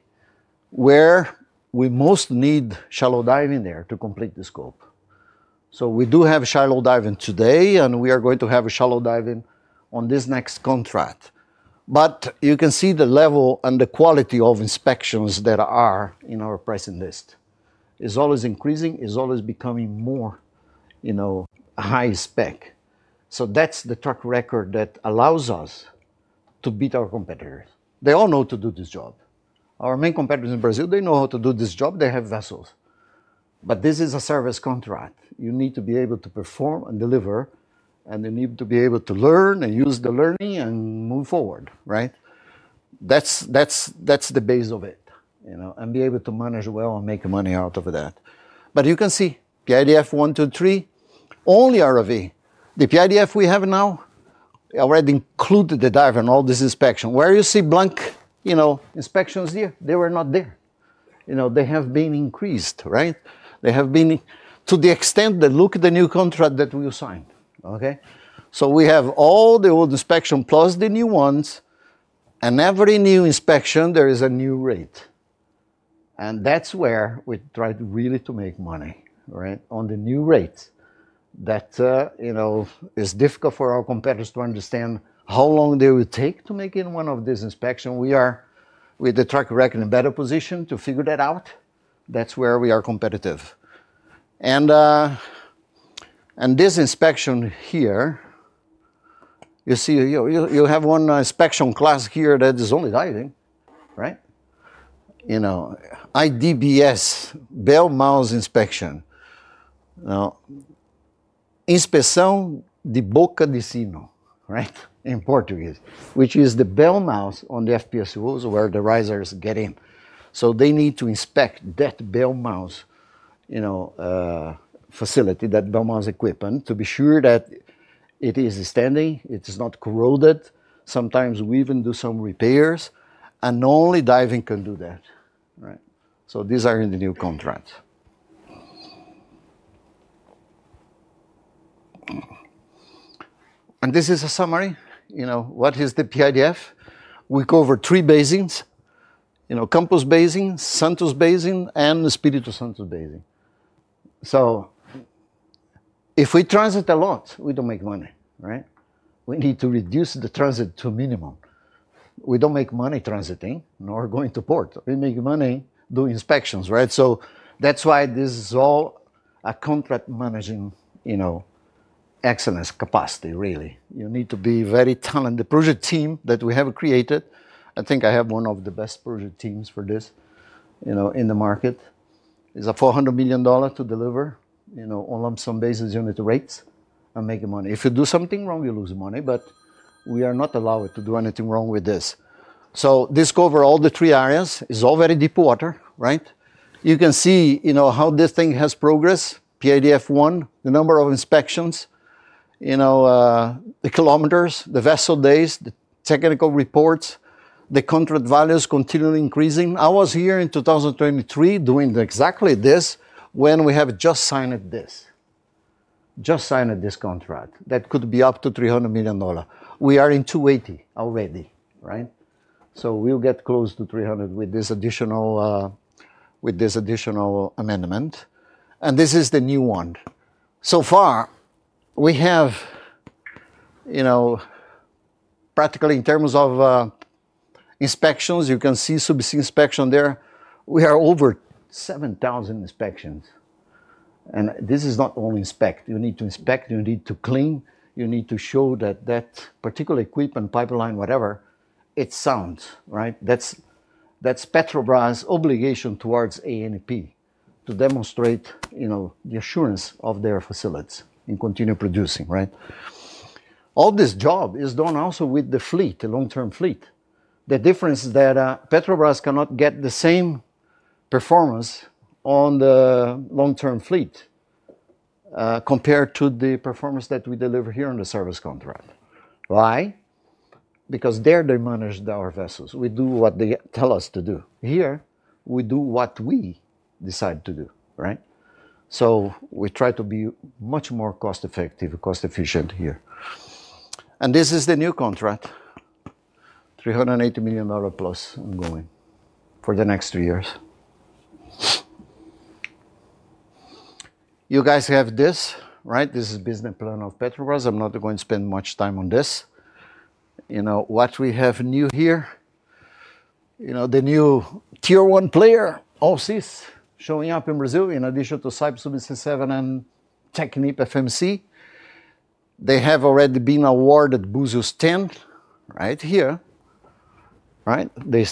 where we most need shallow diving there to complete the scope. We do have shallow diving today, and we are going to have a shallow diving on this next contract. You can see the level and the quality of inspections that are in our pricing list. It's always increasing. It's always becoming more high spec. That's the track record that allows us to beat our competitors. They all know how to do this job. Our main competitors in Brazil, they know how to do this job. They have vessels. This is a service contract. You need to be able to perform and deliver, and you need to be able to learn and use the learning and move forward, right? That's the base of it, you know, and be able to manage well and make money out of that. You can see PIDF one, two, three, only ROV. The PIDF we have now already included the dive and all this inspection. Where you see blank inspections here, they were not there. They have been increased, right? They have been to the extent that look at the new contract that we signed, okay? We have all the old inspection plus the new ones, and every new inspection, there is a new rate. That's where we try to really make money, right, on the new rate that is difficult for our competitors to understand how long they would take to make in one of these inspections. We are, with the track record, in a better position to figure that out. That's where we are competitive. This inspection here, you see, you have one inspection class here that is only diving, right? IDBS, bell mouse inspection. Inspeção de boca de sino, right, in Portuguese, which is the bell mouse on the FPSUs where the risers get in. They need to inspect that bell mouse facility, that bell mouse equipment to be sure that it is standing, it is not corroded. Sometimes we even do some repairs, and only diving can do that, right? These are in the new contracts. This is a summary, you know, what is the PIDF. We cover three basins, you know, Campos Basin, Santos Basin, and the Espírito Santos Basin. If we transit a lot, we don't make money, right? We need to reduce the transit to a minimum. We don't make money transiting, nor going to port. We make money doing inspections, right? That's why this is all a contract managing excellence capacity, really. You need to be very talented. The project team that we have created, I think I have one of the best project teams for this, you know, in the market, is a $400 million to deliver, you know, on lump sum basis unit rates and make money. If you do something wrong, you lose money, but we are not allowed to do anything wrong with this. This covers all the three areas. It's already deep water, right? You can see, you know, how this thing has progressed. PIDF one, the number of inspections, you know, the kilometers, the vessel days, the technical reports, the contract values continue increasing. I was here in 2023 doing exactly this when we have just signed this, just signed this contract that could be up to $300 million. We are in $280 million already, right? We'll get close to $300 million with this additional amendment. This is the new one. So far, we have, you know, practically in terms of inspections, you can see subsea inspection there. We are over 7,000 inspections. This is not only inspect. You need to inspect, you need to clean, you need to show that that particular equipment, pipeline, whatever, it sounds, right? That's Petrobras' obligation towards ANP to demonstrate, you know, the assurance of their facilities and continue producing, right? All this job is done also with the fleet, the long-term fleet. The difference is that Petrobras cannot get the same performance on the long-term fleet compared to the performance that we deliver here on the service contract. Why? Because there, they manage our vessels. We do what they tell us to do. Here, we do what we decide to do, right? We try to be much more cost-effective and cost-efficient here. This is the new contract, $380 million+ ongoing for the next three years. You guys have this, right? This is the business plan of Petrobras. I'm not going to spend much time on this. You know what we have new here? You know the new Tier-1 player, OCs, showing up in Brazil in addition to Subsea7 and TechnipFMC. They have already been awarded Búzios 10, right? Here, right? They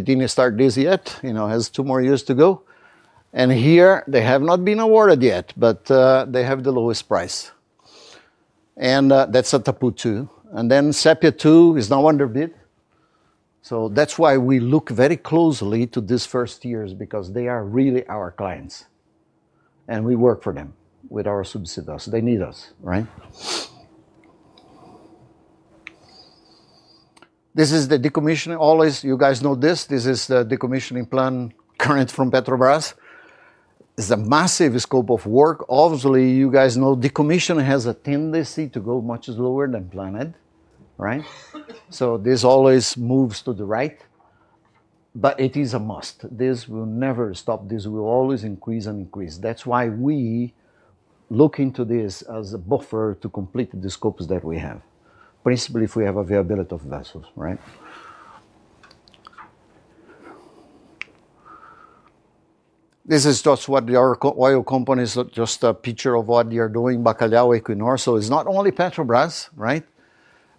didn't start this yet. You know, it has two more years to go. Here, they have not been awarded yet, but they have the lowest price. That's Atapu 2. Sépia 2 is now underbid. That's why we look very closely to these first tiers because they are really our clients. We work for them with our subsidiaries. They need us, right? This is the decommission. Always, you guys know this. This is the decommissioning plan current from Petrobras. It's a massive scope of work. Obviously, you guys know decommission has a tendency to go much slower than planned, right? This always moves to the right. It is a must. This will never stop. This will always increase and increase. That's why we look into this as a buffer to complete the scopes that we have, principally if we have availability of vessels, right? This is just what the oil companies look, just a picture of what they are doing. Bacalhau, Equinor. It's not only Petrobras, right?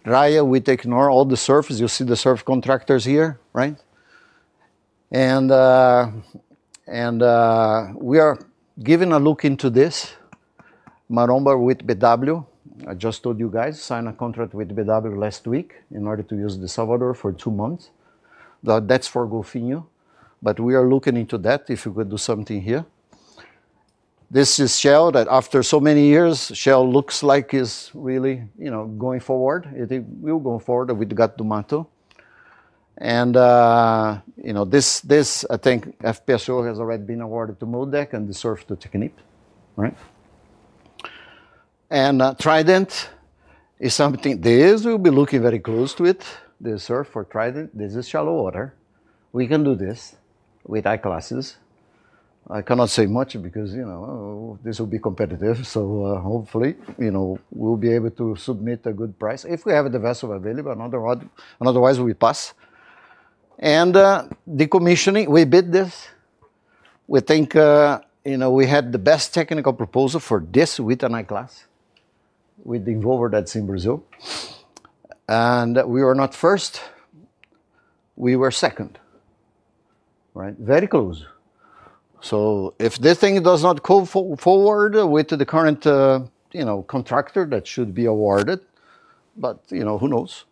Raia with Equinor, all the SURFs. You see the SURF contractors here, right? We are giving a look into this. Maromba with BW. I just told you guys, signed a contract with BW last week in order to use the Salvador for two months. That's for Golfinho. We are looking into that if we could do something here. This is Shell that after so many years, Shell looks like it's really, you know, going forward. I think we'll go forward with Gato do Mato. I think FPSO has already been awarded to MODEC and the SURF to Technip, right? Trident is something, this we'll be looking very close to it. The SURF for Trident, this is shallow water. We can do this with I-classes. I cannot say much because, you know, this will be competitive. Hopefully, you know, we'll be able to submit a good price if we have the vessel available. Otherwise, we pass. Decommissioning, we bid this. We think, you know, we had the best technical proposal for this with an I-class with the Involver that's in Brazil. We were not first. We were second, right? Very close. If this thing does not go forward with the current, you know, contractor that should be awarded, but you know, who knows?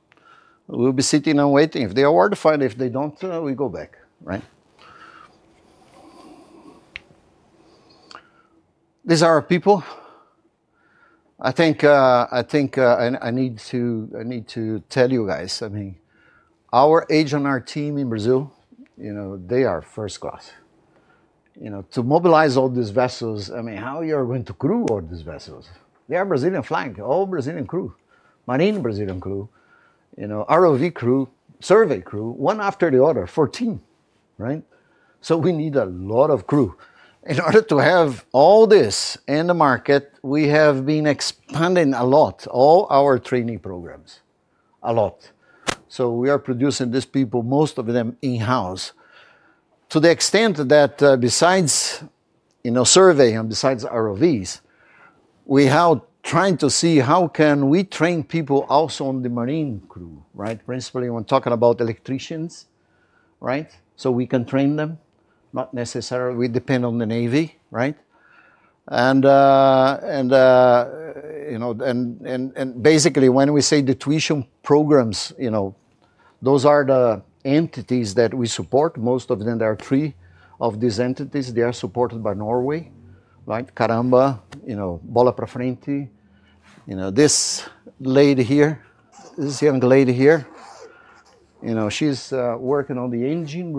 We'll be sitting and waiting. If they are awarded, fine. If they don't, we go back, right? These are our people. I think I need to tell you guys, I mean, our agent and our team in Brazil, you know, they are first class. You know, to mobilize all these vessels, I mean, how you are going to crew all these vessels? They are Brazilian flag. All Brazilian crew, Marine Brazilian crew, you know, ROV crew, survey crew, one after the other, 14, right? We need a lot of crew. In order to have all this in the market, we have been expanding a lot, all our training programs, a lot. We are producing these people, most of them in-house. To the extent that besides, you know, survey and besides ROVs, we are trying to see how can we train people also on the Marine crew, right? Principally when talking about electricians, right? We can train them, not necessarily we depend on the Navy, right? Basically when we say the tuition programs, you know, those are the entities that we support. Most of them are free of these entities. They are supported by Norway, right? Caramba, you know, Bola Prafrenti. You know, this lady here, this young lady here, you know, she's working on the engine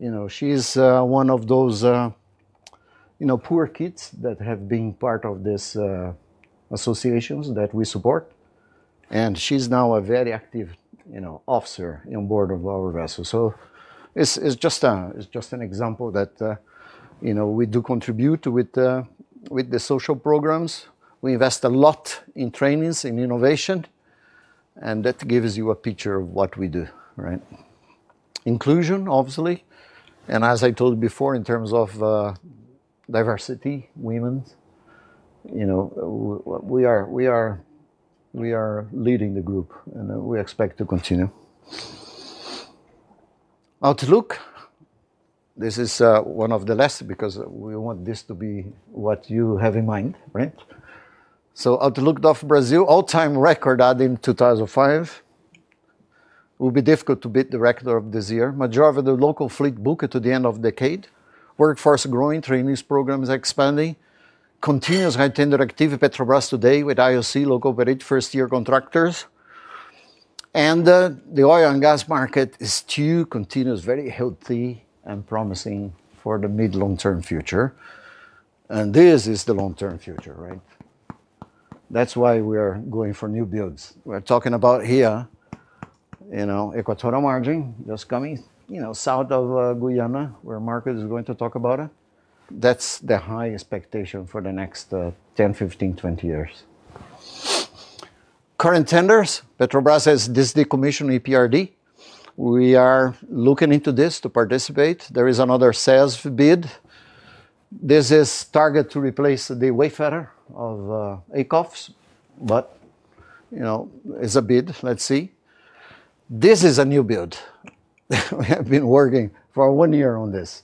room. She's one of those, you know, poor kids that have been part of these associations that we support. She's now a very active, you know, officer on board of our vessel. It's just an example that, you know, we do contribute with the social programs. We invest a lot in trainings and innovation. That gives you a picture of what we do, right? Inclusion, obviously. As I told before, in terms of diversity, women, you know, we are leading the group and we expect to continue. Outlook, this is one of the last because we want this to be what you have in mind, right? Outlook DOF Brazil, all-time record adding 2005. It will be difficult to beat the record of this year. Majority of the local fleet booked to the end of the decade. Workforce growing, training programs expanding. Continuous high-tender activity, Petrobras today with IOC, local operators, first-year contractors. The oil and gas market is still continuously very healthy and promising for the mid-long-term future. This is the long-term future, right? That's why we are going for new builds. We're talking about here, you know, Ecuador margin just coming, you know, south of Guyana, where Marco is going to talk about it. That's the high expectation for the next 10, 15, 20 years. Current tenders, Petrobras has this decommissioned EPRD. We are looking into this to participate. There is another sales bid. This is target to replace the wayfarer of ACOFs, but, you know, it's a bid. Let's see. This is a new build. We have been working for one year on this.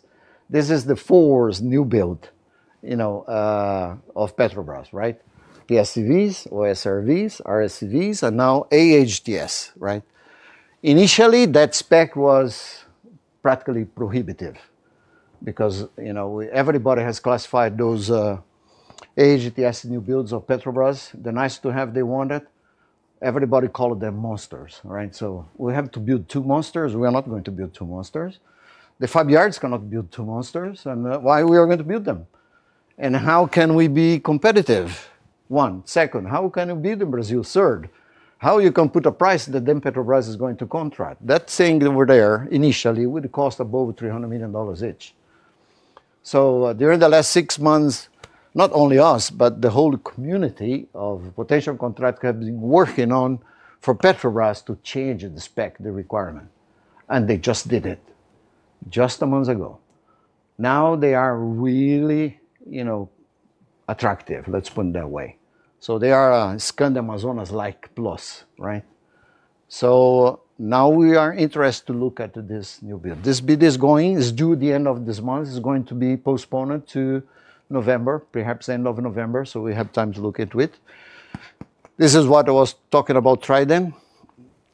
This is the fourth new build, you know, of Petrobras, right? PSVs, OSRVs, RSVs, and now AHTS, right? Initially, that spec was practically prohibitive because, you know, everybody has classified those AHTS new builds of Petrobras. They're nice to have. They want it. Everybody called them monsters, right? We have to build two monsters. We are not going to build two monsters. The fab yards cannot build two monsters. Why are we going to build them? How can we be competitive? One. Second, how can you beat Brazil? Third, how you can put a price that then Petrobras is going to contract? That thing over there initially would cost above $300 million each. During the last six months, not only us, but the whole community of potential contractors have been working on for Petrobras to change the spec, the requirement. They just did it just a month ago. Now they are really, you know, attractive. Let's put it that way. They are Skandi Amazonas-like plus, right? Now we are interested to look at this new build. This bid is going, it's due at the end of this month. It's going to be postponed to November, perhaps end of November, so we have time to look at it. This is what I was talking about, Trident.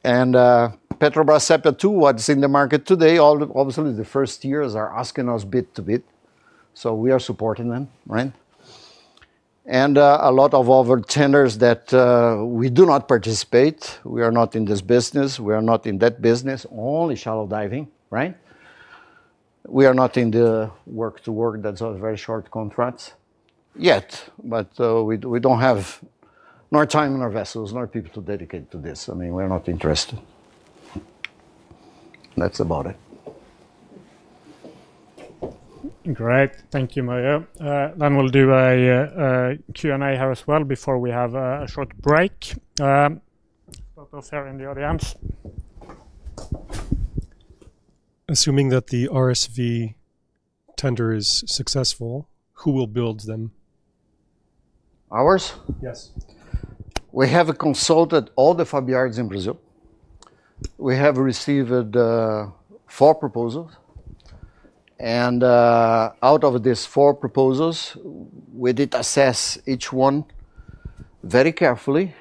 Petrobras set to what's in the market today. Obviously, the first tiers are asking us bit to bit. We are supporting them, right? A lot of other tenders that we do not participate. We are not in this business. We are not in that business, only shallow diving, right? We are not in the work-to-work. That's a very short contract yet. We don't have nor time nor vessels nor people to dedicate to this. I mean, we're not interested. That's about it. Great. Thank you, Mario. We'll do a Q&A here as well before we have a short break. Focus here in the audience. Assuming that the RSV tender is successful, who will build them? Yes. We have consulted all the fab yards in Brazil. We have received four proposals. Out of these four proposals, we did assess each one very carefully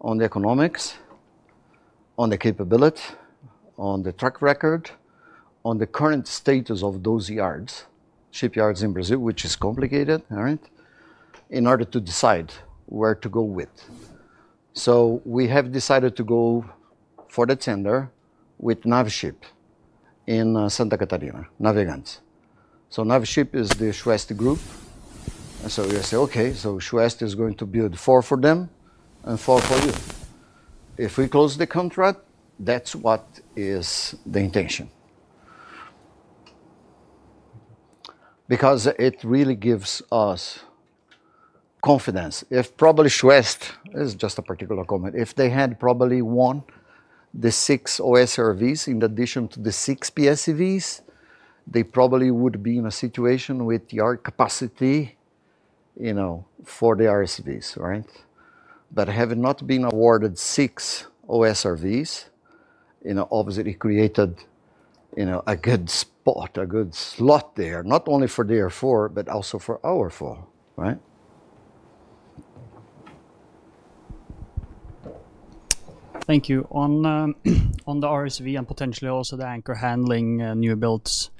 on the economics, on the capability, on the track record, on the current status of those shipyards in Brazil, which is complicated, right, in order to decide where to go with. We have decided to go for the tender with Navship in Santa Catarina, Navegantes. Navship is the Chouest group. We say, okay, Chouest is going to build four for them and four for you. If we close the contract, that's what is the intention. It really gives us confidence. If probably Chouest, it's just a particular comment, if they had probably won the six OSRVs in addition to the six PSVs, they probably would be in a situation with yard capacity, you know, for the RSVs, right? Having not been awarded six OSRVs, obviously created a good spot, a good slot there, not only for their four, but also for our four, right? Thank you. On the RSV and potentially also the anchor handling new builds,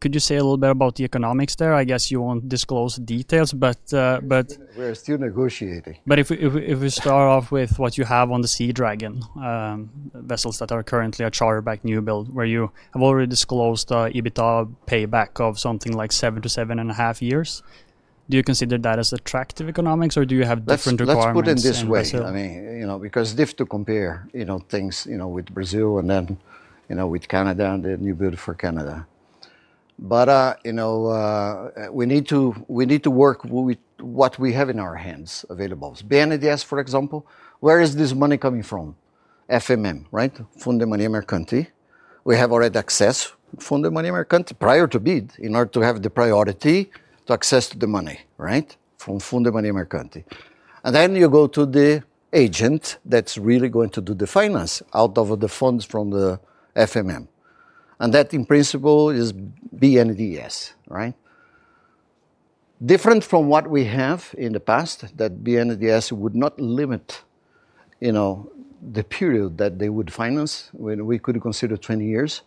could you say a little bit about the economics there? I guess you won't disclose details, but. We're still negotiating. If we start off with what you have on the Sea Dragon, vessels that are currently a charter back new build, where you have already disclosed the EBITDA payback of something like seven to seven and a half years, do you consider that as attractive economics or do you have different requirements? Let's put it this way. I mean, you know, because if to compare, you know, things, you know, with Brazil and then, you know, with Canada and the new build for Canada. We need to work with what we have in our hands available. BNDES, for example, where is this money coming from? FMM, right? Fundo de Marinha Mercante. We have already accessed Fundo de Marinha Mercante prior to bid in order to have the priority to access the money, right, from Fundo de Marinha Mercante. You go to the agent that's really going to do the finance out of the funds from the FMM. That, in principle, is BNDES, right? Different from what we have in the past, that BNDES would not limit, you know, the period that they would finance. We could consider 20 years.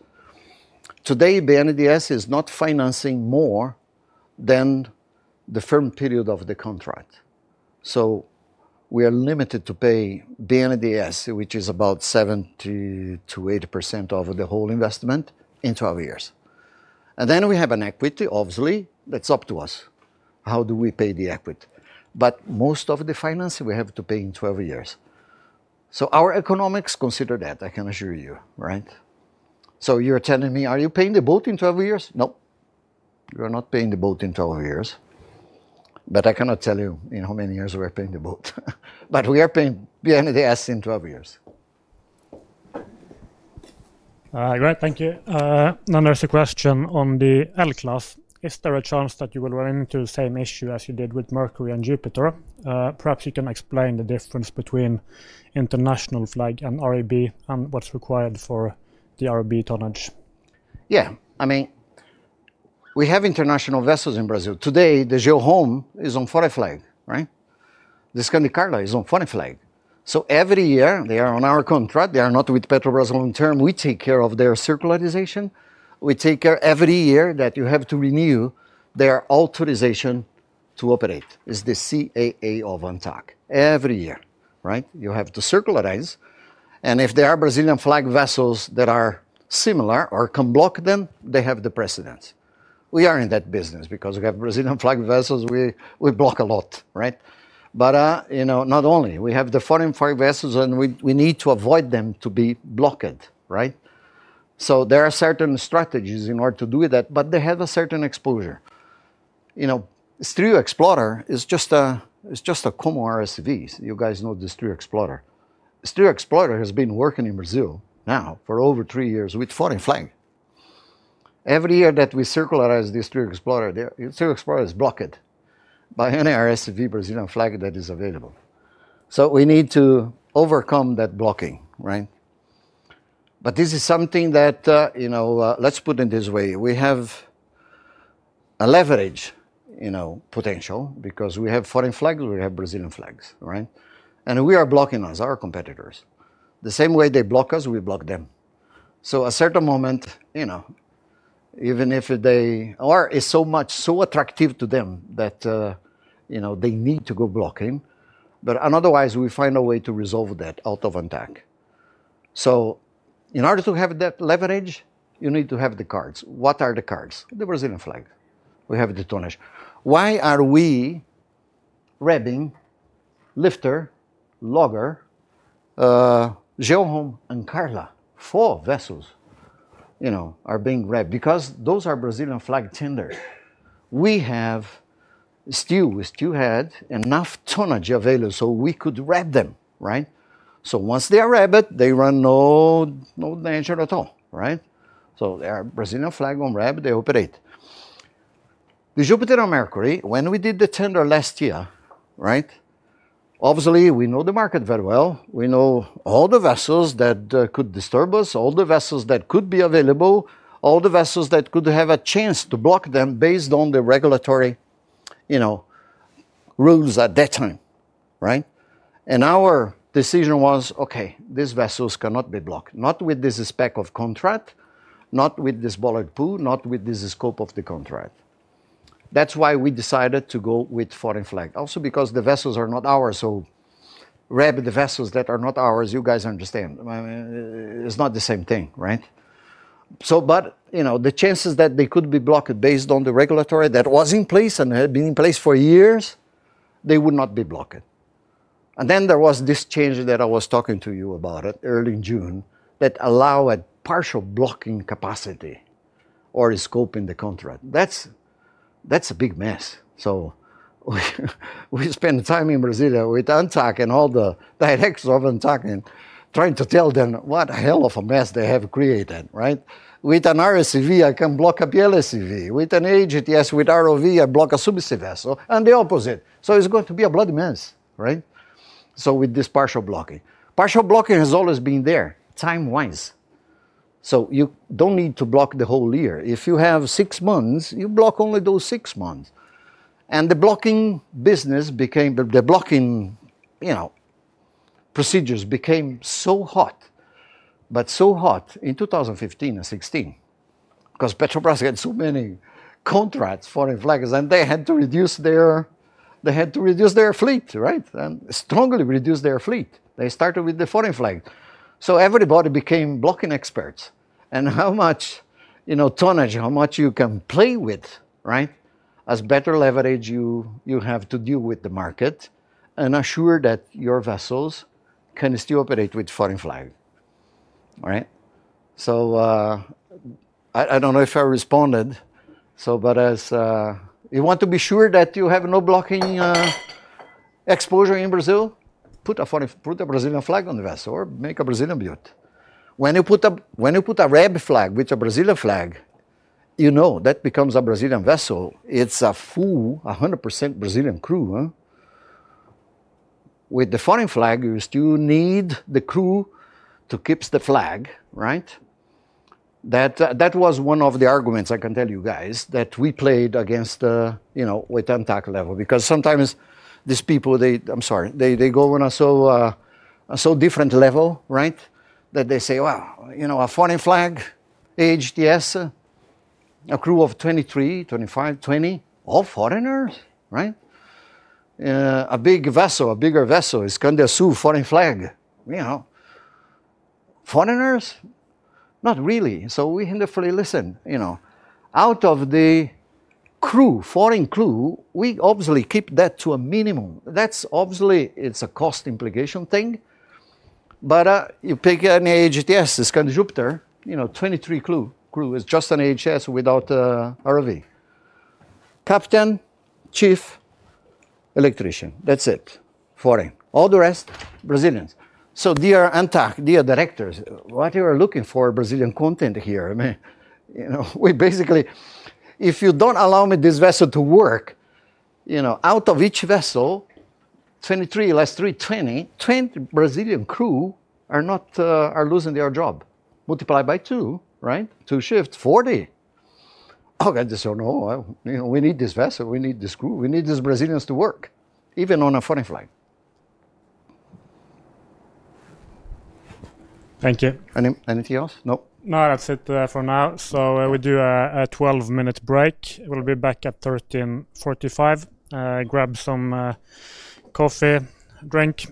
Today, BNDES is not financing more than the firm period of the contract. We are limited to pay BNDES, which is about 70%-80% of the whole investment in 12 years. We have an equity, obviously, that's up to us. How do we pay the equity? Most of the financing we have to pay in 12 years. Our economics consider that, I can assure you, right? You're telling me, are you paying the boat in 12 years? Nope. We're not paying the boat in 12 years. I cannot tell you in how many years we're paying the boat. We are paying BNDES in 12 years. Great. Thank you. Another question on the L-class. Is there a chance that you will run into the same issue as you did with Mercury and Jupiter? Perhaps you can explain the difference between international flag and REB and what's required for the REB tonnage. Yeah. I mean, we have international vessels in Brazil. Today, the Geoholm is on foreign flag, right? The Skandi Carla is on foreign flag. Every year, they are on our contract. They are not with Petrobras long-term. We take care of their circularization. We take care every year that you have to renew their authorization to operate. It's the CAA of ANTAQ. Every year, right? You have to circularize. If there are Brazilian flag vessels that are similar or can block them, they have the precedence. We are in that business because we have Brazilian flag vessels. We block a lot, right? Not only that. We have the foreign flag vessels and we need to avoid them to be blocked, right? There are certain strategies in order to do that, but they have a certain exposure. Stril Explorer is just a common RSV. You guys know the Stril Explorer. Stril Explorer has been working in Brazil now for over three years with foreign flag. Every year that we circularize the Stril Explorer, Stril Explorer is blocked by any RSV Brazilian flag that is available. We need to overcome that blocking, right? This is something that, let's put it this way, we have a leverage, you know, potential because we have foreign flags, we have Brazilian flags, right? We are blocking our competitors. The same way they block us, we block them. At a certain moment, even if they are so much so attractive to them that they need to go blocking. Otherwise, we find a way to resolve that out of Antaq. In order to have that leverage, you need to have the cards. What are the cards? The Brazilian flag. We have the tonnage. Why are we rebbing Lifter, Logger, Geoholm, and Carla? Four vessels are being rebbed because those are Brazilian flag tenders. We still had enough tonnage available so we could REB them, right? Once they are REB-ed, they run no danger at all, right? They are Brazilian flag on REB, they operate. The Jupiter and Mercury, when we did the tender last year, obviously we know the market very well. We know all the vessels that could disturb us, all the vessels that could be available, all the vessels that could have a chance to block them based on the regulatory rules at that time, right? Our decision was, okay, these vessels cannot be blocked, not with this spec of contract, not with this ball and pool, not with this scope of the contract. That's why we decided to go with foreign flag. Also, because the vessels are not ours, so the vessels that are not ours, you guys understand. I mean, it's not the same thing, right? The chances that they could be blocked based on the regulatory that was in place and had been in place for years, they would not be blocked. There was this change that I was talking to you about early in June that allowed a partial blocking capacity or a scope in the contract. That's a big mess. We spent time in Brazil with ANTAQ and all the directors of ANTAQ and trying to tell them what a hell of a mess they have created, right? With an RSV, I can block a PLSV. With an AHTS, with ROV, I block a subsea vessel and the opposite. It's going to be a bloody mess, right? With this partial blocking. Partial blocking has always been there, time-wise. You don't need to block the whole year. If you have six months, you block only those six months. The blocking business became, the blocking procedures became so hot, but so hot in 2015 and 2016 because Petrobras had so many contracts, foreign flags, and they had to reduce their, they had to reduce their fleet, right? And strongly reduce their fleet. They started with the foreign flag. Everybody became blocking experts. How much tonnage, how much you can play with, as better leverage you have to deal with the market and assure that your vessels can still operate with foreign flag, right? I don't know if I responded. As you want to be sure that you have no blocking exposure in Brazil, put a Brazilian flag on the vessel or make a Brazilian build. When you put a REB flag with a Brazilian flag, you know that becomes a Brazilian vessel. It's a full, 100% Brazilian crew. With the foreign flag, you still need the crew to keep the flag, right? That was one of the arguments I can tell you guys that we played against with ANTAQ level because sometimes these people, they, I'm sorry, they go on a so different level, right, that they say, wow, a foreign flag, AHTS, a crew of 23, 25, 20, all foreigners, right? A big vessel, a bigger vessel, it's going to sue foreign flag. You know, foreigners, not really. We have to fully listen, out of the crew, foreign crew, we obviously keep that to a minimum. That's obviously, it's a cost implication thing. You pick an AHTS, Skandi Jupiter, you know, 23 crew. Crew is just an AHTS without ROV. Captain, Chief, Electrician, that's it. Foreign. All the rest, Brazilians. Dear ANTAQ, dear Directors, what you are looking for, Brazilian content here, I mean, you know, we basically, if you don't allow me this vessel to work, you know, out of each vessel, 23, less 3, 20, 20 Brazilian crew are losing their job. Multiply by two, right? Two shifts, 40. I just don't know. We need this vessel. We need this crew. We need these Brazilians to work, even on a foreign flag. Thank you. Anything else? Nope. No, that's it for now. We do a 12-minute break. We'll be back at 1:45 P.M. Grab some coffee, drink.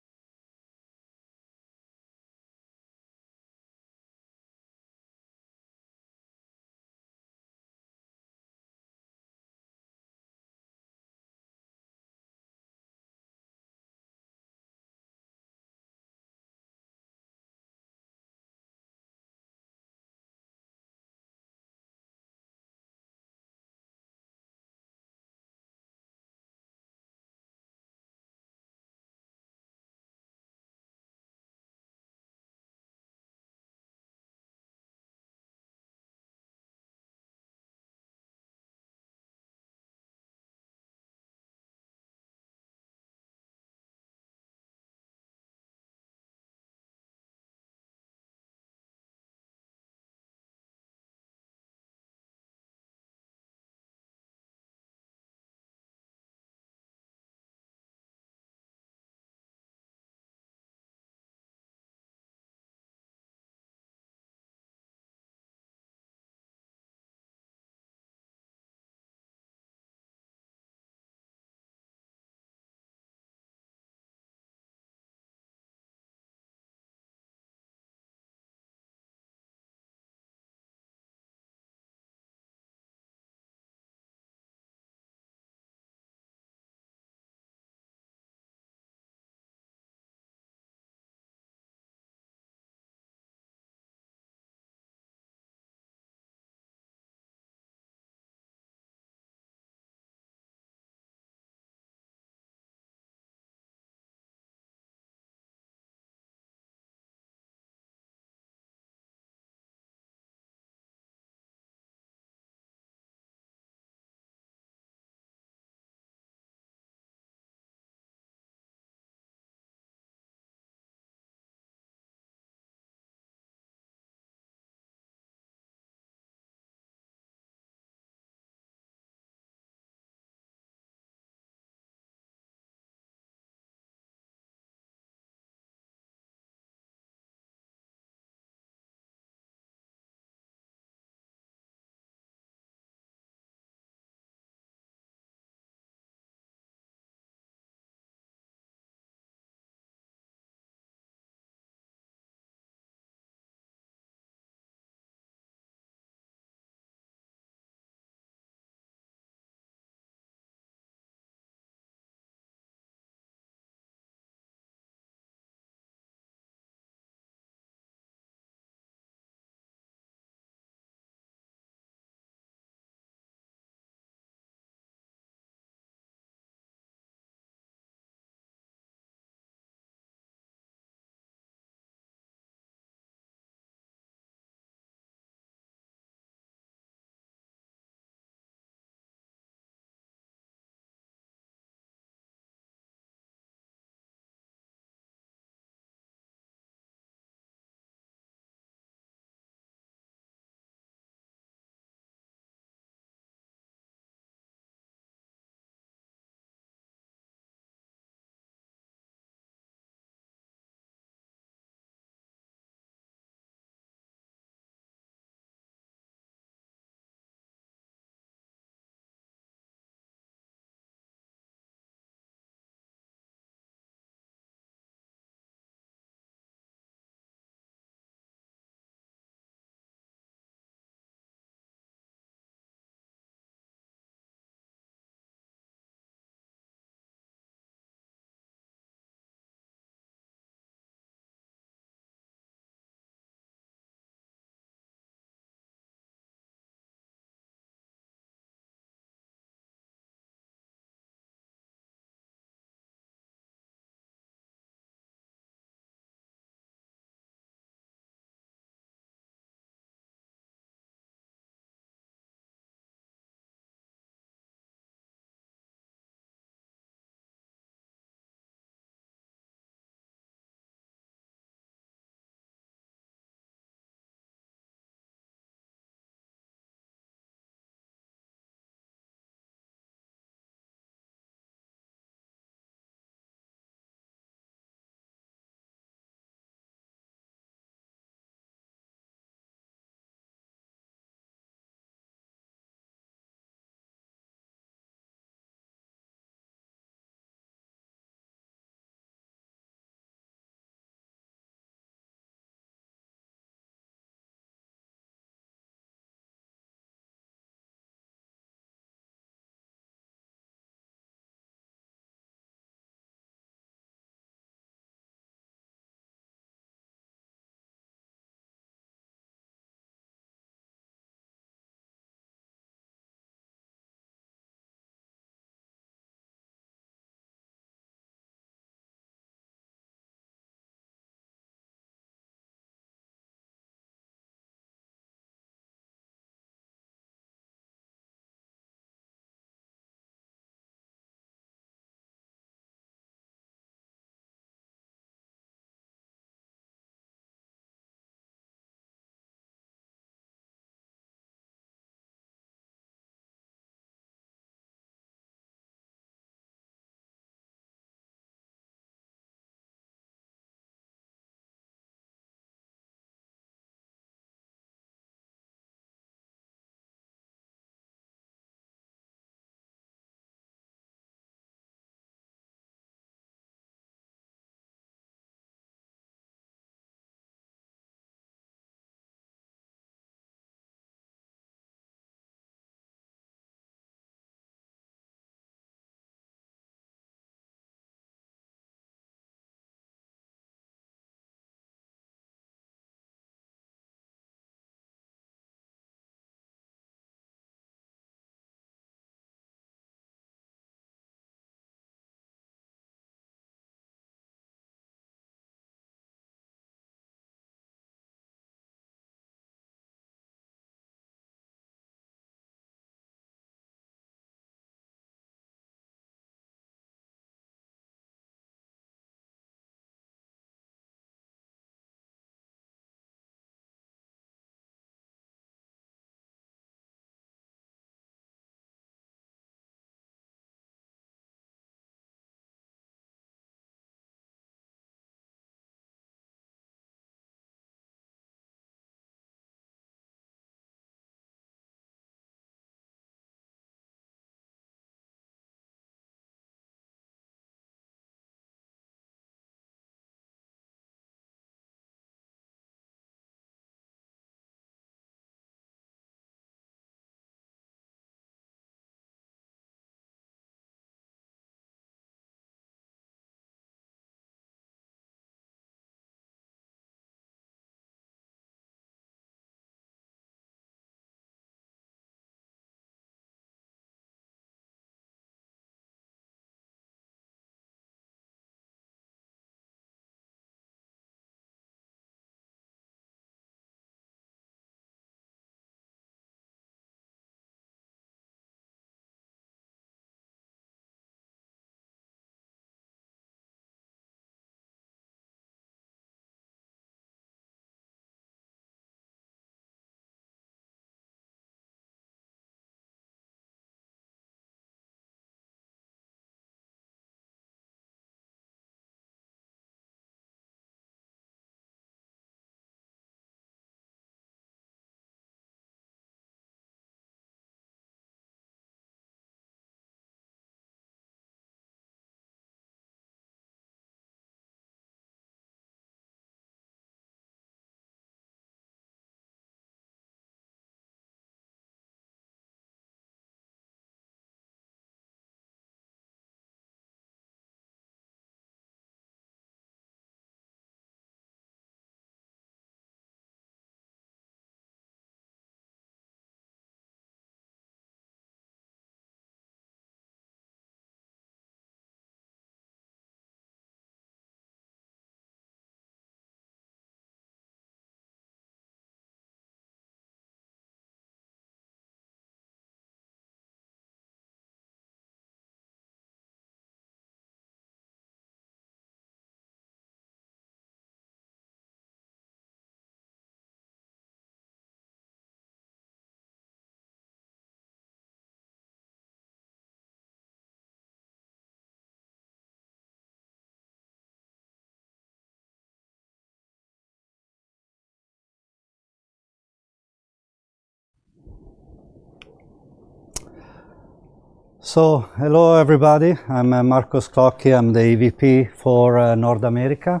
Hello everybody. I'm Marco Sclocchi. I'm the EVP for North America,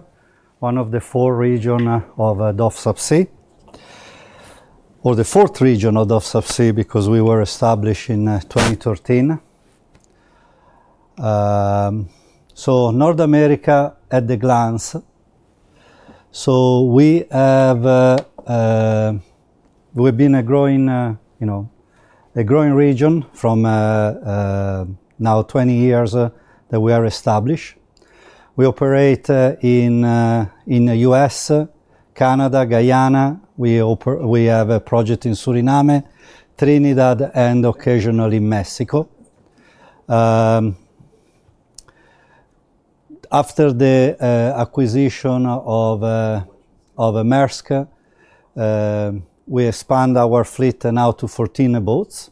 one of the four regions of DOF Subsea, or the fourth region of DOF Subsea because we were established in 2013. North America, at a glance, we've been a growing region from now 20 years that we are established. We operate in the U.S., Canada, Guyana. We have a project in Suriname, Trinidad, and occasionally Mexico. After the acquisition of Maersk, we expand our fleet now to 14 boats.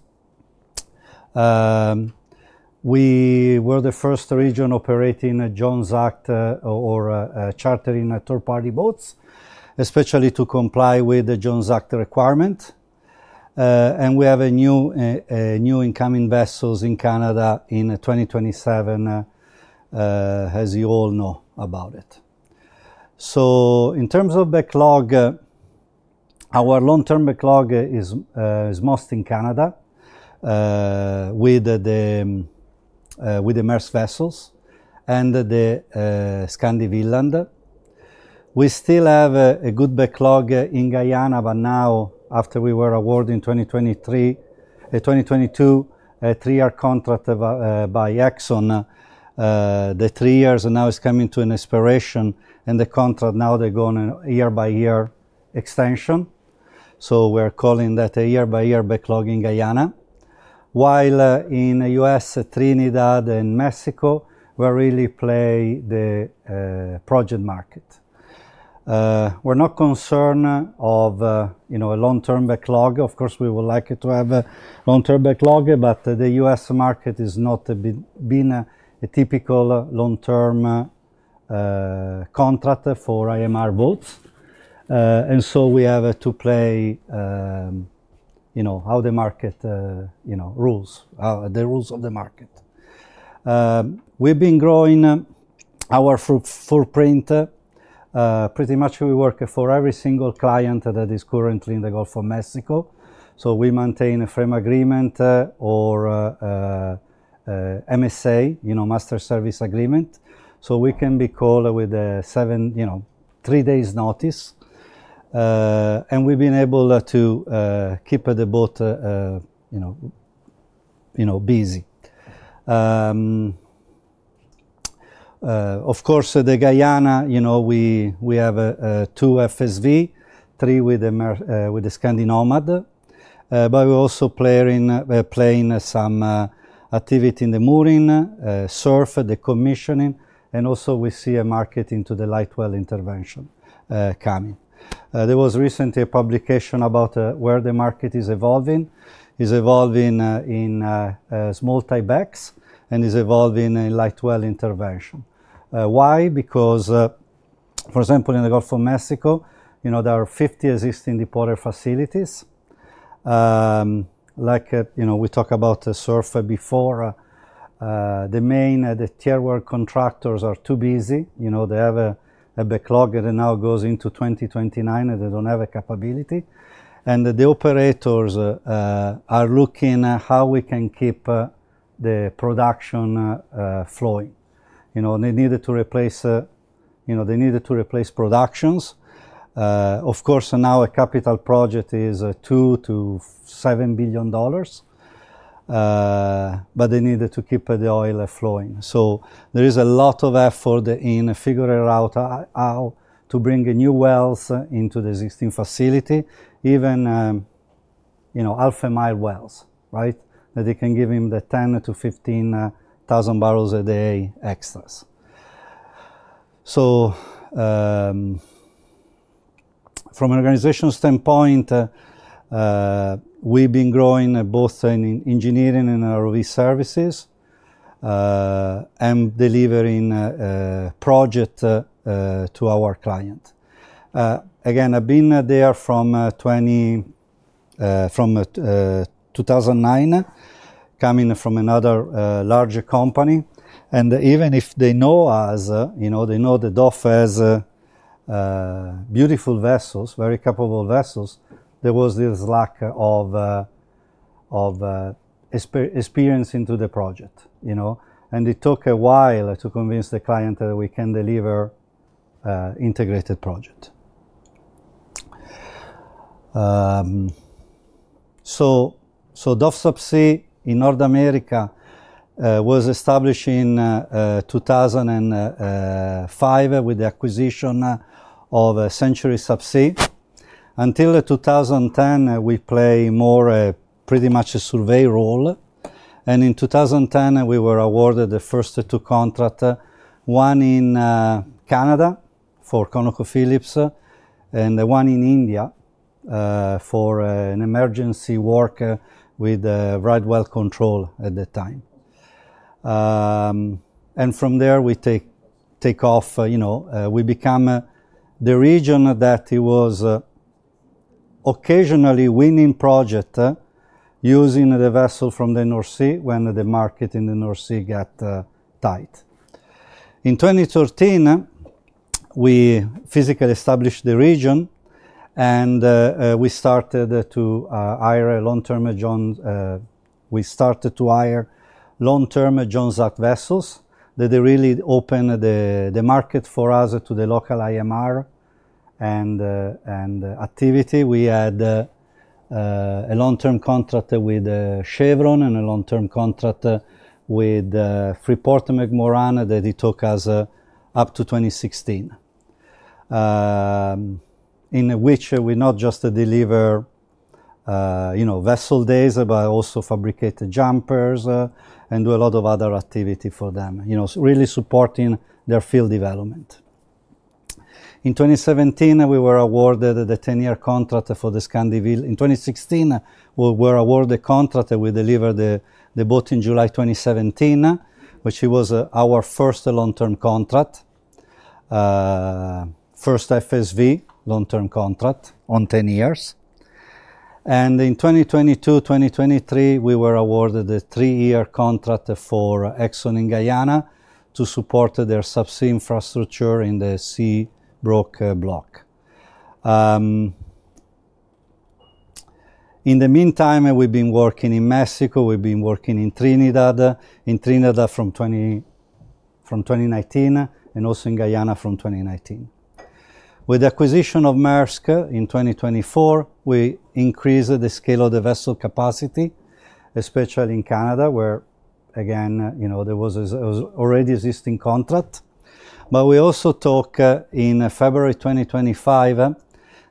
We were the first region operating Jones Act or chartering third-party boats, especially to comply with the Jones Act requirement. We have new incoming vessels in Canada in 2027, as you all know about it. In terms of backlog, our long-term backlog is most in Canada with the Maersk vessels and the Skandi Vinland. We still have a good backlog in Guyana, but now, after we were awarded in 2022, a three-year contract by Exxon, the three years now is coming to an expiration, and the contract now they're going year-by-year extension. We're calling that a year-by-year backlog in Guyana. While in the U.S., Trinidad, and Mexico, we really play the project market. We're not concerned of a long-term backlog. Of course, we would like to have a long-term backlog, but the U.S. market has not been a typical long-term contract for IMR boats. We have to play how the market rules, the rules of the market. We've been growing our footprint. Pretty much, we work for every single client that is currently in the Gulf of Mexico. We maintain a frame agreement or MSA, you know, Master Service Agreement, so we can be called with a seven, you know, three days' notice. We've been able to keep the boat busy. The Guyana, you know, we have two FSV, three with the Skandi Nomad. We're also playing some activity in the mooring, SURF, the commissioning. We see a market into the light well intervention coming. There was recently a publication about where the market is evolving. It's evolving in small-type BECs and is evolving in light well intervention. Why? Because, for example, in the Gulf of Mexico, you know, there are 50 existing deepwater facilities. Like, you know, we talked about the SURF before. The main tier work contractors are too busy. They have a backlog that now goes into 2029 and they don't have a capability. The operators are looking at how we can keep the production flowing. They needed to replace productions. Of course, now a capital project is $2 million-$7 billion, but they needed to keep the oil flowing. There is a lot of effort in figuring out how to bring new wells into the existing facility, even alpha mile wells, right, that they can give him the 10,000 barrels-15,000 barrels a day extras. From an organizational standpoint, we've been growing both in engineering and ROV services and delivering projects to our clients. I've been there from 2009, coming from another larger company. Even if they know us, you know, they know that DOF has beautiful vessels, very capable vessels. There was this lack of experience into the project. It took a while to convince the client that we can deliver an integrated project. DOF Subsea in North America was established in 2005 with the acquisition of Century Subsea. Until 2010, we played more pretty much a survey role. In 2010, we were awarded the first two contracts, one in Canada for ConocoPhillips and one in India for an emergency work with the right well control at the time. From there, we take off. We become the region that was occasionally winning projects using the vessel from the North Sea when the market in the North Sea got tight. In 2013, we physically established the region and we started to hire long-term Johns. We started to hire long-term Jones Act vessels that really opened the market for us to the local IMR and activity. We had a long-term contract with Chevron and a long-term contract with Freeport-McMoRan that took us up to 2016, in which we not just deliver vessel days, but also fabricate jumpers and do a lot of other activity for them, really supporting their field development. In 2017, we were awarded the 10-year contract for the Skandi in 2016. We were awarded the contract that we delivered the boat in July 2017, which was our first long-term contract, first FSV long-term contract on 10 years. In 2022-2023, we were awarded the three-year contract for Exxon in Guyana to support their subsea infrastructure in the Stabroek block. In the meantime, we've been working in Mexico. We've been working in Trinidad from 2019 and also in Guyana from 2019. With the acquisition of Maersk in 2024, we increased the scale of the vessel capacity, especially in Canada, where again, you know, there was an already existing contract. We also took in February 2025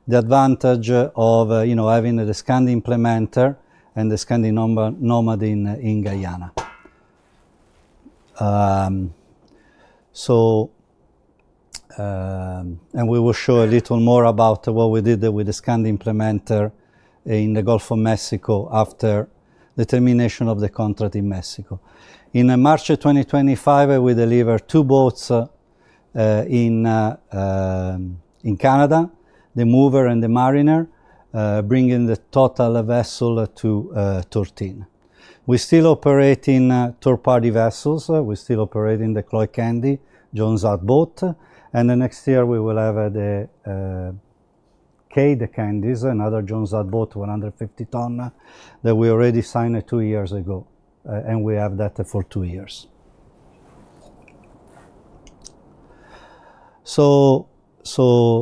the advantage of having the Skandi Implementer and the Skandi Nomad in Guyana. We will show a little more about what we did with the Skandi Implementer in the Gulf of Mexico after the termination of the contract in Mexico. In March 2025, we delivered two boats in Canada, the Mover and the Mariner, bringing the total vessel to 13. We still operate in third-party vessels. We still operate in the Chloe Candy Jones Act boat. Next year, we will have the Cade Candies, anotherJones Act boat, 150 ton that we already signed two years ago. We have that for two years.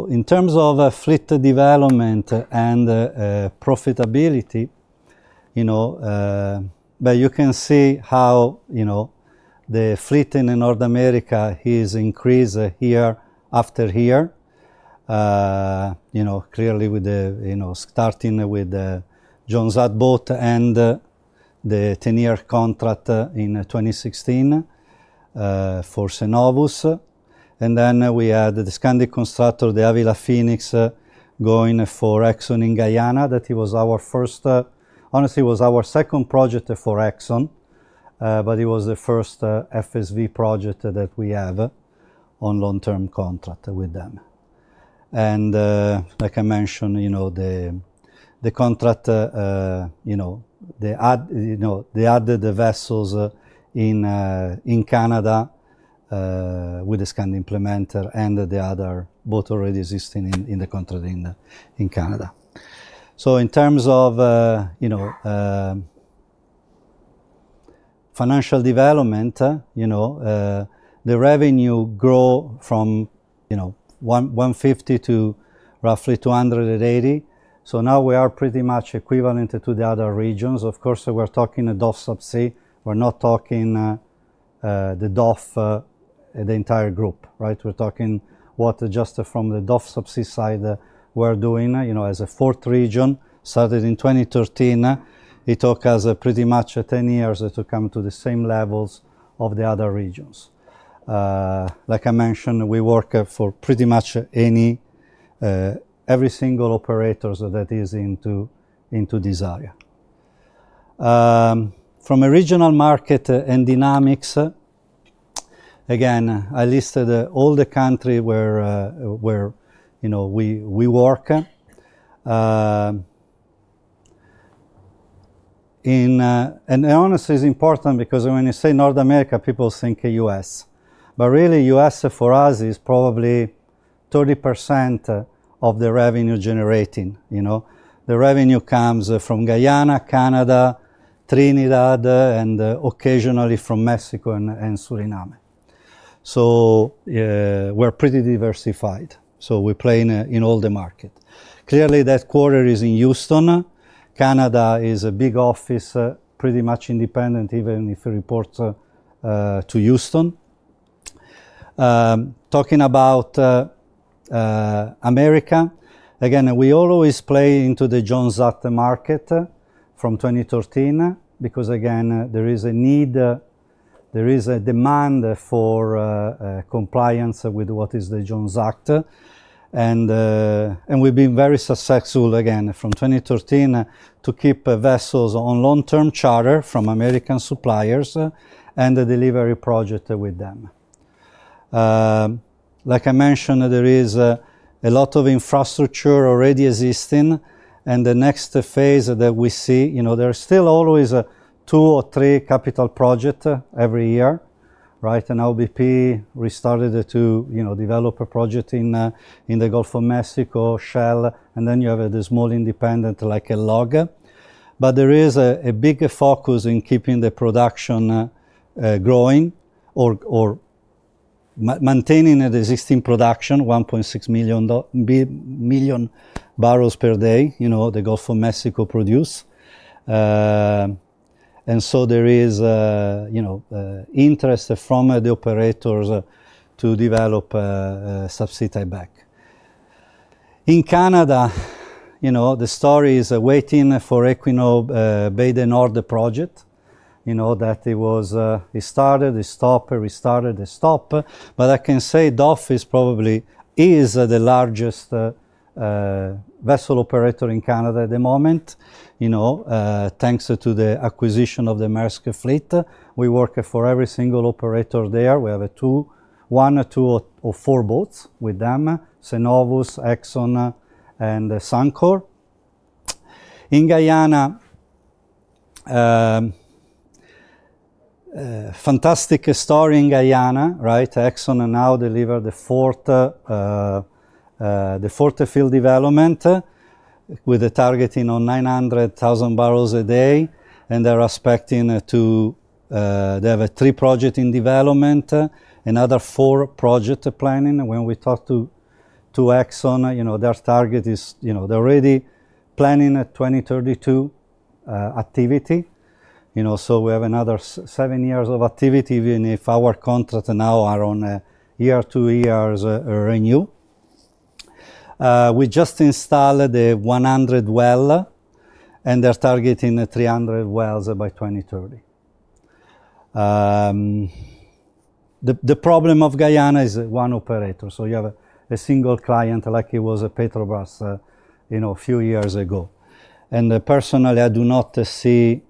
In terms of fleet development and profitability, you can see how the fleet in North America has increased year after year, clearly with the starting with the Jones Act boat and the 10-year contract in 2016 for Cenovus. Then we had the Skandi Constructor, the Avila Phoenix, going for ExxonMobil in Guyana. That was our first, honestly, it was our second project for ExxonMobil, but it was the first FSV project that we have on long-term contract with them. Like I mentioned, the contract, they added the vessels in Canada with the Skandi Implementer and the other boat already existing in the contract in Canada. In terms of financial development, the revenue grew from $150 million to roughly $280 million. Now we are pretty much equivalent to the other regions. Of course, we're talking DOF Subsea. We're not talking the DOF, the entire group, right? We're talking what just from the DOF Subsea side we're doing as a fourth region. Started in 2013. It took us pretty much 10 years to come to the same levels of the other regions. Like I mentioned, we work for pretty much every single operator that is into desire. From a regional market and dynamics, again, I listed all the countries where we work. Honestly, it's important because when you say North America, people think the U.S. Really, U.S. for us is probably 30% of the revenue generating. The revenue comes from Guyana, Canada, Trinidad, and occasionally from Mexico and Suriname. We're pretty diversified. We play in all the market. Clearly, that quarter is in Houston. Canada is a big office, pretty much independent, even if it reports to Houston. Talking about America, again, we always play into the Jones Act market from 2013 because there is a need, there is a demand for compliance with what is the Jones Act. We've been very successful, again, from 2013 to keep vessels on long-term charter from American suppliers and the delivery project with them. Like I mentioned, there is a lot of infrastructure already existing. The next phase that we see, you know, there are still always two or three capital projects every year, right? OBP, we started to develop a project in the Gulf of Mexico, Shell, and then you have the small independent like a log. There is a big focus in keeping the production growing or maintaining the existing production, 1.6 million barrels per day, you know, the Gulf of Mexico produce. There is, you know, interest from the operators to develop a subsea back. In Canada, you know, the story is waiting for Equinor Bay du Nord project. You know, it was, it started, it stopped, restarted, it stopped. I can say DOF is probably the largest vessel operator in Canada at the moment, you know, thanks to the acquisition of the Maersk fleet. We work for every single operator there. We have two, one, two or four boats with them, Cenovus, ExxonMobil, and Suncor. In Guyana, fantastic story in Guyana, right? ExxonMobil now delivered the fourth field development with the targeting on 900,000 barrels a day. They're expecting to, they have three projects in development, another four projects planning. When we talk to ExxonMobil, you know, their target is, you know, they're already planning a 2032 activity. You know, we have another seven years of activity, even if our contracts now are on year-to-year renewal. We just installed the 100th well and they're targeting 300 wells by 2030. The problem of Guyana is one operator. You have a single client like it was Petrobras, you know, a few years ago. Personally, I do not see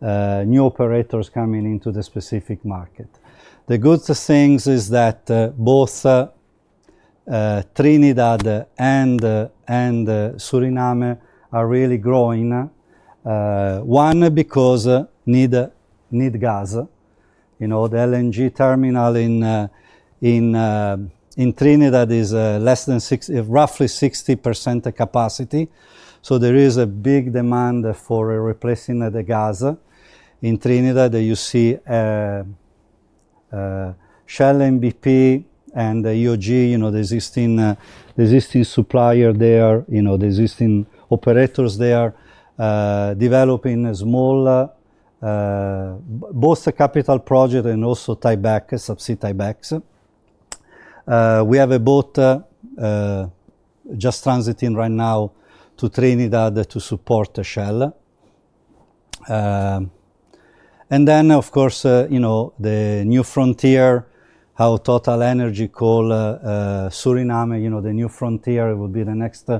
new operators coming into the specific market. The good thing is that both Trinidad and Suriname are really growing. One because need gas. The LNG terminal in Trinidad is less than 60%, roughly 60% capacity. There is a big demand for replacing the gas. In Trinidad, you see Shell, BP, and EOG, you know, the existing supplier there, you know, the existing operators there developing small, both the capital project and also subsea type BECs. We have a boat just transiting right now to Trinidad to support Shell. Of course, the new frontier, how TotalEnergies called Suriname, you know, the new frontier will be the next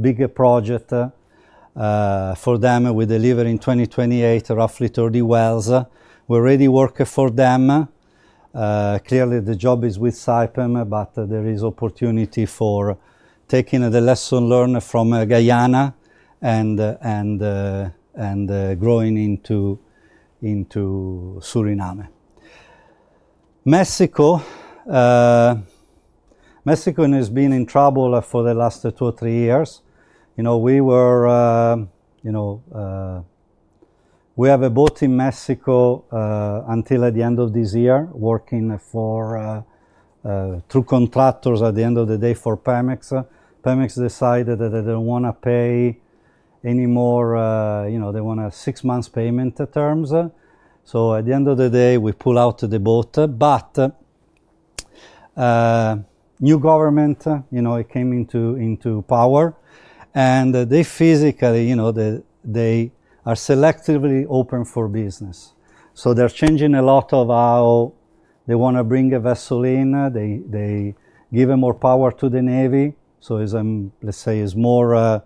big project for them. We deliver in 2028, roughly 30 wells. We already work for them. Clearly, the job is with Saipem, but there is opportunity for taking the lesson learned from Guyana and growing into Suriname. Mexico has been in trouble for the last two or three years. We have a boat in Mexico until the end of this year, working through contractors at the end of the day for Pemex. Pemex decided that they don't want to pay anymore. They want a six-month payment terms. At the end of the day, we pull out the boat. A new government came into power, and they physically are selectively open for business. They're changing a lot of how they want to bring a vessel in. They give more power to the Navy. Let's say it's more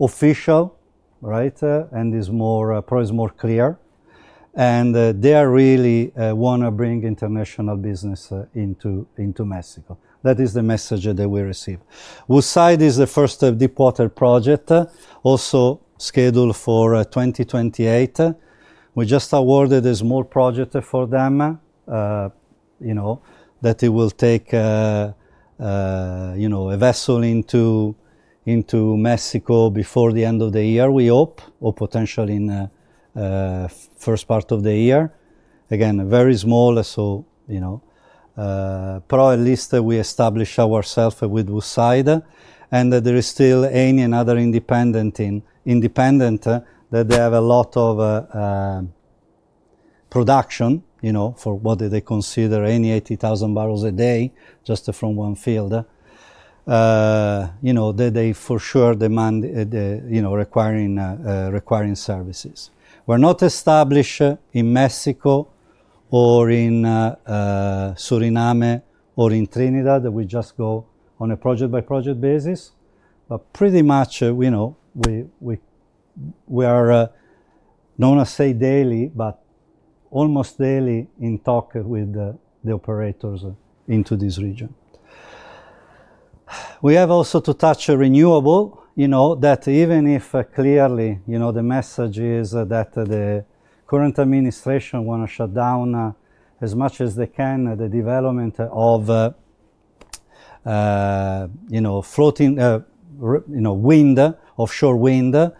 official, right? It's more, probably more clear. They really want to bring international business into Mexico. That is the message that we receive. Woodside is the first deporter project, also scheduled for 2028. We just awarded a small project for them that will take a vessel into Mexico before the end of the year, we hope, or potentially in the first part of the year. Again, very small. At least we established ourselves with Woodside. There is still any other independent that they have a lot of production, for what they consider any 80,000 barrels a day, just from one field. They for sure demand, requiring services. We're not established in Mexico or in Suriname or in Trinidad. We just go on a project-by-project basis. Pretty much, we are, I don't want to say daily, but almost daily in talk with the operators into this region. We have also to touch renewable, that even if clearly the message is that the current administration wants to shut down as much as they can the development of floating wind, offshore wind,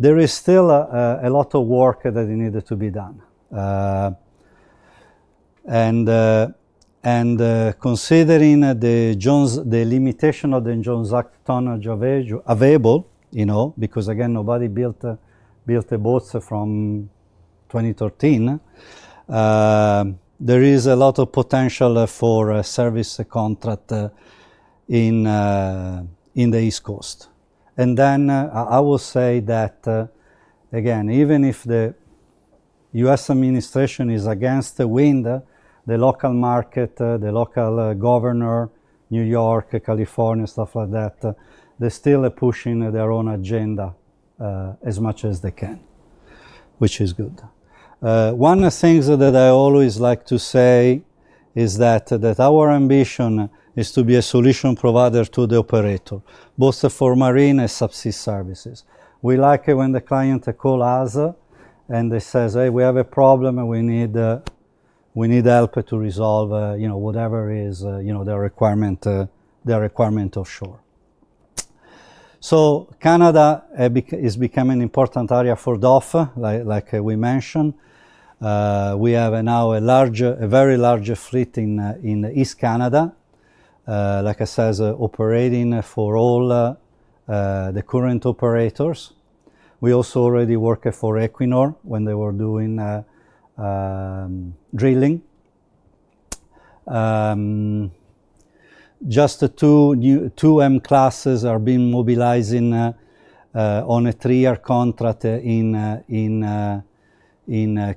there is still a lot of work that needs to be done. Considering the limitation of the Jones Act tonnage available, because again, nobody built boats from 2013, there is a lot of potential for service contract in the East Coast. I will say that, even if the U.S. administration is against the wind, the local market, the local governor, New York, California, stuff like that, they're still pushing their own agenda as much as they can, which is good. One of the things that I always like to say is that our ambition is to be a solution provider to the operator, both for marine and subsea services. We like it when the client calls us and says, "Hey, we have a problem. We need help to resolve, you know, whatever is, you know, their requirement offshore." Canada is becoming an important area for DOF Group ASA, like we mentioned. We have now a large, a very large fleet in East Canada, like I said, operating for all the current operators. We also already work for Equinor when they were doing drilling. Just two M-classes are being mobilized on a three-year contract in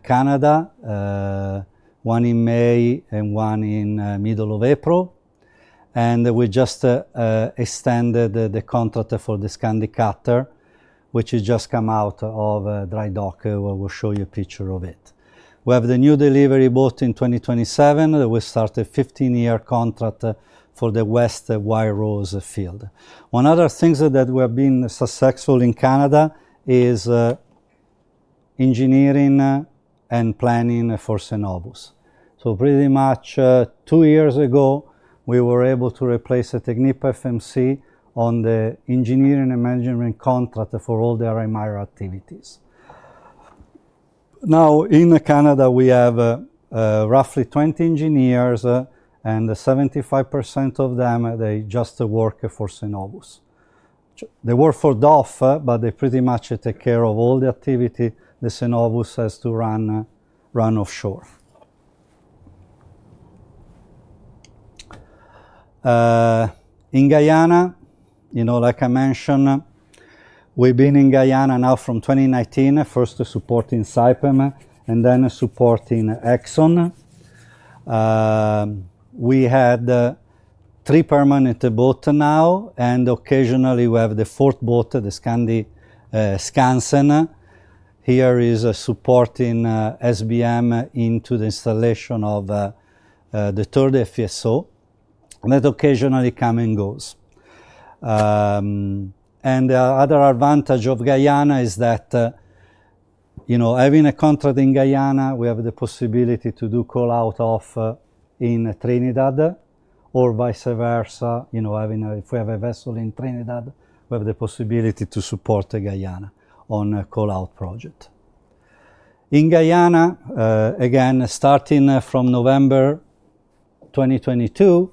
Canada, one in May and one in the middle of April. We just extended the contract for the Skandi Cutter, which has just come out of dry dock. We'll show you a picture of it. We have the new delivery boat in 2027 that will start a 15-year contract for the West White Rose field. One other thing that we have been successful in Canada is engineering and planning for Cenovus. Pretty much two years ago, we were able to replace Technip FMC on the engineering and management contract for all the RMIR activities. Now in Canada, we have roughly 20 engineers, and 75% of them, they just work for Cenovus. They work for DOF Group ASA, but they pretty much take care of all the activity that Cenovus has to run offshore. In Guyana, like I mentioned, we've been in Guyana now from 2019, first supporting Saipem and then supporting ExxonMobil. We had three permanent boats now, and occasionally we have the fourth boat, the Skandi Skansen, here supporting SBM into the installation of the third FSO. That occasionally comes and goes. The other advantage of Guyana is that having a contract in Guyana, we have the possibility to do call out of in Trinidad or vice versa. If we have a vessel in Trinidad, we have the possibility to support Guyana on a call out project. In Guyana, again, starting from November 2022,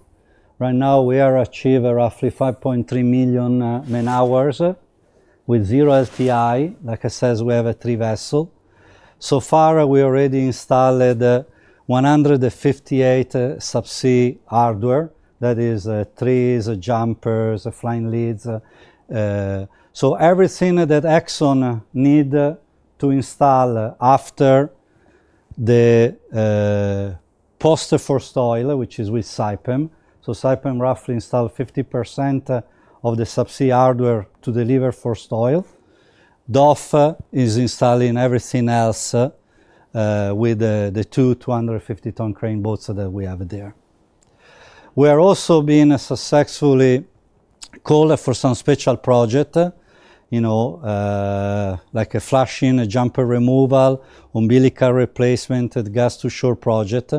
right now we achieve roughly 5.3 million man-hours with zero SDI. Like I said, we have three vessels. So far, we already installed 158 subsea hardware. That is trees, jumpers, flying leads. Everything that ExxonMobil needs to install after the post for soil, which is with Saipem. Saipem roughly installs 50% of the subsea hardware to deliver for soil. DOF Group ASA is installing everything else with the two 250-ton crane boats that we have there. We are also being successfully called for some special projects, you know, like a flushing, jumper removal, umbilical replacement, gas to shore project.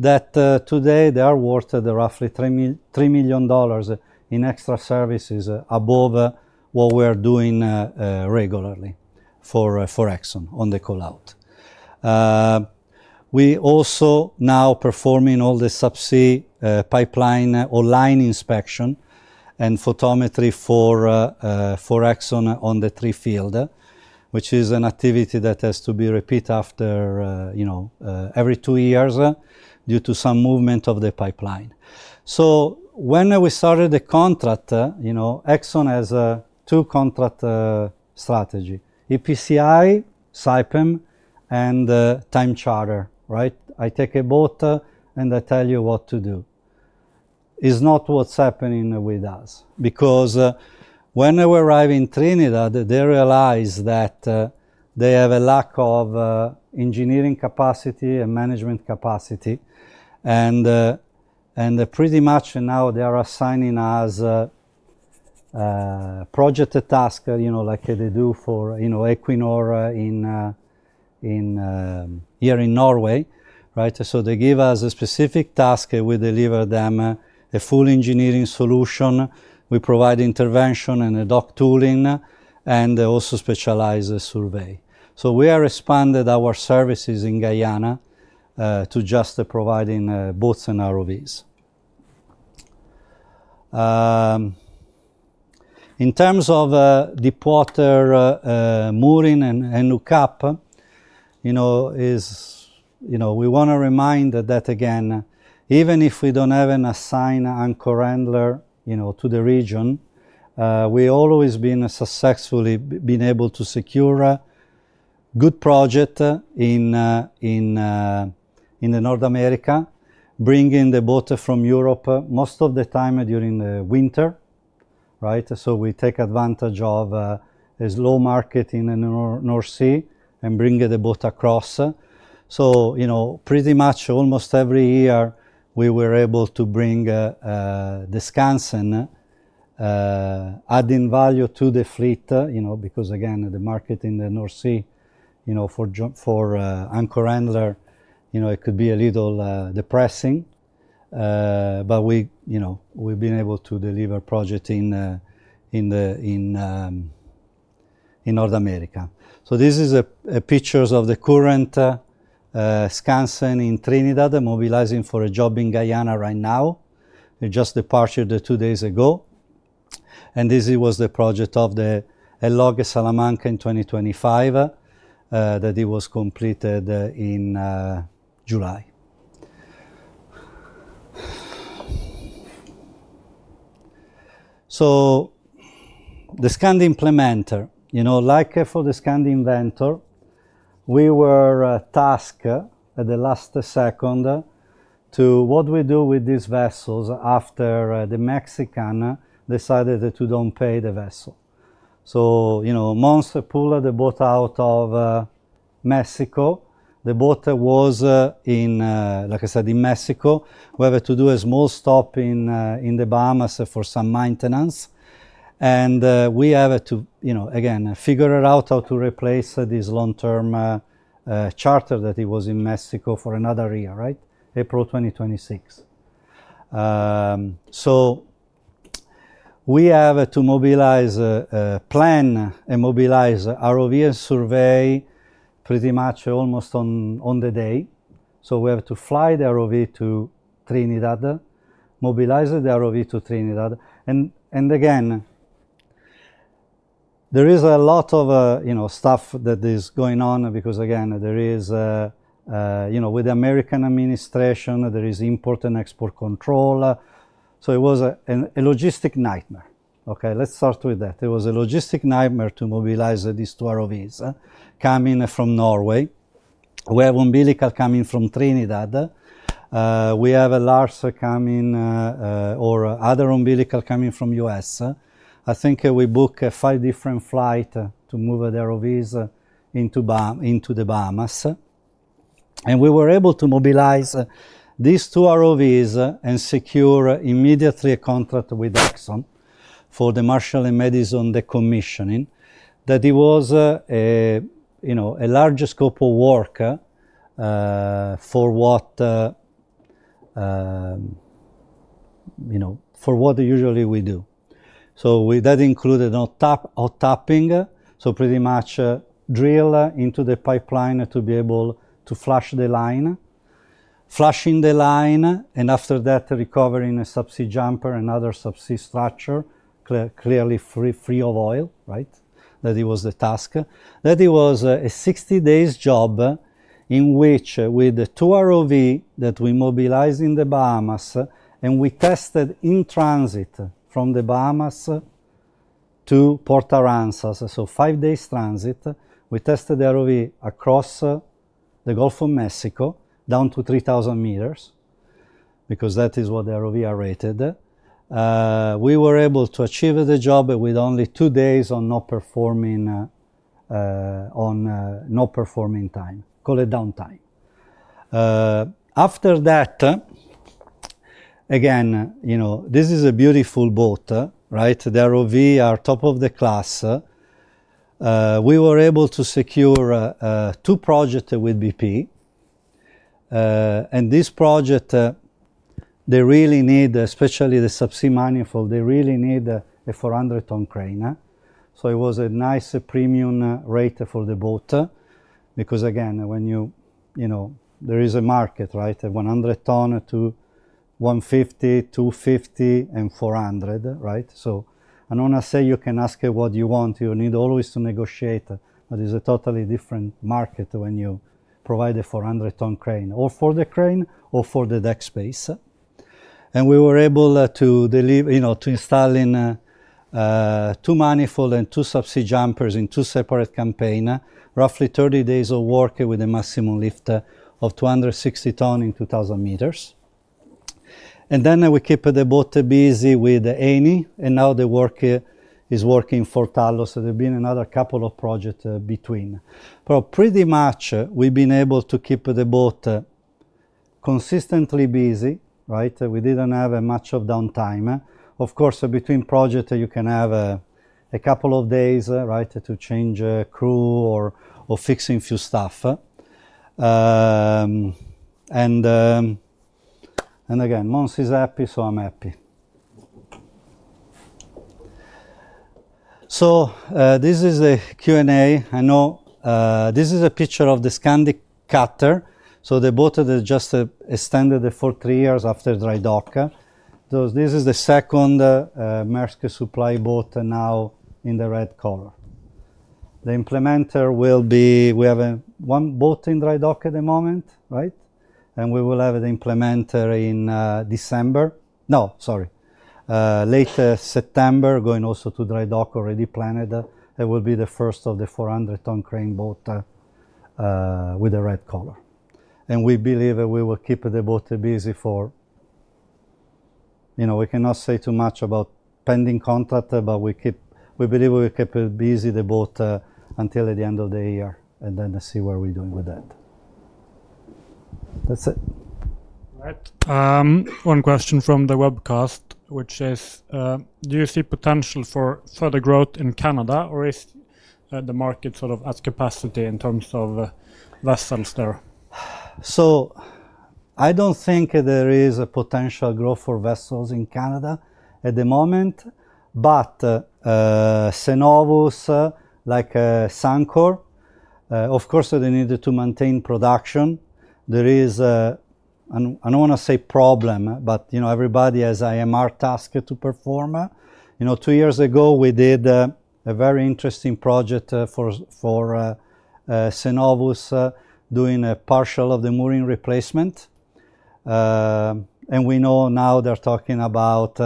That today, they are worth roughly $3 million in extra services above what we are doing regularly for ExxonMobil on the call out. We also now perform all the subsea pipeline online inspection and photometry for ExxonMobil on the three fields, which is an activity that has to be repeated after, you know, every two years due to some movement of the pipeline. When we started the contract, you know, ExxonMobil has two contract strategies: EPCI, Saipem, and Time Charter, right? I take a boat and I tell you what to do. It's not what's happening with us because when we arrive in Trinidad, they realize that they have a lack of engineering capacity and management capacity. Pretty much now they are assigning us project tasks, you know, like they do for, you know, Equinor here in Norway, right? They give us a specific task and we deliver them a full engineering solution. We provide intervention and the dock tooling and also specialize survey. We have expanded our services in Guyana to just provide boats and ROVs. In terms of deporter mooring and lookup, you know, we want to remind that, again, even if we don't have an assigned anchor handler to the region, we always have been successfully able to secure good projects in North America, bringing the boat from Europe most of the time during the winter, right? We take advantage of a slow market in the North Sea and bring the boat across. Pretty much almost every year, we were able to bring the Skansen, adding value to the fleet, you know, because, again, the market in the North Sea, you know, for anchor handler, you know, it could be a little depressing. We've been able to deliver projects in North America. This is a picture of the current Skansen in Trinidad, mobilizing for a job in Guyana right now. We just departed two days ago. This was the project of the Elogue Salamanca in 2025 that it was completed in July. The Skandi Implementer, you know, like for the Skandi Inventor, we were tasked at the last second to what we do with these vessels after the Mexican decided to don't pay the vessel. Mons pull, the boat out of Mexico, the boat was in, like I said, in Mexico. We have to do a small stop in the Bahamas for some maintenance. We have to, you know, again, figure out how to replace this long-term charter that it was in Mexico for another year, right? April 2026. We have to mobilize, plan, and mobilize ROV and survey pretty much almost on the day. We have to fly the ROV to Trinidad, mobilize the ROV to Trinidad. There is a lot of, you know, stuff that is going on because, again, there is, you know, with the American administration, there is import and export control. It was a logistic nightmare. It was a logistic nightmare to mobilize these two ROVs coming from Norway. We have umbilical coming from Trinidad. We have a large or other umbilical coming from the U.S. I think we booked five different flights to move the ROVs into the Bahamas. We were able to mobilize these two ROVs and secure immediately a contract with ExxonMobil for the Marshall & Madison decommissioning. That was a, you know, a large scope of work for what, you know, for what usually we do. That included hot tapping, so pretty much drill into the pipeline to be able to flush the line. Flushing the line and after that, recovering a subsea jumper and other subsea structure, clearly free of oil, right? That was the task. That was a 60-day job in which, with the two ROVs that we mobilized in the Bahamas, and we tested in transit from the Bahamas to Port Aransas. Five days transit. We tested the ROV across the Gulf of Mexico down to 3,000 m because that is what the ROV rated. We were able to achieve the job with only two days of not performing time, call it downtime. After that, again, this is a beautiful boat, right? The ROVs are top of the class. We were able to secure two projects with BP. This project, they really need, especially the subsea manifold, they really need a 400-ton crane. It was a nice premium rate for the boat because, again, there is a market, right? 100 ton to 150 tons, 250 tons, and 400 tons, right? I don't want to say you can ask what you want. You need always to negotiate, but it's a totally different market when you provide a 400-ton crane, or for the crane or for the deck space. We were able to install two manifolds and two subsea jumpers in two separate campaigns, roughly 30 days of work with a maximum lift of 260 ton in 2,000 m. We kept the boat busy with Eni, and now the work is working for Talos. There have been another couple of projects between. Pretty much, we've been able to keep the boat consistently busy, right? We didn't have much of downtime. Of course, between projects, you can have a couple of days, right, to change crew or fix a few stuff. Again, Mons is happy, so I'm happy. This is a Q&A. I know this is a picture of the Skandi Cutter. The boat just extended for three years after Dry Dock. This is the second Maersk supply boat now in the red color. The Implementer will be, we have one boat in Dry Dock at the moment, right? We will have the Implementer in December. No, sorry. Late September, going also to Dry Dock, already planned. It will be the first of the 400-ton crane boat with the red color. We believe we will keep the boat busy for, you know, we cannot say too much about pending contract, but we believe we will keep busy the boat until the end of the year and then see what we're doing with that. That's it. One question from the webcast, which is, do you see potential for further growth in Canada or is the market sort of at capacity in terms of vessels there? I don't think there is a potential growth for vessels in Canada at the moment. Cenovus, like Suncor, of course, they need to maintain production. I don't want to say problem, but you know, everybody has IMR task to perform. Two years ago, we did a very interesting project for Cenovus doing a partial of the mooring replacement. We know now they're talking about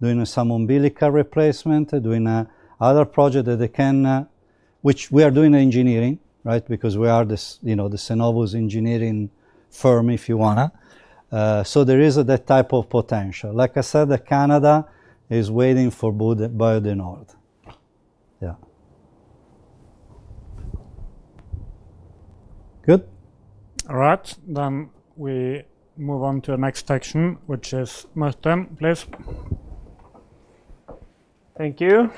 doing some umbilical replacement, doing other projects that they can, which we are doing engineering, right, because we are the Cenovus engineering firm, if you want. There is that type of potential. Like I said, Canada is waiting for Bay du Nord. Good. All right. We move on to the next section, which is Martin, please. Thank you.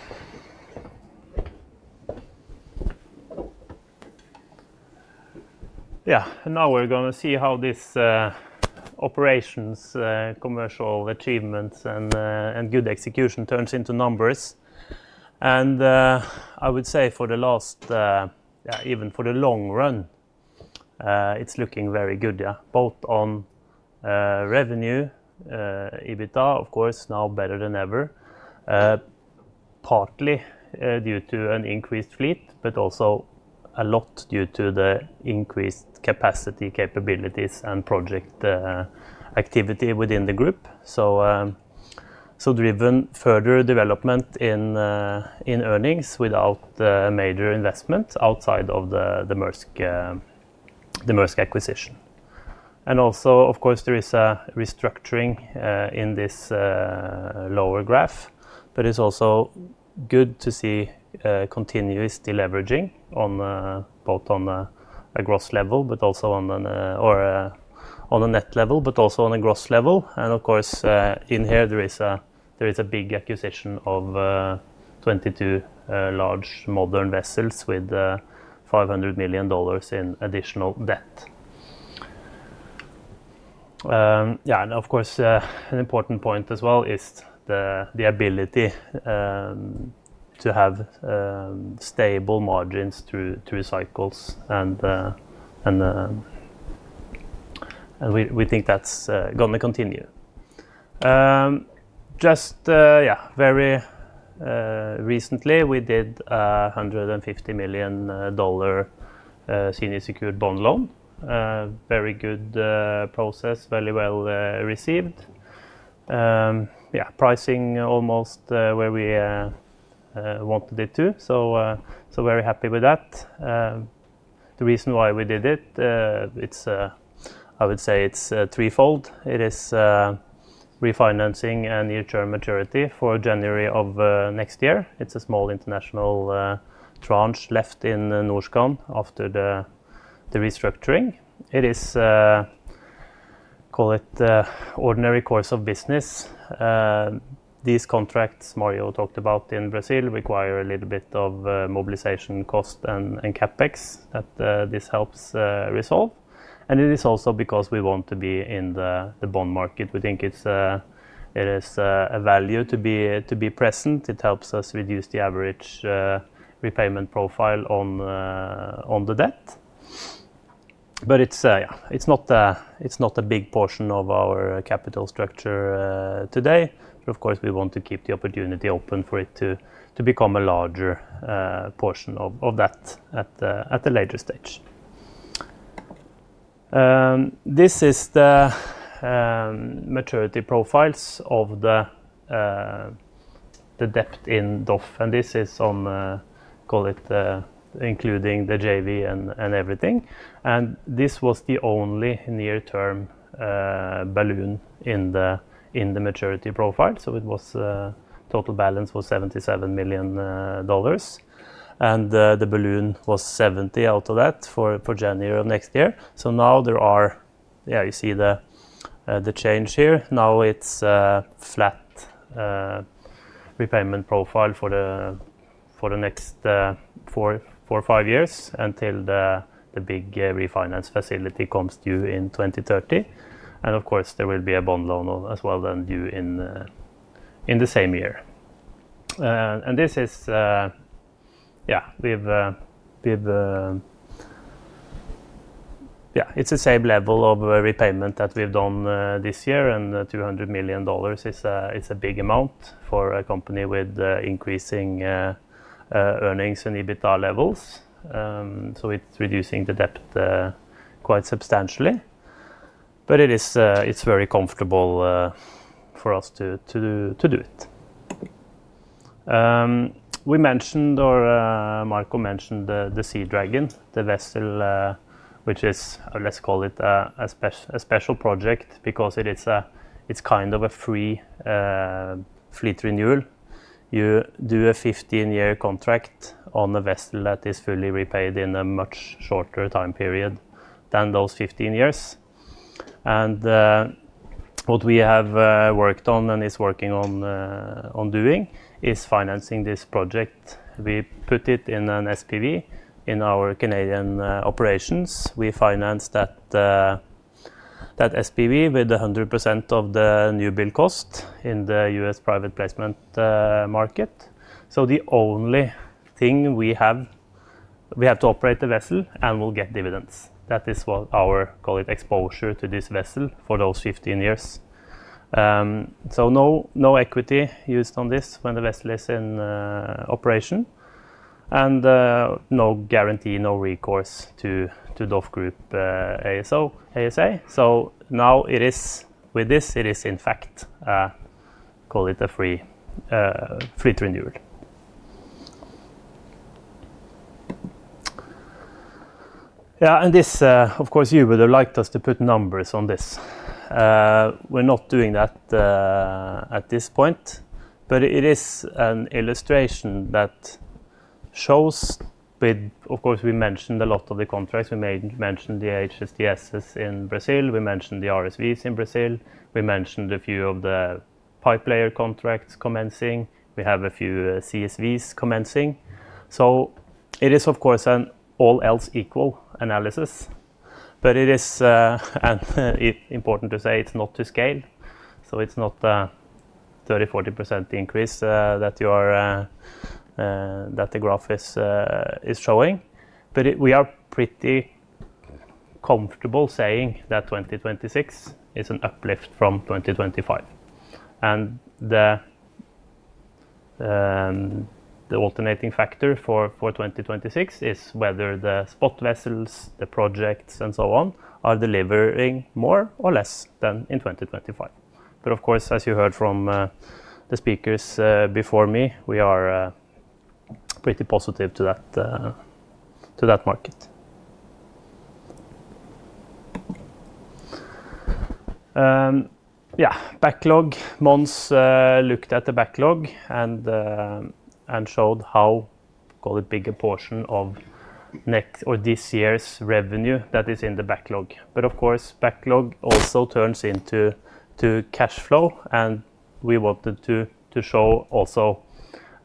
Yeah. Now we're going to see how these operations, commercial achievements, and good execution turn into numbers. I would say for the last, yeah, even for the long run, it's looking very good, yeah, both on revenue, EBITDA, of course, now better than ever, partly due to an increased fleet, but also a lot due to the increased capacity, capabilities, and project activity within the group. Driven further development in earnings without major investments outside of the Maersk acquisition. Also, of course, there is a restructuring in this lower graph, but it's also good to see continuous deleveraging both on a gross level, but also on a net level, but also on a gross level. Of course, in here, there is a big acquisition of 22 large modern vessels with $500 million in additional debt. Yeah. An important point as well is the ability to have stable margins through cycles. We think that's going to continue. Just, yeah, very recently, we did a $150 million senior secured bond loan. Very good process, very well received. Yeah, pricing almost where we wanted it to. Very happy with that. The reason why we did it, I would say it's threefold. It is refinancing a near-term maturity for January of next year. It's a small international tranche left in Nordskan after the restructuring. It is, call it, an ordinary course of business. These contracts Mario talked about in Brazil require a little bit of mobilization cost and CapEx that this helps resolve. It is also because we want to be in the bond market. We think it is a value to be present. It helps us reduce the average repayment profile on the debt. It's, yeah, it's not a big portion of our capital structure today. Of course, we want to keep the opportunity open for it to become a larger portion of that at a later stage. This is the maturity profiles of the debt in DOF. This is on, call it, including the JV and everything. This was the only near-term balloon in the maturity profile. Total balance was $77 million. The balloon was $70 million out of that for January of next year. Now there are, yeah, you see the change here. Now it's a flat repayment profile for the next four or five years until the big refinance facility comes due in 2030. Of course, there will be a bond loan as well then due in the same year. This is, yeah, it's the same level of repayment that we've done this year. $200 million is a big amount for a company with increasing earnings and EBITDA levels. It is reducing the debt quite substantially. It is very comfortable for us to do it. We mentioned, or Marco mentioned the Sea Dragon, the vessel, which is, let's call it a special project because it's kind of a free fleet renewal. You do a 15-year contract on a vessel that is fully repaid in a much shorter time period than those 15 years. What we have worked on and is working on doing is financing this project. We put it in an SPV in our Canadian operations. We financed that SPV with 100% of the new build cost in the U.S. private placement market. The only thing we have, we have to operate the vessel and we'll get dividends. That is what our, call it, exposure to this vessel for those 15 years. No equity used on this when the vessel is in operation. No guarantee, no recourse to DOF Group ASA. Now it is, with this, it is in fact, call it a free fleet renewal. This, of course, you would have liked us to put numbers on this. We're not doing that at this point. It is an illustration that shows, of course, we mentioned a lot of the contracts. We mentioned the HSDSs in Brazil. We mentioned the RSVs in Brazil. We mentioned a few of the pipelayer contracts commencing. We have a few CSVs commencing. It is, of course, an all-else equal analysis. It is important to say it's not to scale. It's not a 30%, 40% increase that the graph is showing. We are pretty comfortable saying that 2026 is an uplift from 2025. The alternating factor for 2026 is whether the spot vessels, the projects, and so on are delivering more or less than in 2025. Of course, as you heard from the speakers before me, we are pretty positive to that market. Backlog. Mons looked at the backlog and showed how, call it, a bigger portion of next or this year's revenue that is in the backlog. Of course, backlog also turns into cash flow. We wanted to show also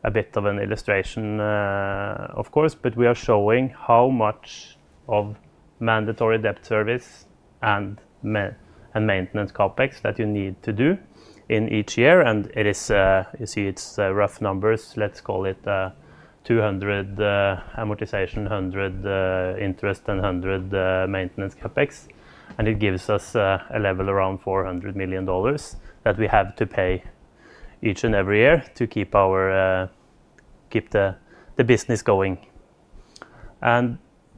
a bit of an illustration, of course, but we are showing how much of mandatory debt service and maintenance CapEx that you need to do in each year. You see, it's rough numbers. Let's call it $200 million amortization, $100 million interest, and $100 million maintenance CapEx. It gives us a level around $400 million that we have to pay each and every year to keep the business going.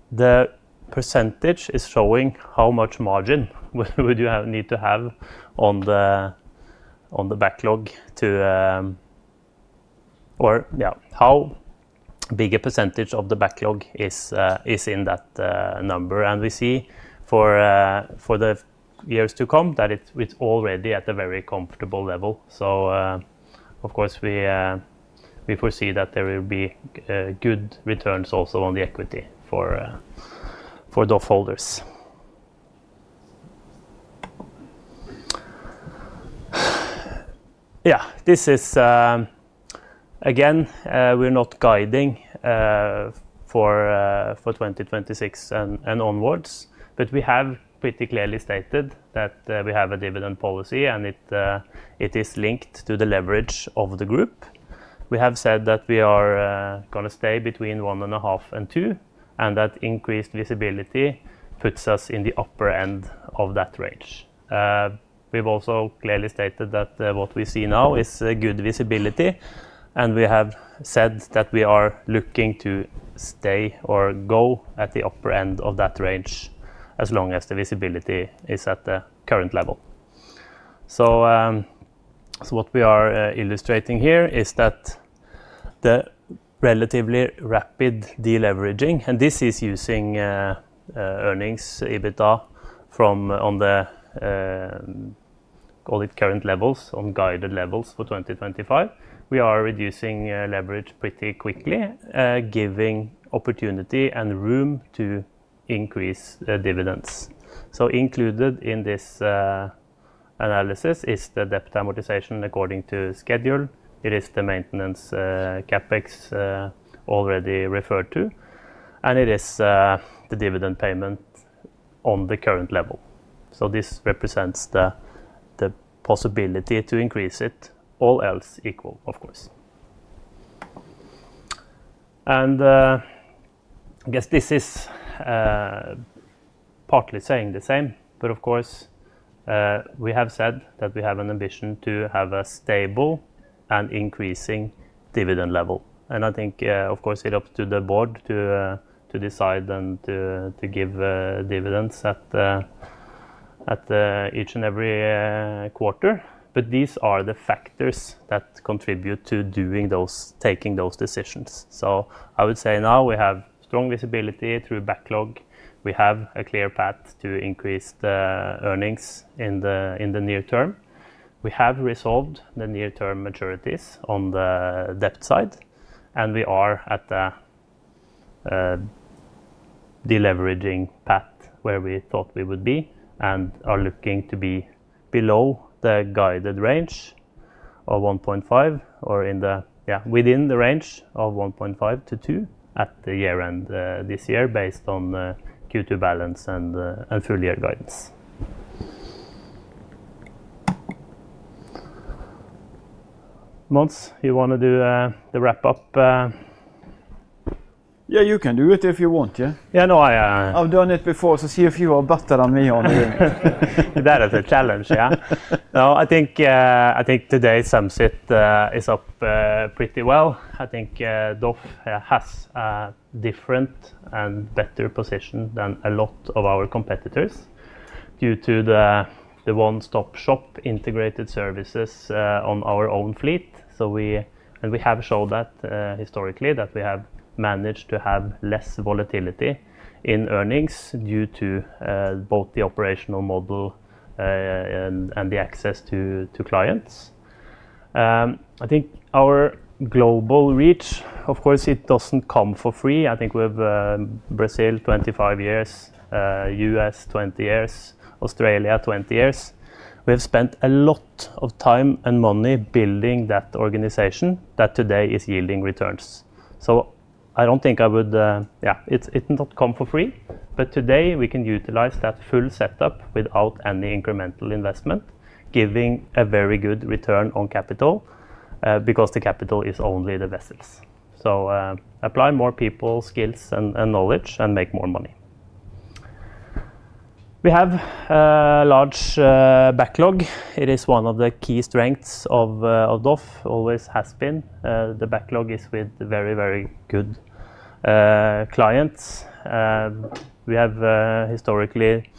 The percentage is showing how much margin you would need to have on the backlog to, or yeah, how big a percentage of the backlog is in that number. We see for the years to come that it's already at a very comfortable level. Of course, we foresee that there will be good returns also on the equity for DOF holders. This is, again, we're not guiding for 2026 and onwards, but we have pretty clearly stated that we have a dividend policy and it is linked to the leverage of the group. We have said that we are going to stay between 1.5x and 2x, and that increased visibility puts us in the upper end of that range. We've also clearly stated that what we see now is a good visibility. We have said that we are looking to stay or go at the upper end of that range as long as the visibility is at the current level. What we are illustrating here is that the relatively rapid deleveraging, and this is using earnings EBITDA from on the, call it, current levels, on guided levels for 2025. We are reducing leverage pretty quickly, giving opportunity and room to increase dividends. Included in this analysis is the debt amortization according to schedule. It is the maintenance CapEx already referred to, and it is the dividend payment on the current level. This represents the possibility to increase it all else equal, of course. I guess this is partly saying the same, but of course, we have said that we have an ambition to have a stable and increasing dividend level. I think, of course, it's up to the board to decide and to give dividends at each and every quarter, but these are the factors that contribute to doing those, taking those decisions. I would say now we have strong visibility through backlog. We have a clear path to increase the earnings in the near term. We have resolved the near-term maturities on the debt side. We are at the deleveraging path where we thought we would be and are looking to be below the guided range of 1.5x or in the, yeah, within the range of 1.5x-2x at the year-end this year based on Q2 balance and full-year guidance. Mons, you want to do the wrap-up? Yeah, you can do it if you want. Yeah. Yeah, I've done it before, so see if you are better than me on doing it. That is a challenge, yeah. No, I think today's sunset is up pretty well. I think DOF Group ASA has a different and better position than a lot of our competitors due to the one-stop shop integrated services on our own fleet. We have shown that historically we have managed to have less volatility in earnings due to both the operational model and the access to clients. I think our global reach, of course, it doesn't come for free. We have Brazil 25 years, U.S. 20 years, Australia 20 years. We've spent a lot of time and money building that organization that today is yielding returns. I don't think I would, yeah, it's not come for free, but today we can utilize that full setup without any incremental investment, giving a very good return on capital because the capital is only the vessels. Apply more people, skills, and knowledge, and make more money. We have a large backlog. It is one of the key strengths of DOF Group ASA, always has been. The backlog is with very, very good clients. We have historically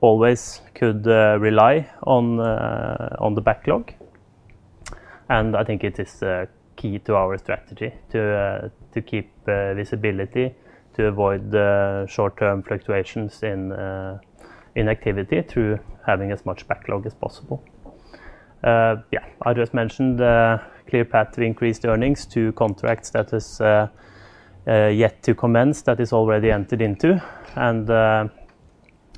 always could rely on the backlog. I think it is key to our strategy to keep visibility, to avoid short-term fluctuations in activity through having as much backlog as possible. I just mentioned the clear path to increase earnings, two contracts that are yet to commence that is already entered into.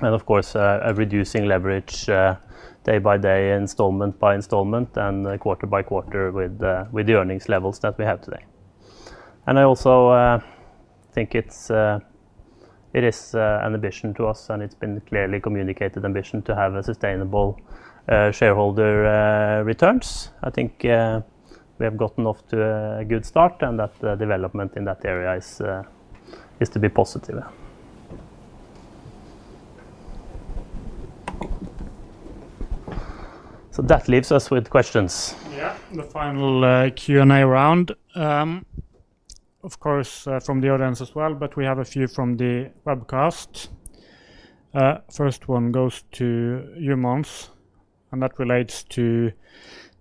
Of course, reducing leverage day by day, installment by installment, and quarter-by-quarter with the earnings levels that we have today. I also think it is an ambition to us, and it's been clearly communicated an ambition to have a sustainable shareholder returns. I think we have gotten off to a good start, and that development in that area is to be positive. That leaves us with questions. Yeah, the final Q&A round. Of course, from the audience as well, but we have a few from the webcast. First one goes to you, Mons, and that relates to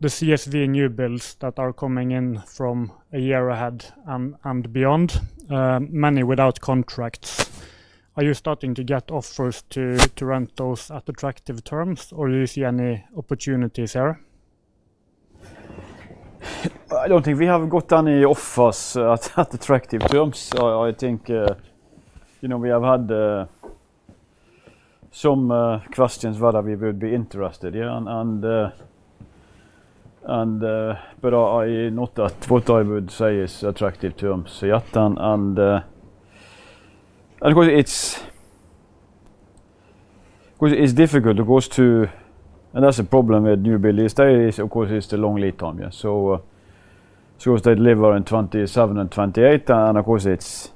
the CSV new builds that are coming in from a year ahead and beyond, many without contracts. Are you starting to get offers to rent those at attractive terms, or do you see any opportunities here? I don't think we have got any offers at attractive terms. I think, you know, we have had some questions whether we would be interested. I have not seen what I would say is attractive terms yet. Of course, it's difficult. It goes to, and that's a problem with new builders. They, of course, it's the long lead time. They deliver in 2027 and 2028. Of course, it's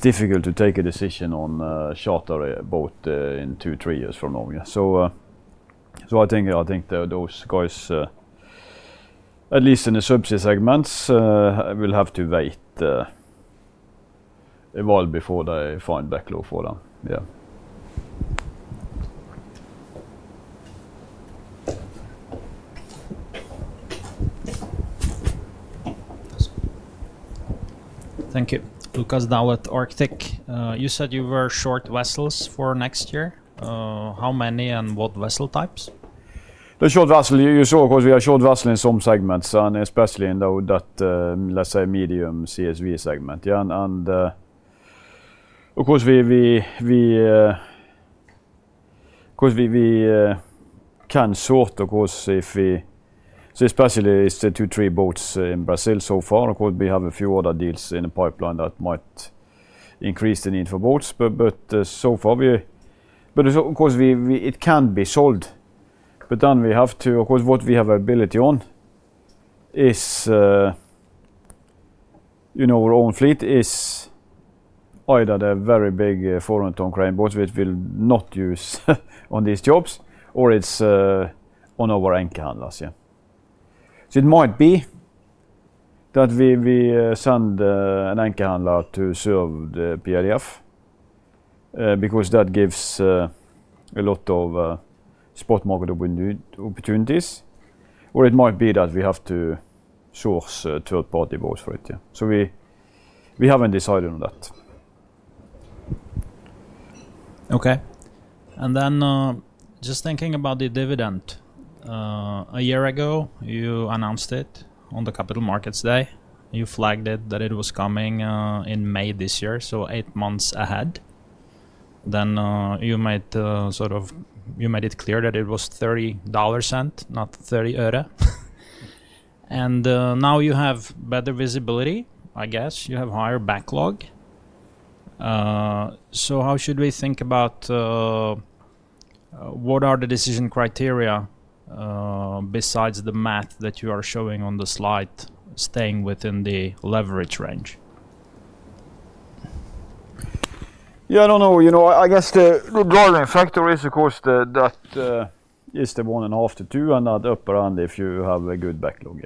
difficult to take a decision on charter boat in two, three years from now. I think those guys, at least in the subsea segments, will have to wait a while before they find backlog for them. Yeah. Thank you. Lucas now at Arctic. You said you were short vessels for next year. How many and what vessel types? The short vessel, you saw, of course, we are short vessel in some segments, and especially in that, let's say, medium CSV segment. Yeah. Of course, we can sort, of course, if we, especially with the two, three boats in Brazil so far. We have a few other deals in the pipeline that might increase the need for boats. It can be sold. We have ability on, you know, our own fleet is either the very big 400-ton crane boat we will not use on these jobs, or it's on our anchor handlers. Yeah. It might be that we send an anchor handler to serve the PRDF because that gives a lot of spot market opportunities, or it might be that we have to source third-party boats for it. Yeah. We haven't decided on that. Okay. Just thinking about the dividend, a year ago, you announced it on the Capital Markets Day. You flagged it that it was coming in May this year, so eight months ahead. You made it clear that it was $0.30, not $30 error. Now you have better visibility, I guess. You have a higher backlog. How should we think about what are the decision criteria besides the math that you are showing on the slide, staying within the leverage range? I guess the driving factor is, of course, that is the one and a half to two and that upper end if you have a good backlog.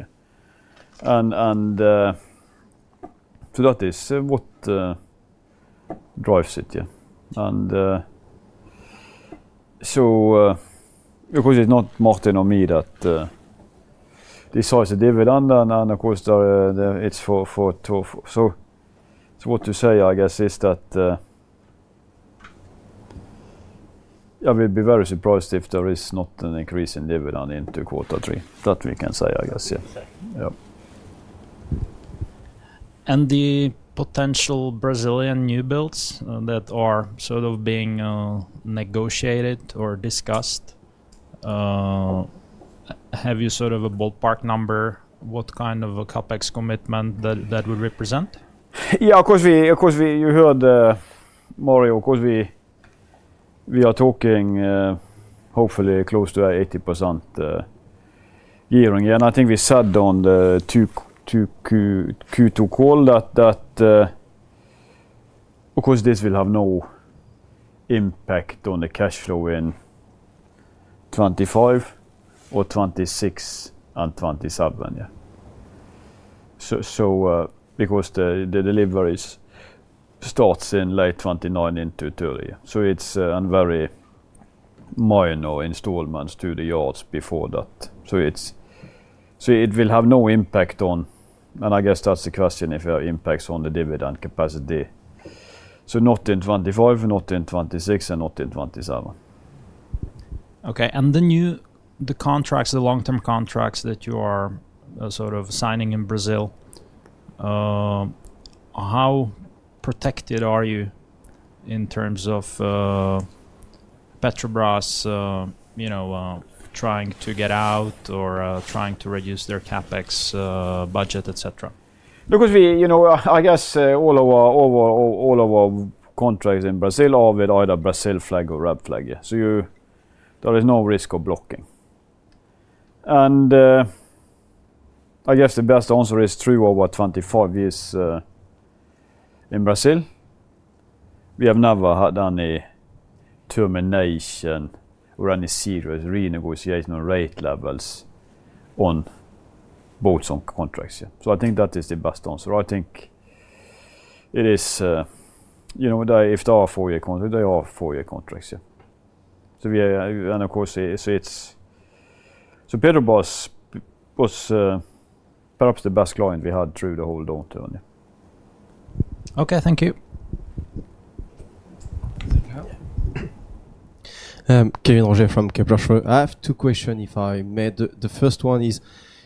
That is what drives it. Of course, it's not Martin or me that decides the dividend. It's for two. What to say, I guess, is that we'd be very surprised if there is not an increase in dividend in two quarters, three, that we can say, I guess. The potential Brazilian new builds that are sort of being negotiated or discussed, have you sort of a ballpark number, what kind of a CapEx commitment that would represent? Yeah, of course, you heard Mario. Of course, we are talking hopefully close to 80% year-on-year. I think we said on the Q2 call that this will have no impact on the cash flow in 2025 or 2026 and 2027. The deliveries start in late 2029 into 2030. It's a very minor installment to the yards before that. It will have no impact on, and I guess that's the question, if it impacts on the dividend capacity. Not in 2025, not in 2026, and not in 2027. Okay. The new contracts, the long-term contracts that you are sort of signing in Brazil, how protected are you in terms of Petrobras trying to get out or trying to reduce their CapEx budget, etc.? Because, you know, I guess all of our contracts in Brazil are with either Brazil flag or REB flag. There is no risk of blocking. I guess the best answer is through our 25 years in Brazil, we have never had any termination or any serious renegotiation rate levels on boats on contracts. I think that is the best answer. I think it is, you know, if there are four-year contracts, there are four-year contracts. We are, of course, Petrobras was perhaps the best client we had through the whole downturn. Okay. Thank you. I have two questions, if I may. The first one is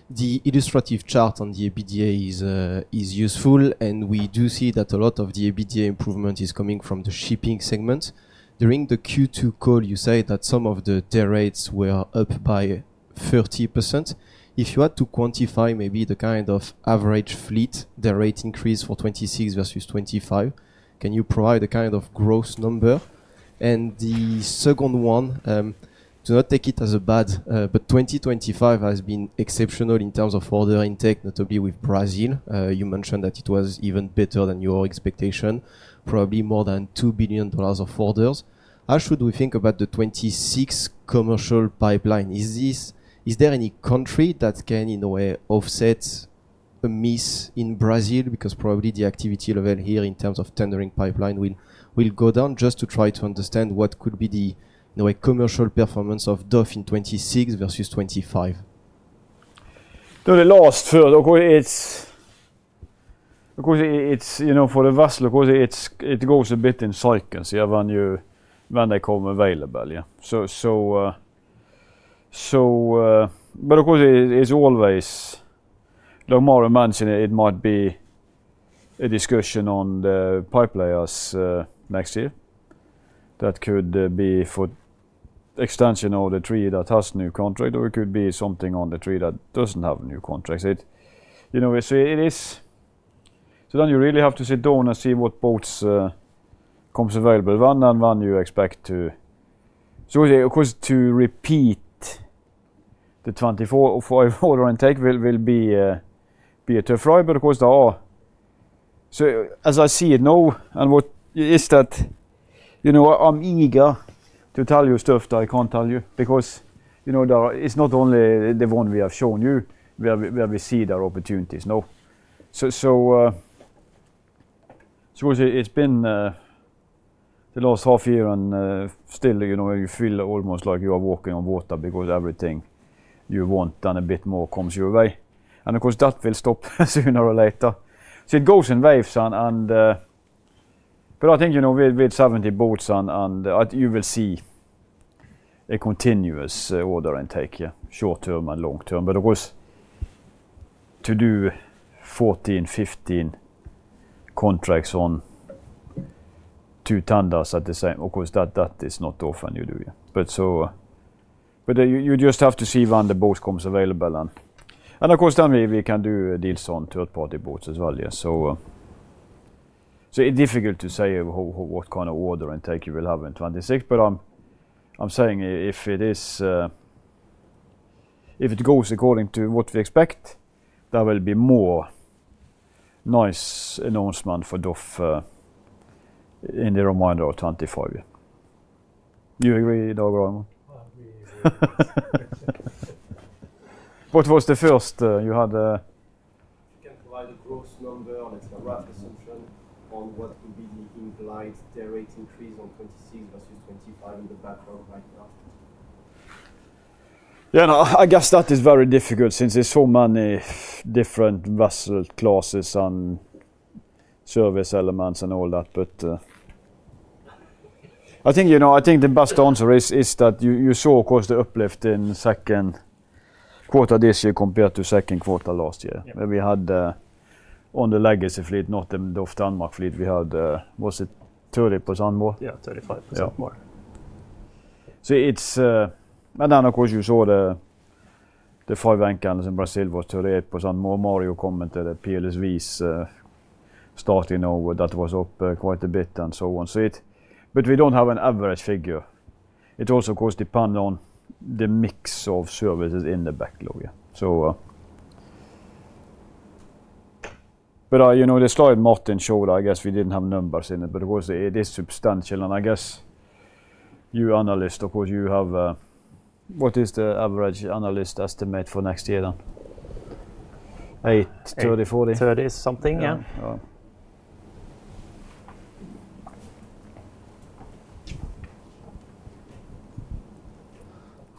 the illustrative chart on the EBITDA is useful, and we do see that a lot of the EBITDA improvement is coming from the shipping segment. During the Q2 call, you say that some of the rates were up by 30%. If you had to quantify maybe the kind of average fleet, the rate increase for 2026 versus 2025, can you provide a kind of gross number? The second one, do not take it as a bad, but 2025 has been exceptional in terms of order intake, notably with Brazil. You mentioned that it was even better than your expectation, probably more than $2 billion of orders. How should we think about the 2026 commercial pipeline? Is there any country that can, in a way, offset a miss in Brazil? Because probably the activity level here in terms of tendering pipeline will go down. Just to try to understand what could be the commercial performance of DOF Group ASA in 2026 versus 2025. The last, of course, it's, you know, for the vessel, of course, it goes a bit in cycles when they come available. Yeah. Of course, it's always, like Mario mentioned, it might be a discussion on the pipelayers next year that could be for the extension of the tree that has new contracts, or it could be something on the tree that doesn't have new contracts. You know, it is, so then you really have to sit down and see what boats come available when and when you expect to. To repeat, the 2024 order intake will be a tough ride. There are, as I see it now, and what is that, you know, I'm eager to tell you stuff that I can't tell you because, you know, it's not only the one we have shown you where we see there are opportunities. No. So. It's been a lot of tough years and still, you know, you feel almost like you are walking on water because everything you want and a bit more comes your way. Of course, that will stop sooner or later. It goes in waves, but I think, you know, with 70 boats, you will see a continuous order intake, short term and long term. Of course, to do 14, 15 contracts on two tenders at the same time, that is not often you do. You just have to see when the boat comes available. Of course, then we can do deals on third-party boats as well. It's difficult to say what kind of order intake you will have in 2026. I'm saying if it goes according to what we expect, there will be more nice announcements for DOF Group ASA in the remainder of 2025. You agree, Dag Raymond? What was the first you had? I can provide a quote number on what can be the implied derating decrease on 2026 versus 2025 on the background. Yeah, I guess that is very difficult since there's so many different vessel classes and service elements and all that. I think the best answer is that you saw, of course, the uplift in second quarter this year compared to second quarter last year. We had on the legacy fleet, not the DOF Denmark fleet, we had, was it 30% more? Yeah, 35% more. Yeah. Of course, you saw the five-anchors in Brazil were 38% more. Mario commented at PLSV's starting hour that was up quite a bit and so on. We don't have an average figure. It also goes to depend on the mix of services in the backlog. The story Martin showed, I guess we didn't have numbers in it, but of course, it is substantial. I guess you analysts, of course, you have, what is the average analyst estimate for next year then? Eight, 34? Thirty-something, yeah.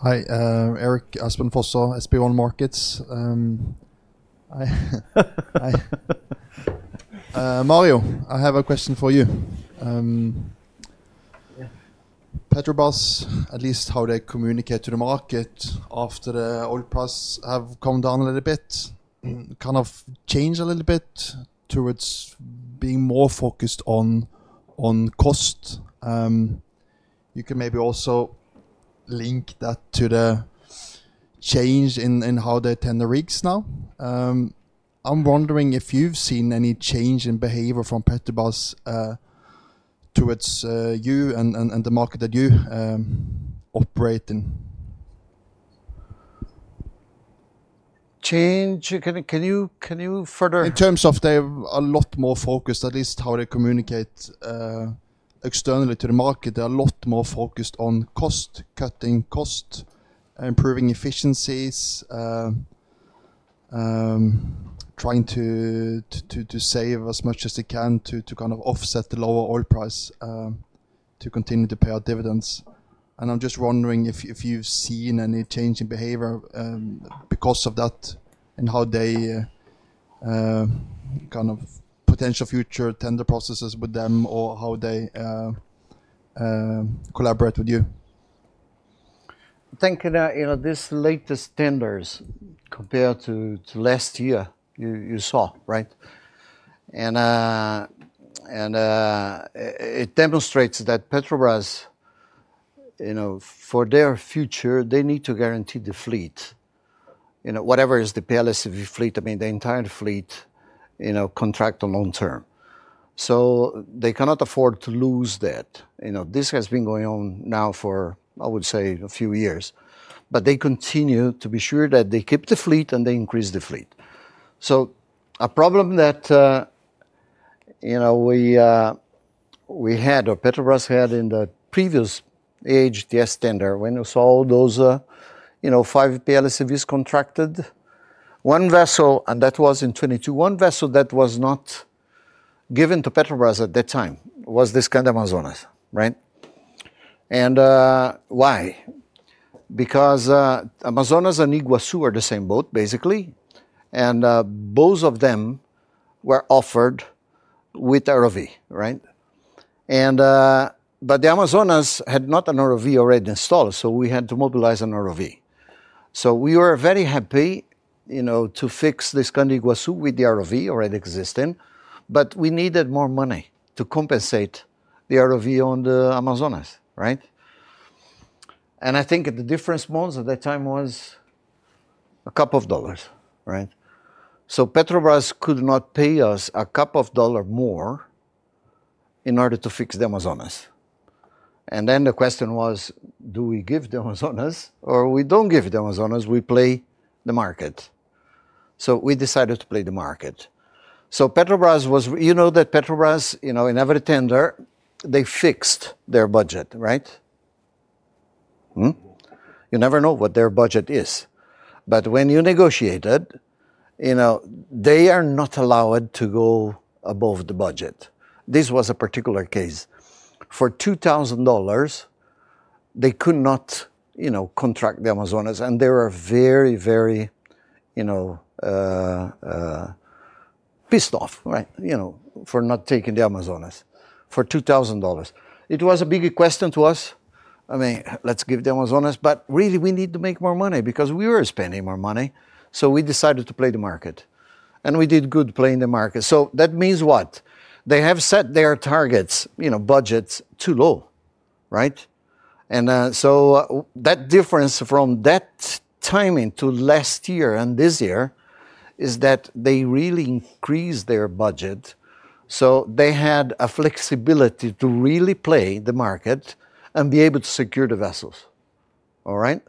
Hi, Erik Aspen Fossa, SB1 Markets. Mario, I have a question for you. Petrobras, at least how they communicate to the market after the OpEx plus have come down a little bit, kind of changed a little bit towards being more focused on cost. You can maybe also link that to the change in how they attend the rigs now. I'm wondering if you've seen any change in behavior from Petrobras towards you and the market that you operate in. Change? Can you further? In terms of they're a lot more focused, at least how they communicate externally to the market, they're a lot more focused on cost cutting, cost improving efficiencies, trying to save as much as they can to kind of offset the lower oil price to continue to pay our dividends. I'm just wondering if you've seen any change in behavior because of that and how they kind of potential future tender processes with them or how they collaborate with you. I think, you know, these latest tenders compared to last year you saw, right? It demonstrates that Petrobras, you know, for their future, they need to guarantee the fleet. You know, whether it is the PLSV fleet, I mean, the entire fleet, you know, contract a long term. They cannot afford to lose that. This has been going on now for, I would say, a few years. They continue to be sure that they keep the fleet and they increase the fleet. A problem that, you know, we had or Petrobras had in the previous AHTS tender when we saw those five PLSVs contracted. One vessel, and that was in 2022, one vessel that was not given to Petrobras at that time was this guy in the Amazonas, right? Why? Because Amazonas and Iguaçu are the same boat, basically. Both of them were offered with ROV, right? The Amazonas had not an ROV already installed, so we had to mobilize an ROV. We were very happy, you know, to fix this kind of Iguaçu with the ROV already existing, but we needed more money to compensate the ROV on the Amazonas, right? I think the difference, Mons, at that time was a couple of dollars, right? Petrobras could not pay us a couple of dollars more in order to fix the Amazonas. The question was, do we give the Amazonas or we don't give the Amazonas, we play the market? We decided to play the market. Petrobras was, you know, that Petrobras, you know, in every tender, they fixed their budget, right? You never know what their budget is. When you negotiated, you know, they are not allowed to go above the budget. This was a particular case. For $2,000, they could not, you know, contract the Amazonas, and they were very, very, you know, pissed off, right? You know, for not taking the Amazonas for $2,000. It was a big question to us. I mean, let's give the Amazonas, but really, we need to make more money because we were spending more money. We decided to play the market. We did good playing the market. That means what? They have set their targets, you know, budgets too low, right? That difference from that timing to last year and this year is that they really increased their budget. They had a flexibility to really play the market and be able to secure the vessels. All right?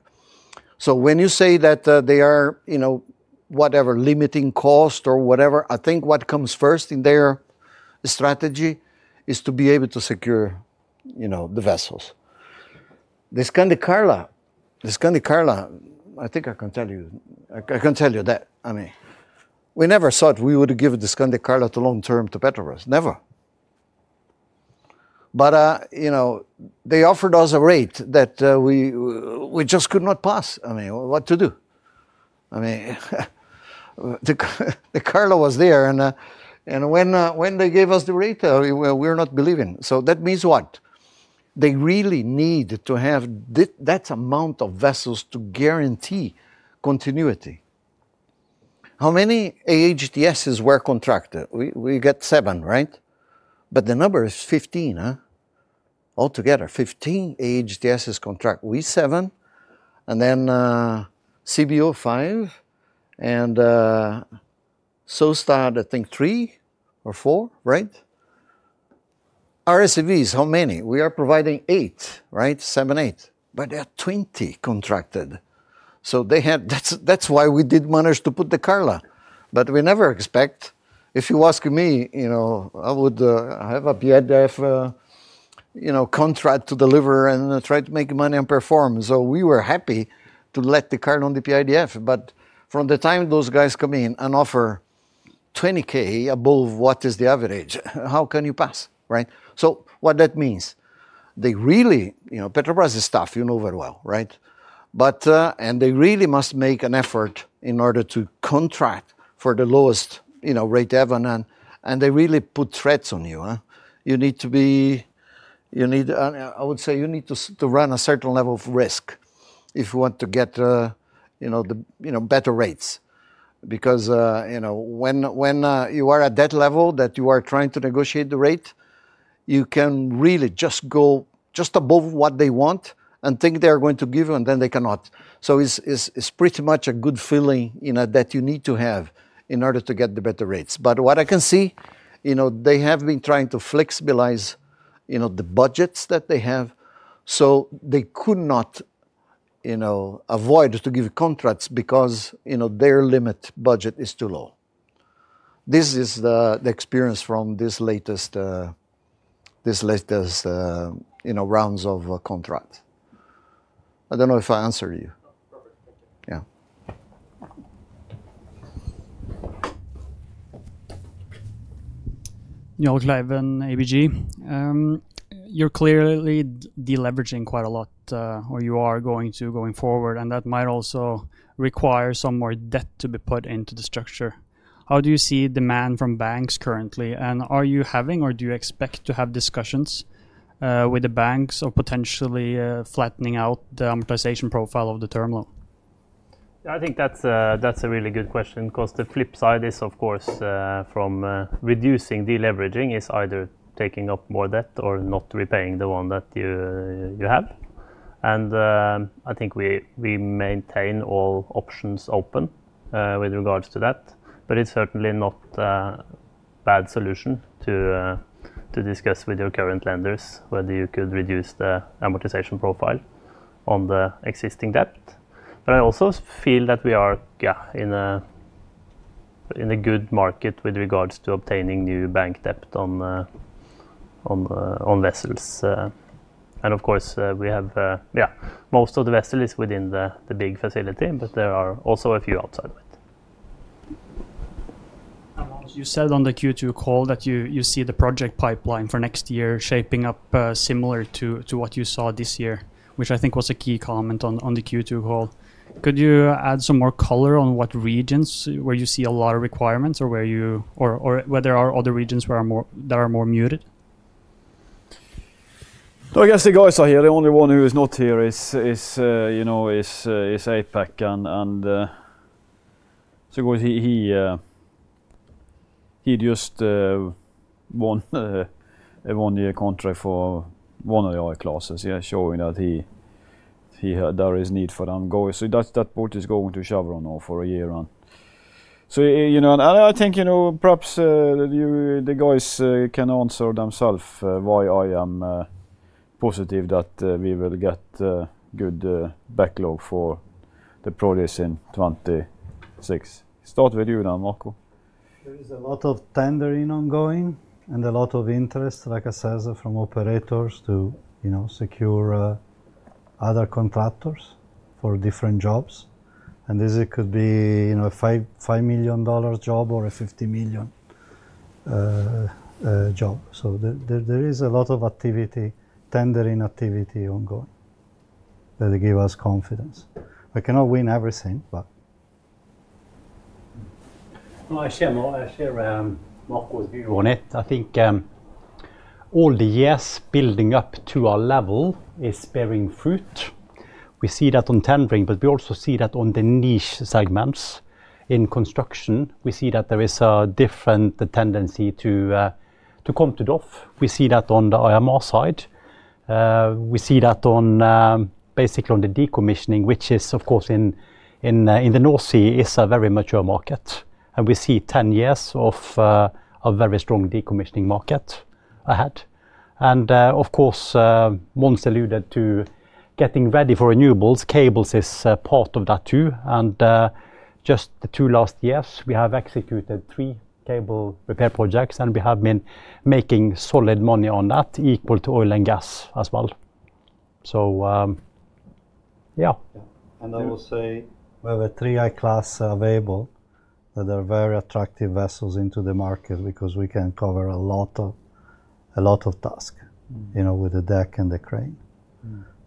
When you say that they are, you know, whatever, limiting cost or whatever, I think what comes first in their strategy is to be able to secure, you know, the vessels. I think I can tell you that. I mean, we never thought we would give this kind of Carla to long term to Petrobras. Never. They offered us a rate that we just could not pass. I mean, what to do? The Carla was there. When they gave us the rate, we were not believing. That means what? They really need to have that amount of vessels to guarantee continuity. How many AHTSs were contracted? We got seven, right? The number is 15, huh? Altogether, 15 AHTSs contracted. We seven, and then CBO five, and Solstad, I think, three or four, right? RSVs, how many? We are providing eight, right? Seven, eight. There are 20 contracted. That's why we didn't manage to put the Carla. We never expect, if you ask me, you know, I would have a PIDF contract to deliver and try to make money and perform. We were happy to let the Carla on the PIDF. From the time those guys come in and offer $20,000 above what is the average, how can you pass, right? What that means, they really, you know, Petrobras is tough, you know very well, right? They really must make an effort in order to contract for the lowest, you know, rate ever. They really put threats on you. You need to be, you need, I would say you need to run a certain level of risk if you want to get, you know, the better rates. When you are at that level that you are trying to negotiate the rate, you can really just go just above what they want and think they are going to give you and then they cannot. It's pretty much a good feeling that you need to have in order to get the better rates. What I can see, you know, they have been trying to flexibilize, you know, the budgets that they have. They could not, you know, avoid to give contracts because, you know, their limit budget is too low. This is the experience from this latest, you know, rounds of contracts. I don't know if I answered you. Yeah. You're clearly deleveraging quite a lot, or you are going to going forward, and that might also require some more debt to be put into the structure. How do you see demand from banks currently, and are you having, or do you expect to have discussions with the banks or potentially flattening out the amortization profile of the term loan? Yeah, I think that's a really good question because the flip side is, of course, from reducing deleveraging is either taking up more debt or not repaying the one that you have. I think we maintain all options open with regards to that. It's certainly not a bad solution to discuss with your current lenders whether you could reduce the amortization profile on the existing debt. I also feel that we are in a good market with regards to obtaining new bank debt on vessels. Of course, we have most of the vessels within the big facility, but there are also a few outside of it. You said on the Q2 call that you see the project pipeline for next year shaping up similar to what you saw this year, which I think was a key comment on the Q2 call. Could you add some more color on what regions where you see a lot of requirements or where there are other regions that are more muted? I guess the guys are here. The only one who is not here is Apex. He just won a one-year contract for one of the other classes. He has shown that there is a need for them going. That boat is going to Chevron now for a year run. You know, and I think, you know, perhaps the guys can answer themselves why I am positive that we will get a good backlog for the projects in 2026. Start with you now, Marco. There is a lot of tendering ongoing and a lot of interest, like I said, from operators to, you know, secure other contractors for different jobs. This could be, you know, a $5 million job or a $50 million job. There is a lot of activity, tendering activity ongoing that gives us confidence. I cannot win everything, but. No, I share Mario's view on it. I think all the years building up to our level is bearing fruit. We see that on tendering, but we also see that on the niche segments in construction. We see that there is a different tendency to come to DOF Group ASA. We see that on the IMA side. We see that basically on the decommissioning, which is, of course, in the North Sea, is a very mature market. We see 10 years of a very strong decommissioning market ahead. Mons Aase alluded to getting ready for renewables. Cables is part of that too. In just the last two years, we have executed three cable repair projects, and we have been making solid money on that, equal to oil and gas as well. So yeah. The three I class are available. They're very attractive vessels in the market because we can cover a lot of tasks, you know, with the deck and the crane,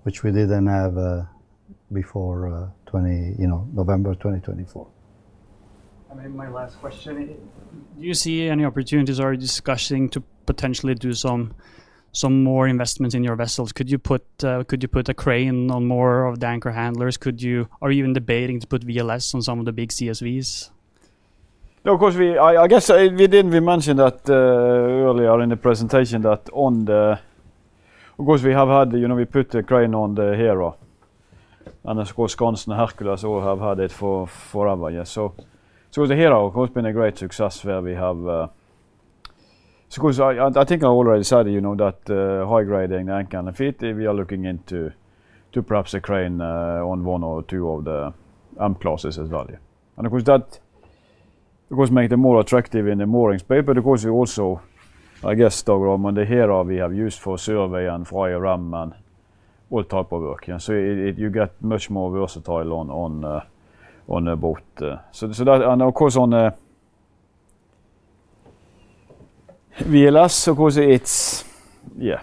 which we didn't have before November 2024. I mean, my last question, do you see any opportunities or are you discussing to potentially do some more investments in your vessels? Could you put a crane on more of the anchor handlers? Could you, are you even debating to put VLS on some of the big CSVs? No, of course, I guess we didn't mention that earlier in the presentation that, of course, we have had, you know, we put a crane on the Hero. Of course, Constant Herkules all have had it forever. Yeah. The Hero has been a great success where we have, of course, I think I already said, you know, that high-grading anchor and fleet, we are looking into perhaps a crane on one or two of the M classes as well. That makes it more attractive in the mooring space. Of course, we also, I guess, on the Hero, we have used for survey and fire arm and all type of work. You get much more versatile on the boat. Of course, on VLS, it's, yeah,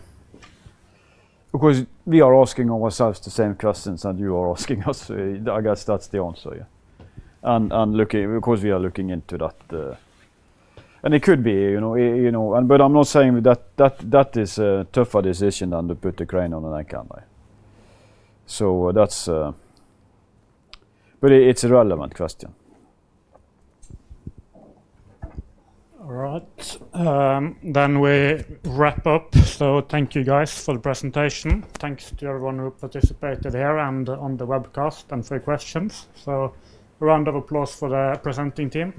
of course, we are asking ourselves the same questions that you are asking us. I guess that's the answer. Of course, we are looking into that. It could be, you know, but I'm not saying that that is a tougher decision than to put a crane on an anchor. That's, but it's a relevant question. All right. We wrap up. Thank you guys for the presentation. Thanks to everyone who participated here and on the webcast and for your questions. A round of applause for the presenting team.